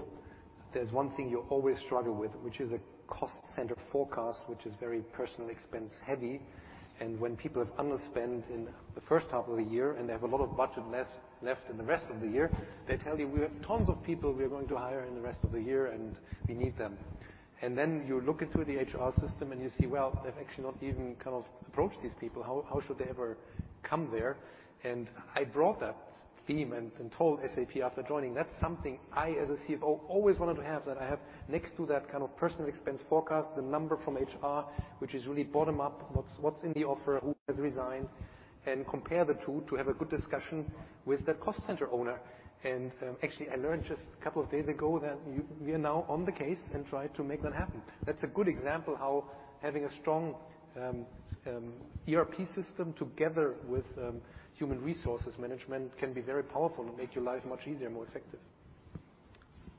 there's one thing you always struggle with, which is a cost center forecast, which is very personal expense heavy. When people have underspent in the first half of the year and they have a lot of budget left in the rest of the year, they tell you, "We have tons of people we are going to hire in the rest of the year, and we need them." Then you look into the HR system and you see, well, they've actually not even kind of approached these people. How should they ever come there? I brought that theme and told SAP after joining, that's something I, as a CFO, always wanted to have, that I have next to that kind of personal expense forecast, the number from HR, which is really bottom up, what's in the offer, who has resigned, and compare the two to have a good discussion with the cost center owner. Actually, I learned just a couple of days ago that we are now on the case and try to make that happen. That's a good example how having a strong ERP system together with human resources management can be very powerful and make your life much easier, more effective.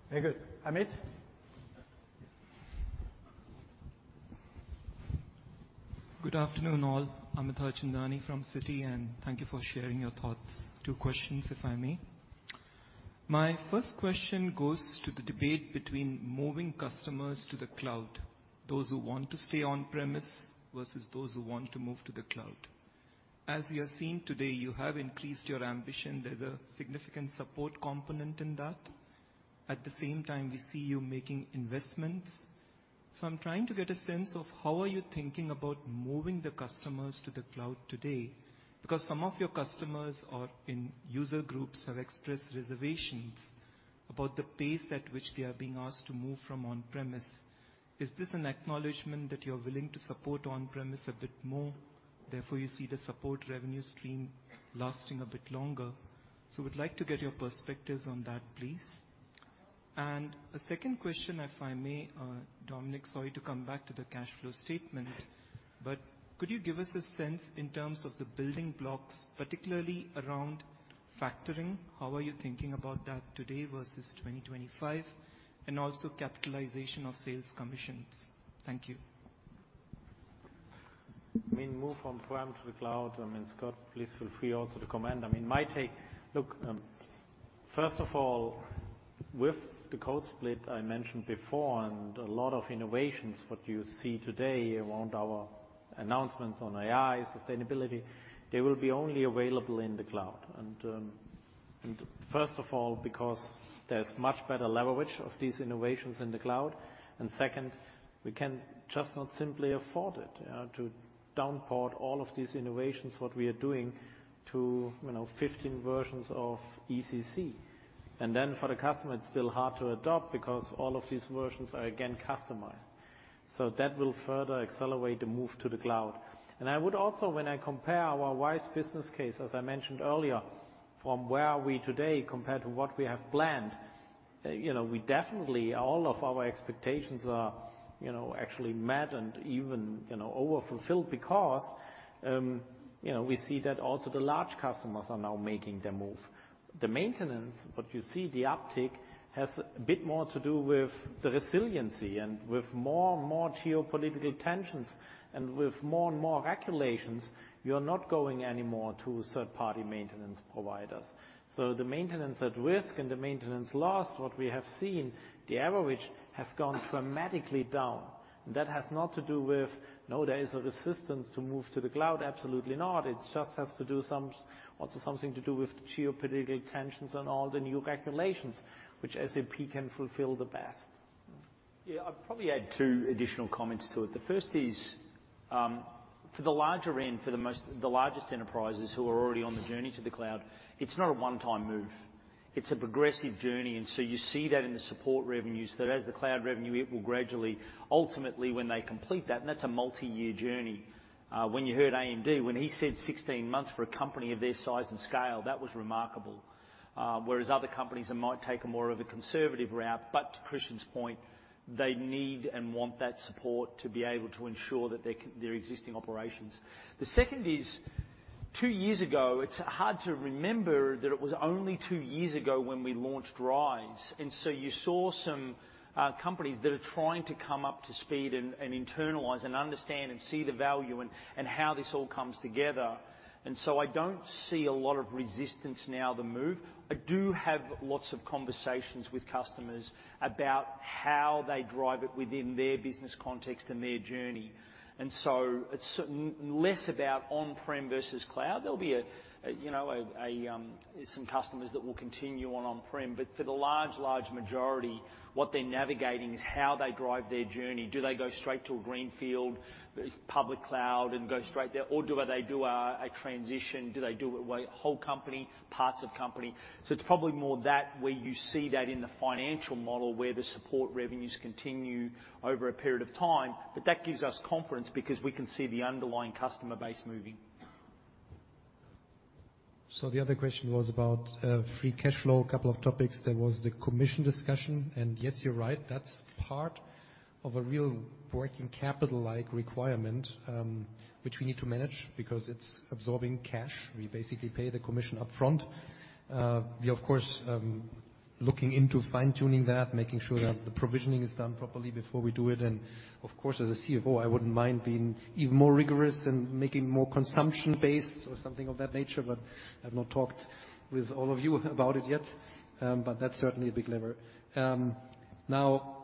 Very good. Amit? Good afternoon, all. Amit Harchandani from Citi, thank you for sharing your thoughts. Two questions, if I may. My first question goes to the debate between moving customers to the cloud, those who want to stay on-premise versus those who want to move to the cloud. As we have seen today, you have increased your ambition. There's a significant support component in that. At the same time, we see you making investments. I'm trying to get a sense of how are you thinking about moving the customers to the cloud today, because some of your customers or in user groups have expressed reservations about the pace at which they are being asked to move from on-premise. Is this an acknowledgment that you're willing to support on-premise a bit more, therefore you see the support revenue stream lasting a bit longer? We'd like to get your perspectives on that, please. A second question, if I may, Dominik, sorry to come back to the cash flow statement, could you give us a sense in terms of the building blocks, particularly around factoring, how are you thinking about that today versus 2025? Also capitalization of sales commissions. Thank you. I mean, move from on-prem to the cloud, I mean, Scott, please feel free also to comment. I mean, my take. Look, first of all, with the code split I mentioned before and a lot of innovations, what you see today around our announcements on AI, sustainability, they will be only available in the cloud. First of all, because there's much better leverage of these innovations in the cloud. Second, we can just not simply afford it to downport all of these innovations, what we are doing to, you know, 15 versions of ECC. For the customer, it's still hard to adopt because all of these versions are again customized. That will further accelerate the move to the cloud. I would also, when I compare our RISE business case, as I mentioned earlier, from where are we today compared to what we have planned, you know, we definitely all of our expectations are, you know, actually met and even, you know, overfulfilled because, you know, we see that also the large customers are now making their move. The maintenance, what you see the uptick, has a bit more to do with the resiliency and with more and more geopolitical tensions and with more and more regulations, you're not going anymore to third-party maintenance providers. The maintenance at risk and the maintenance loss, what we have seen, the average has gone dramatically down. That has not to do with no days of assistance to move to the cloud. Absolutely not. It just has to do also something to do with geopolitical tensions and all the new regulations which SAP can fulfill the best. I'd probably add 2 additional comments to it. The first is, for the larger end, the largest enterprises who are already on the journey to the cloud, it's not a 1-time move. It's a progressive journey. You see that in the support revenues, that as the cloud revenue, it will gradually ultimately when they complete that's a multiyear journey. When you heard AMD, when he said 16 months for a company of their size and scale, that was remarkable. Whereas other companies that might take a more of a conservative route, to Christian's point, they need and want that support to be able to ensure that their existing operations. The second is 2 years ago, it's hard to remember that it was only 2 years ago when we launched RISE. You saw some companies that are trying to come up to speed and internalize and understand and see the value and how this all comes together. I don't see a lot of resistance now the move. I do have lots of conversations with customers about how they drive it within their business context and their journey. It's less about on-prem versus cloud. There'll be a, you know, some customers that will continue on on-prem. For the large majority, what they're navigating is how they drive their journey. Do they go straight to a green field, public cloud and go straight there? Do they do a transition? Do they do it way whole company, parts of company? It's probably more that where you see that in the financial model where the support revenues continue over a period of time. That gives us confidence because we can see the underlying customer base moving. The other question was about free cash flow, a couple of topics. There was the commission discussion. Yes, you're right, that's part of a real working capital-like requirement, which we need to manage because it's absorbing cash. We basically pay the commission upfront. We, of course, looking into fine-tuning that, making sure that the provisioning is done properly before we do it. Of course, as a CFO, I wouldn't mind being even more rigorous and making more consumption-based or something of that nature, but I've not talked with all of you about it yet. That's certainly a big lever. Now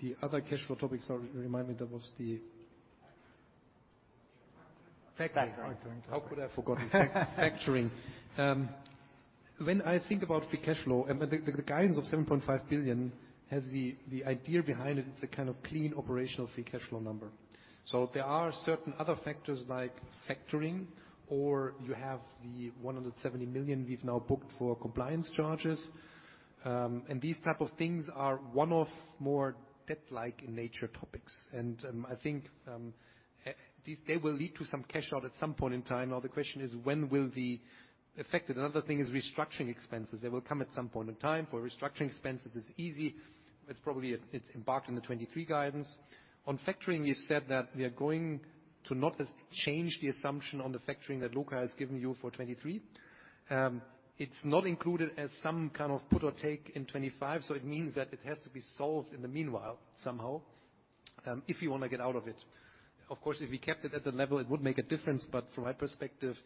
the other cash flow topics, or remind me, that was the... Factoring. How could I have forgotten? Factoring. When I think about free cash flow, the guidance of 7.5 billion has the idea behind it's a kind of clean operational free cash flow number. There are certain other factors like factoring, or you have the 170 million we've now booked for compliance charges. These type of things are one of more debt-like nature topics. I think they will lead to some cash out at some point in time. Now the question is when will be affected? Another thing is restructuring expenses. They will come at some point in time. For restructuring expenses, it's easy. It's probably it's embarked in the 2023 guidance. On factoring, we said that we are going to not change the assumption on the factoring that Luka has given you for 23. It's not included as some kind of put or take in 25, it means that it has to be solved in the meanwhile somehow, if you wanna get out of it. Of course, if we kept it at the level, it would make a difference. From my perspective,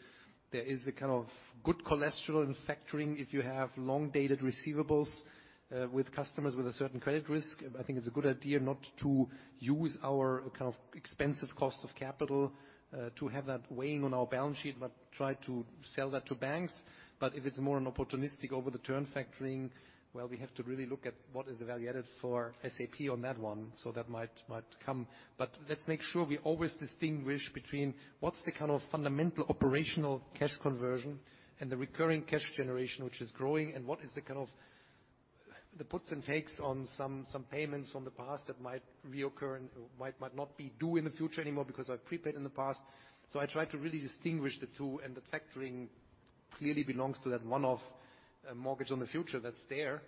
there is a kind of good cholesterol in factoring if you have long-dated receivables, with customers with a certain credit risk. I think it's a good idea not to use our kind of expensive cost of capital, to have that weighing on our balance sheet, but try to sell that to banks. If it's more an opportunistic over the term factoring, we have to really look at what is the value added for SAP on that one. That might come. Let's make sure we always distinguish between what's the kind of fundamental operational cash conversion and the recurring cash generation, which is growing, and what is the kind of the puts and takes on some payments from the past that might reoccur and might not be due in the future anymore because I've prepaid in the past. I try to really distinguish the two, and the factoring clearly belongs to that one-off mortgage on the future that's there.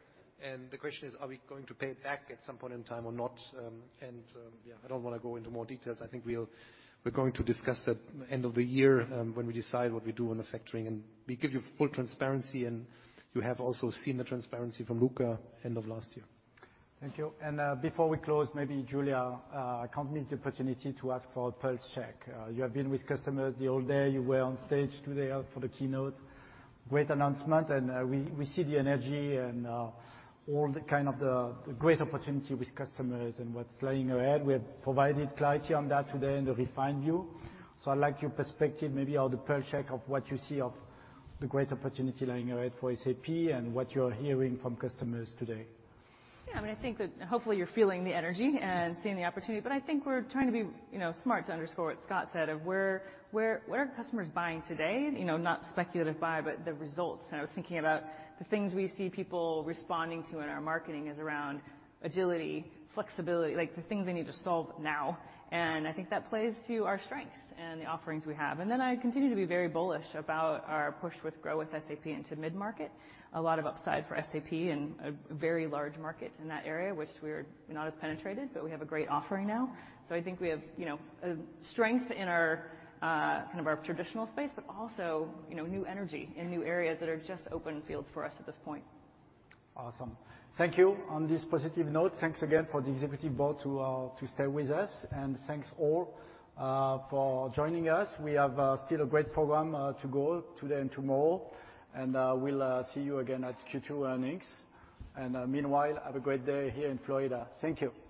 The question is, are we going to pay it back at some point in time or not? Yeah. I don't wanna go into more details. I think we're going to discuss that end of the year, when we decide what we do on the factoring, and we give you full transparency, and you have also seen the transparency from Luka end of last year. Thank you. Before we close, maybe Julia can't miss the opportunity to ask for a pulse check. You have been with customers the whole day. You were on stage today for the keynote. Great announcement, and we see the energy and all the kind of the great opportunity with customers and what's lying ahead. We have provided clarity on that today and a refined view. I'd like your perspective, maybe on the pulse check of what you see of the great opportunity lying ahead for SAP and what you're hearing from customers today. Yeah. I mean, I think that hopefully you're feeling the energy and seeing the opportunity. I think we're trying to be, you know, smart to underscore what Scott said of where are customers buying today? You know, not speculative buy, but the results. I was thinking about the things we see people responding to in our marketing is around agility, flexibility, like, the things they need to solve now. I think that plays to our strengths and the offerings we have. I continue to be very bullish about our push with GROW with SAP into mid-market. A lot of upside for SAP and a very large market in that area, which we're not as penetrated, but we have a great offering now. I think we have, you know, a strength in our, kind of our traditional space, but also, you know, new energy in new areas that are just open fields for us at this point. Awesome. Thank you. On this positive note, thanks again for the executive board to stay with us, and thanks all for joining us. We have still a great program to go today and tomorrow. We'll see you again at Q2 Earnings. Meanwhile, have a great day here in Florida. Thank you.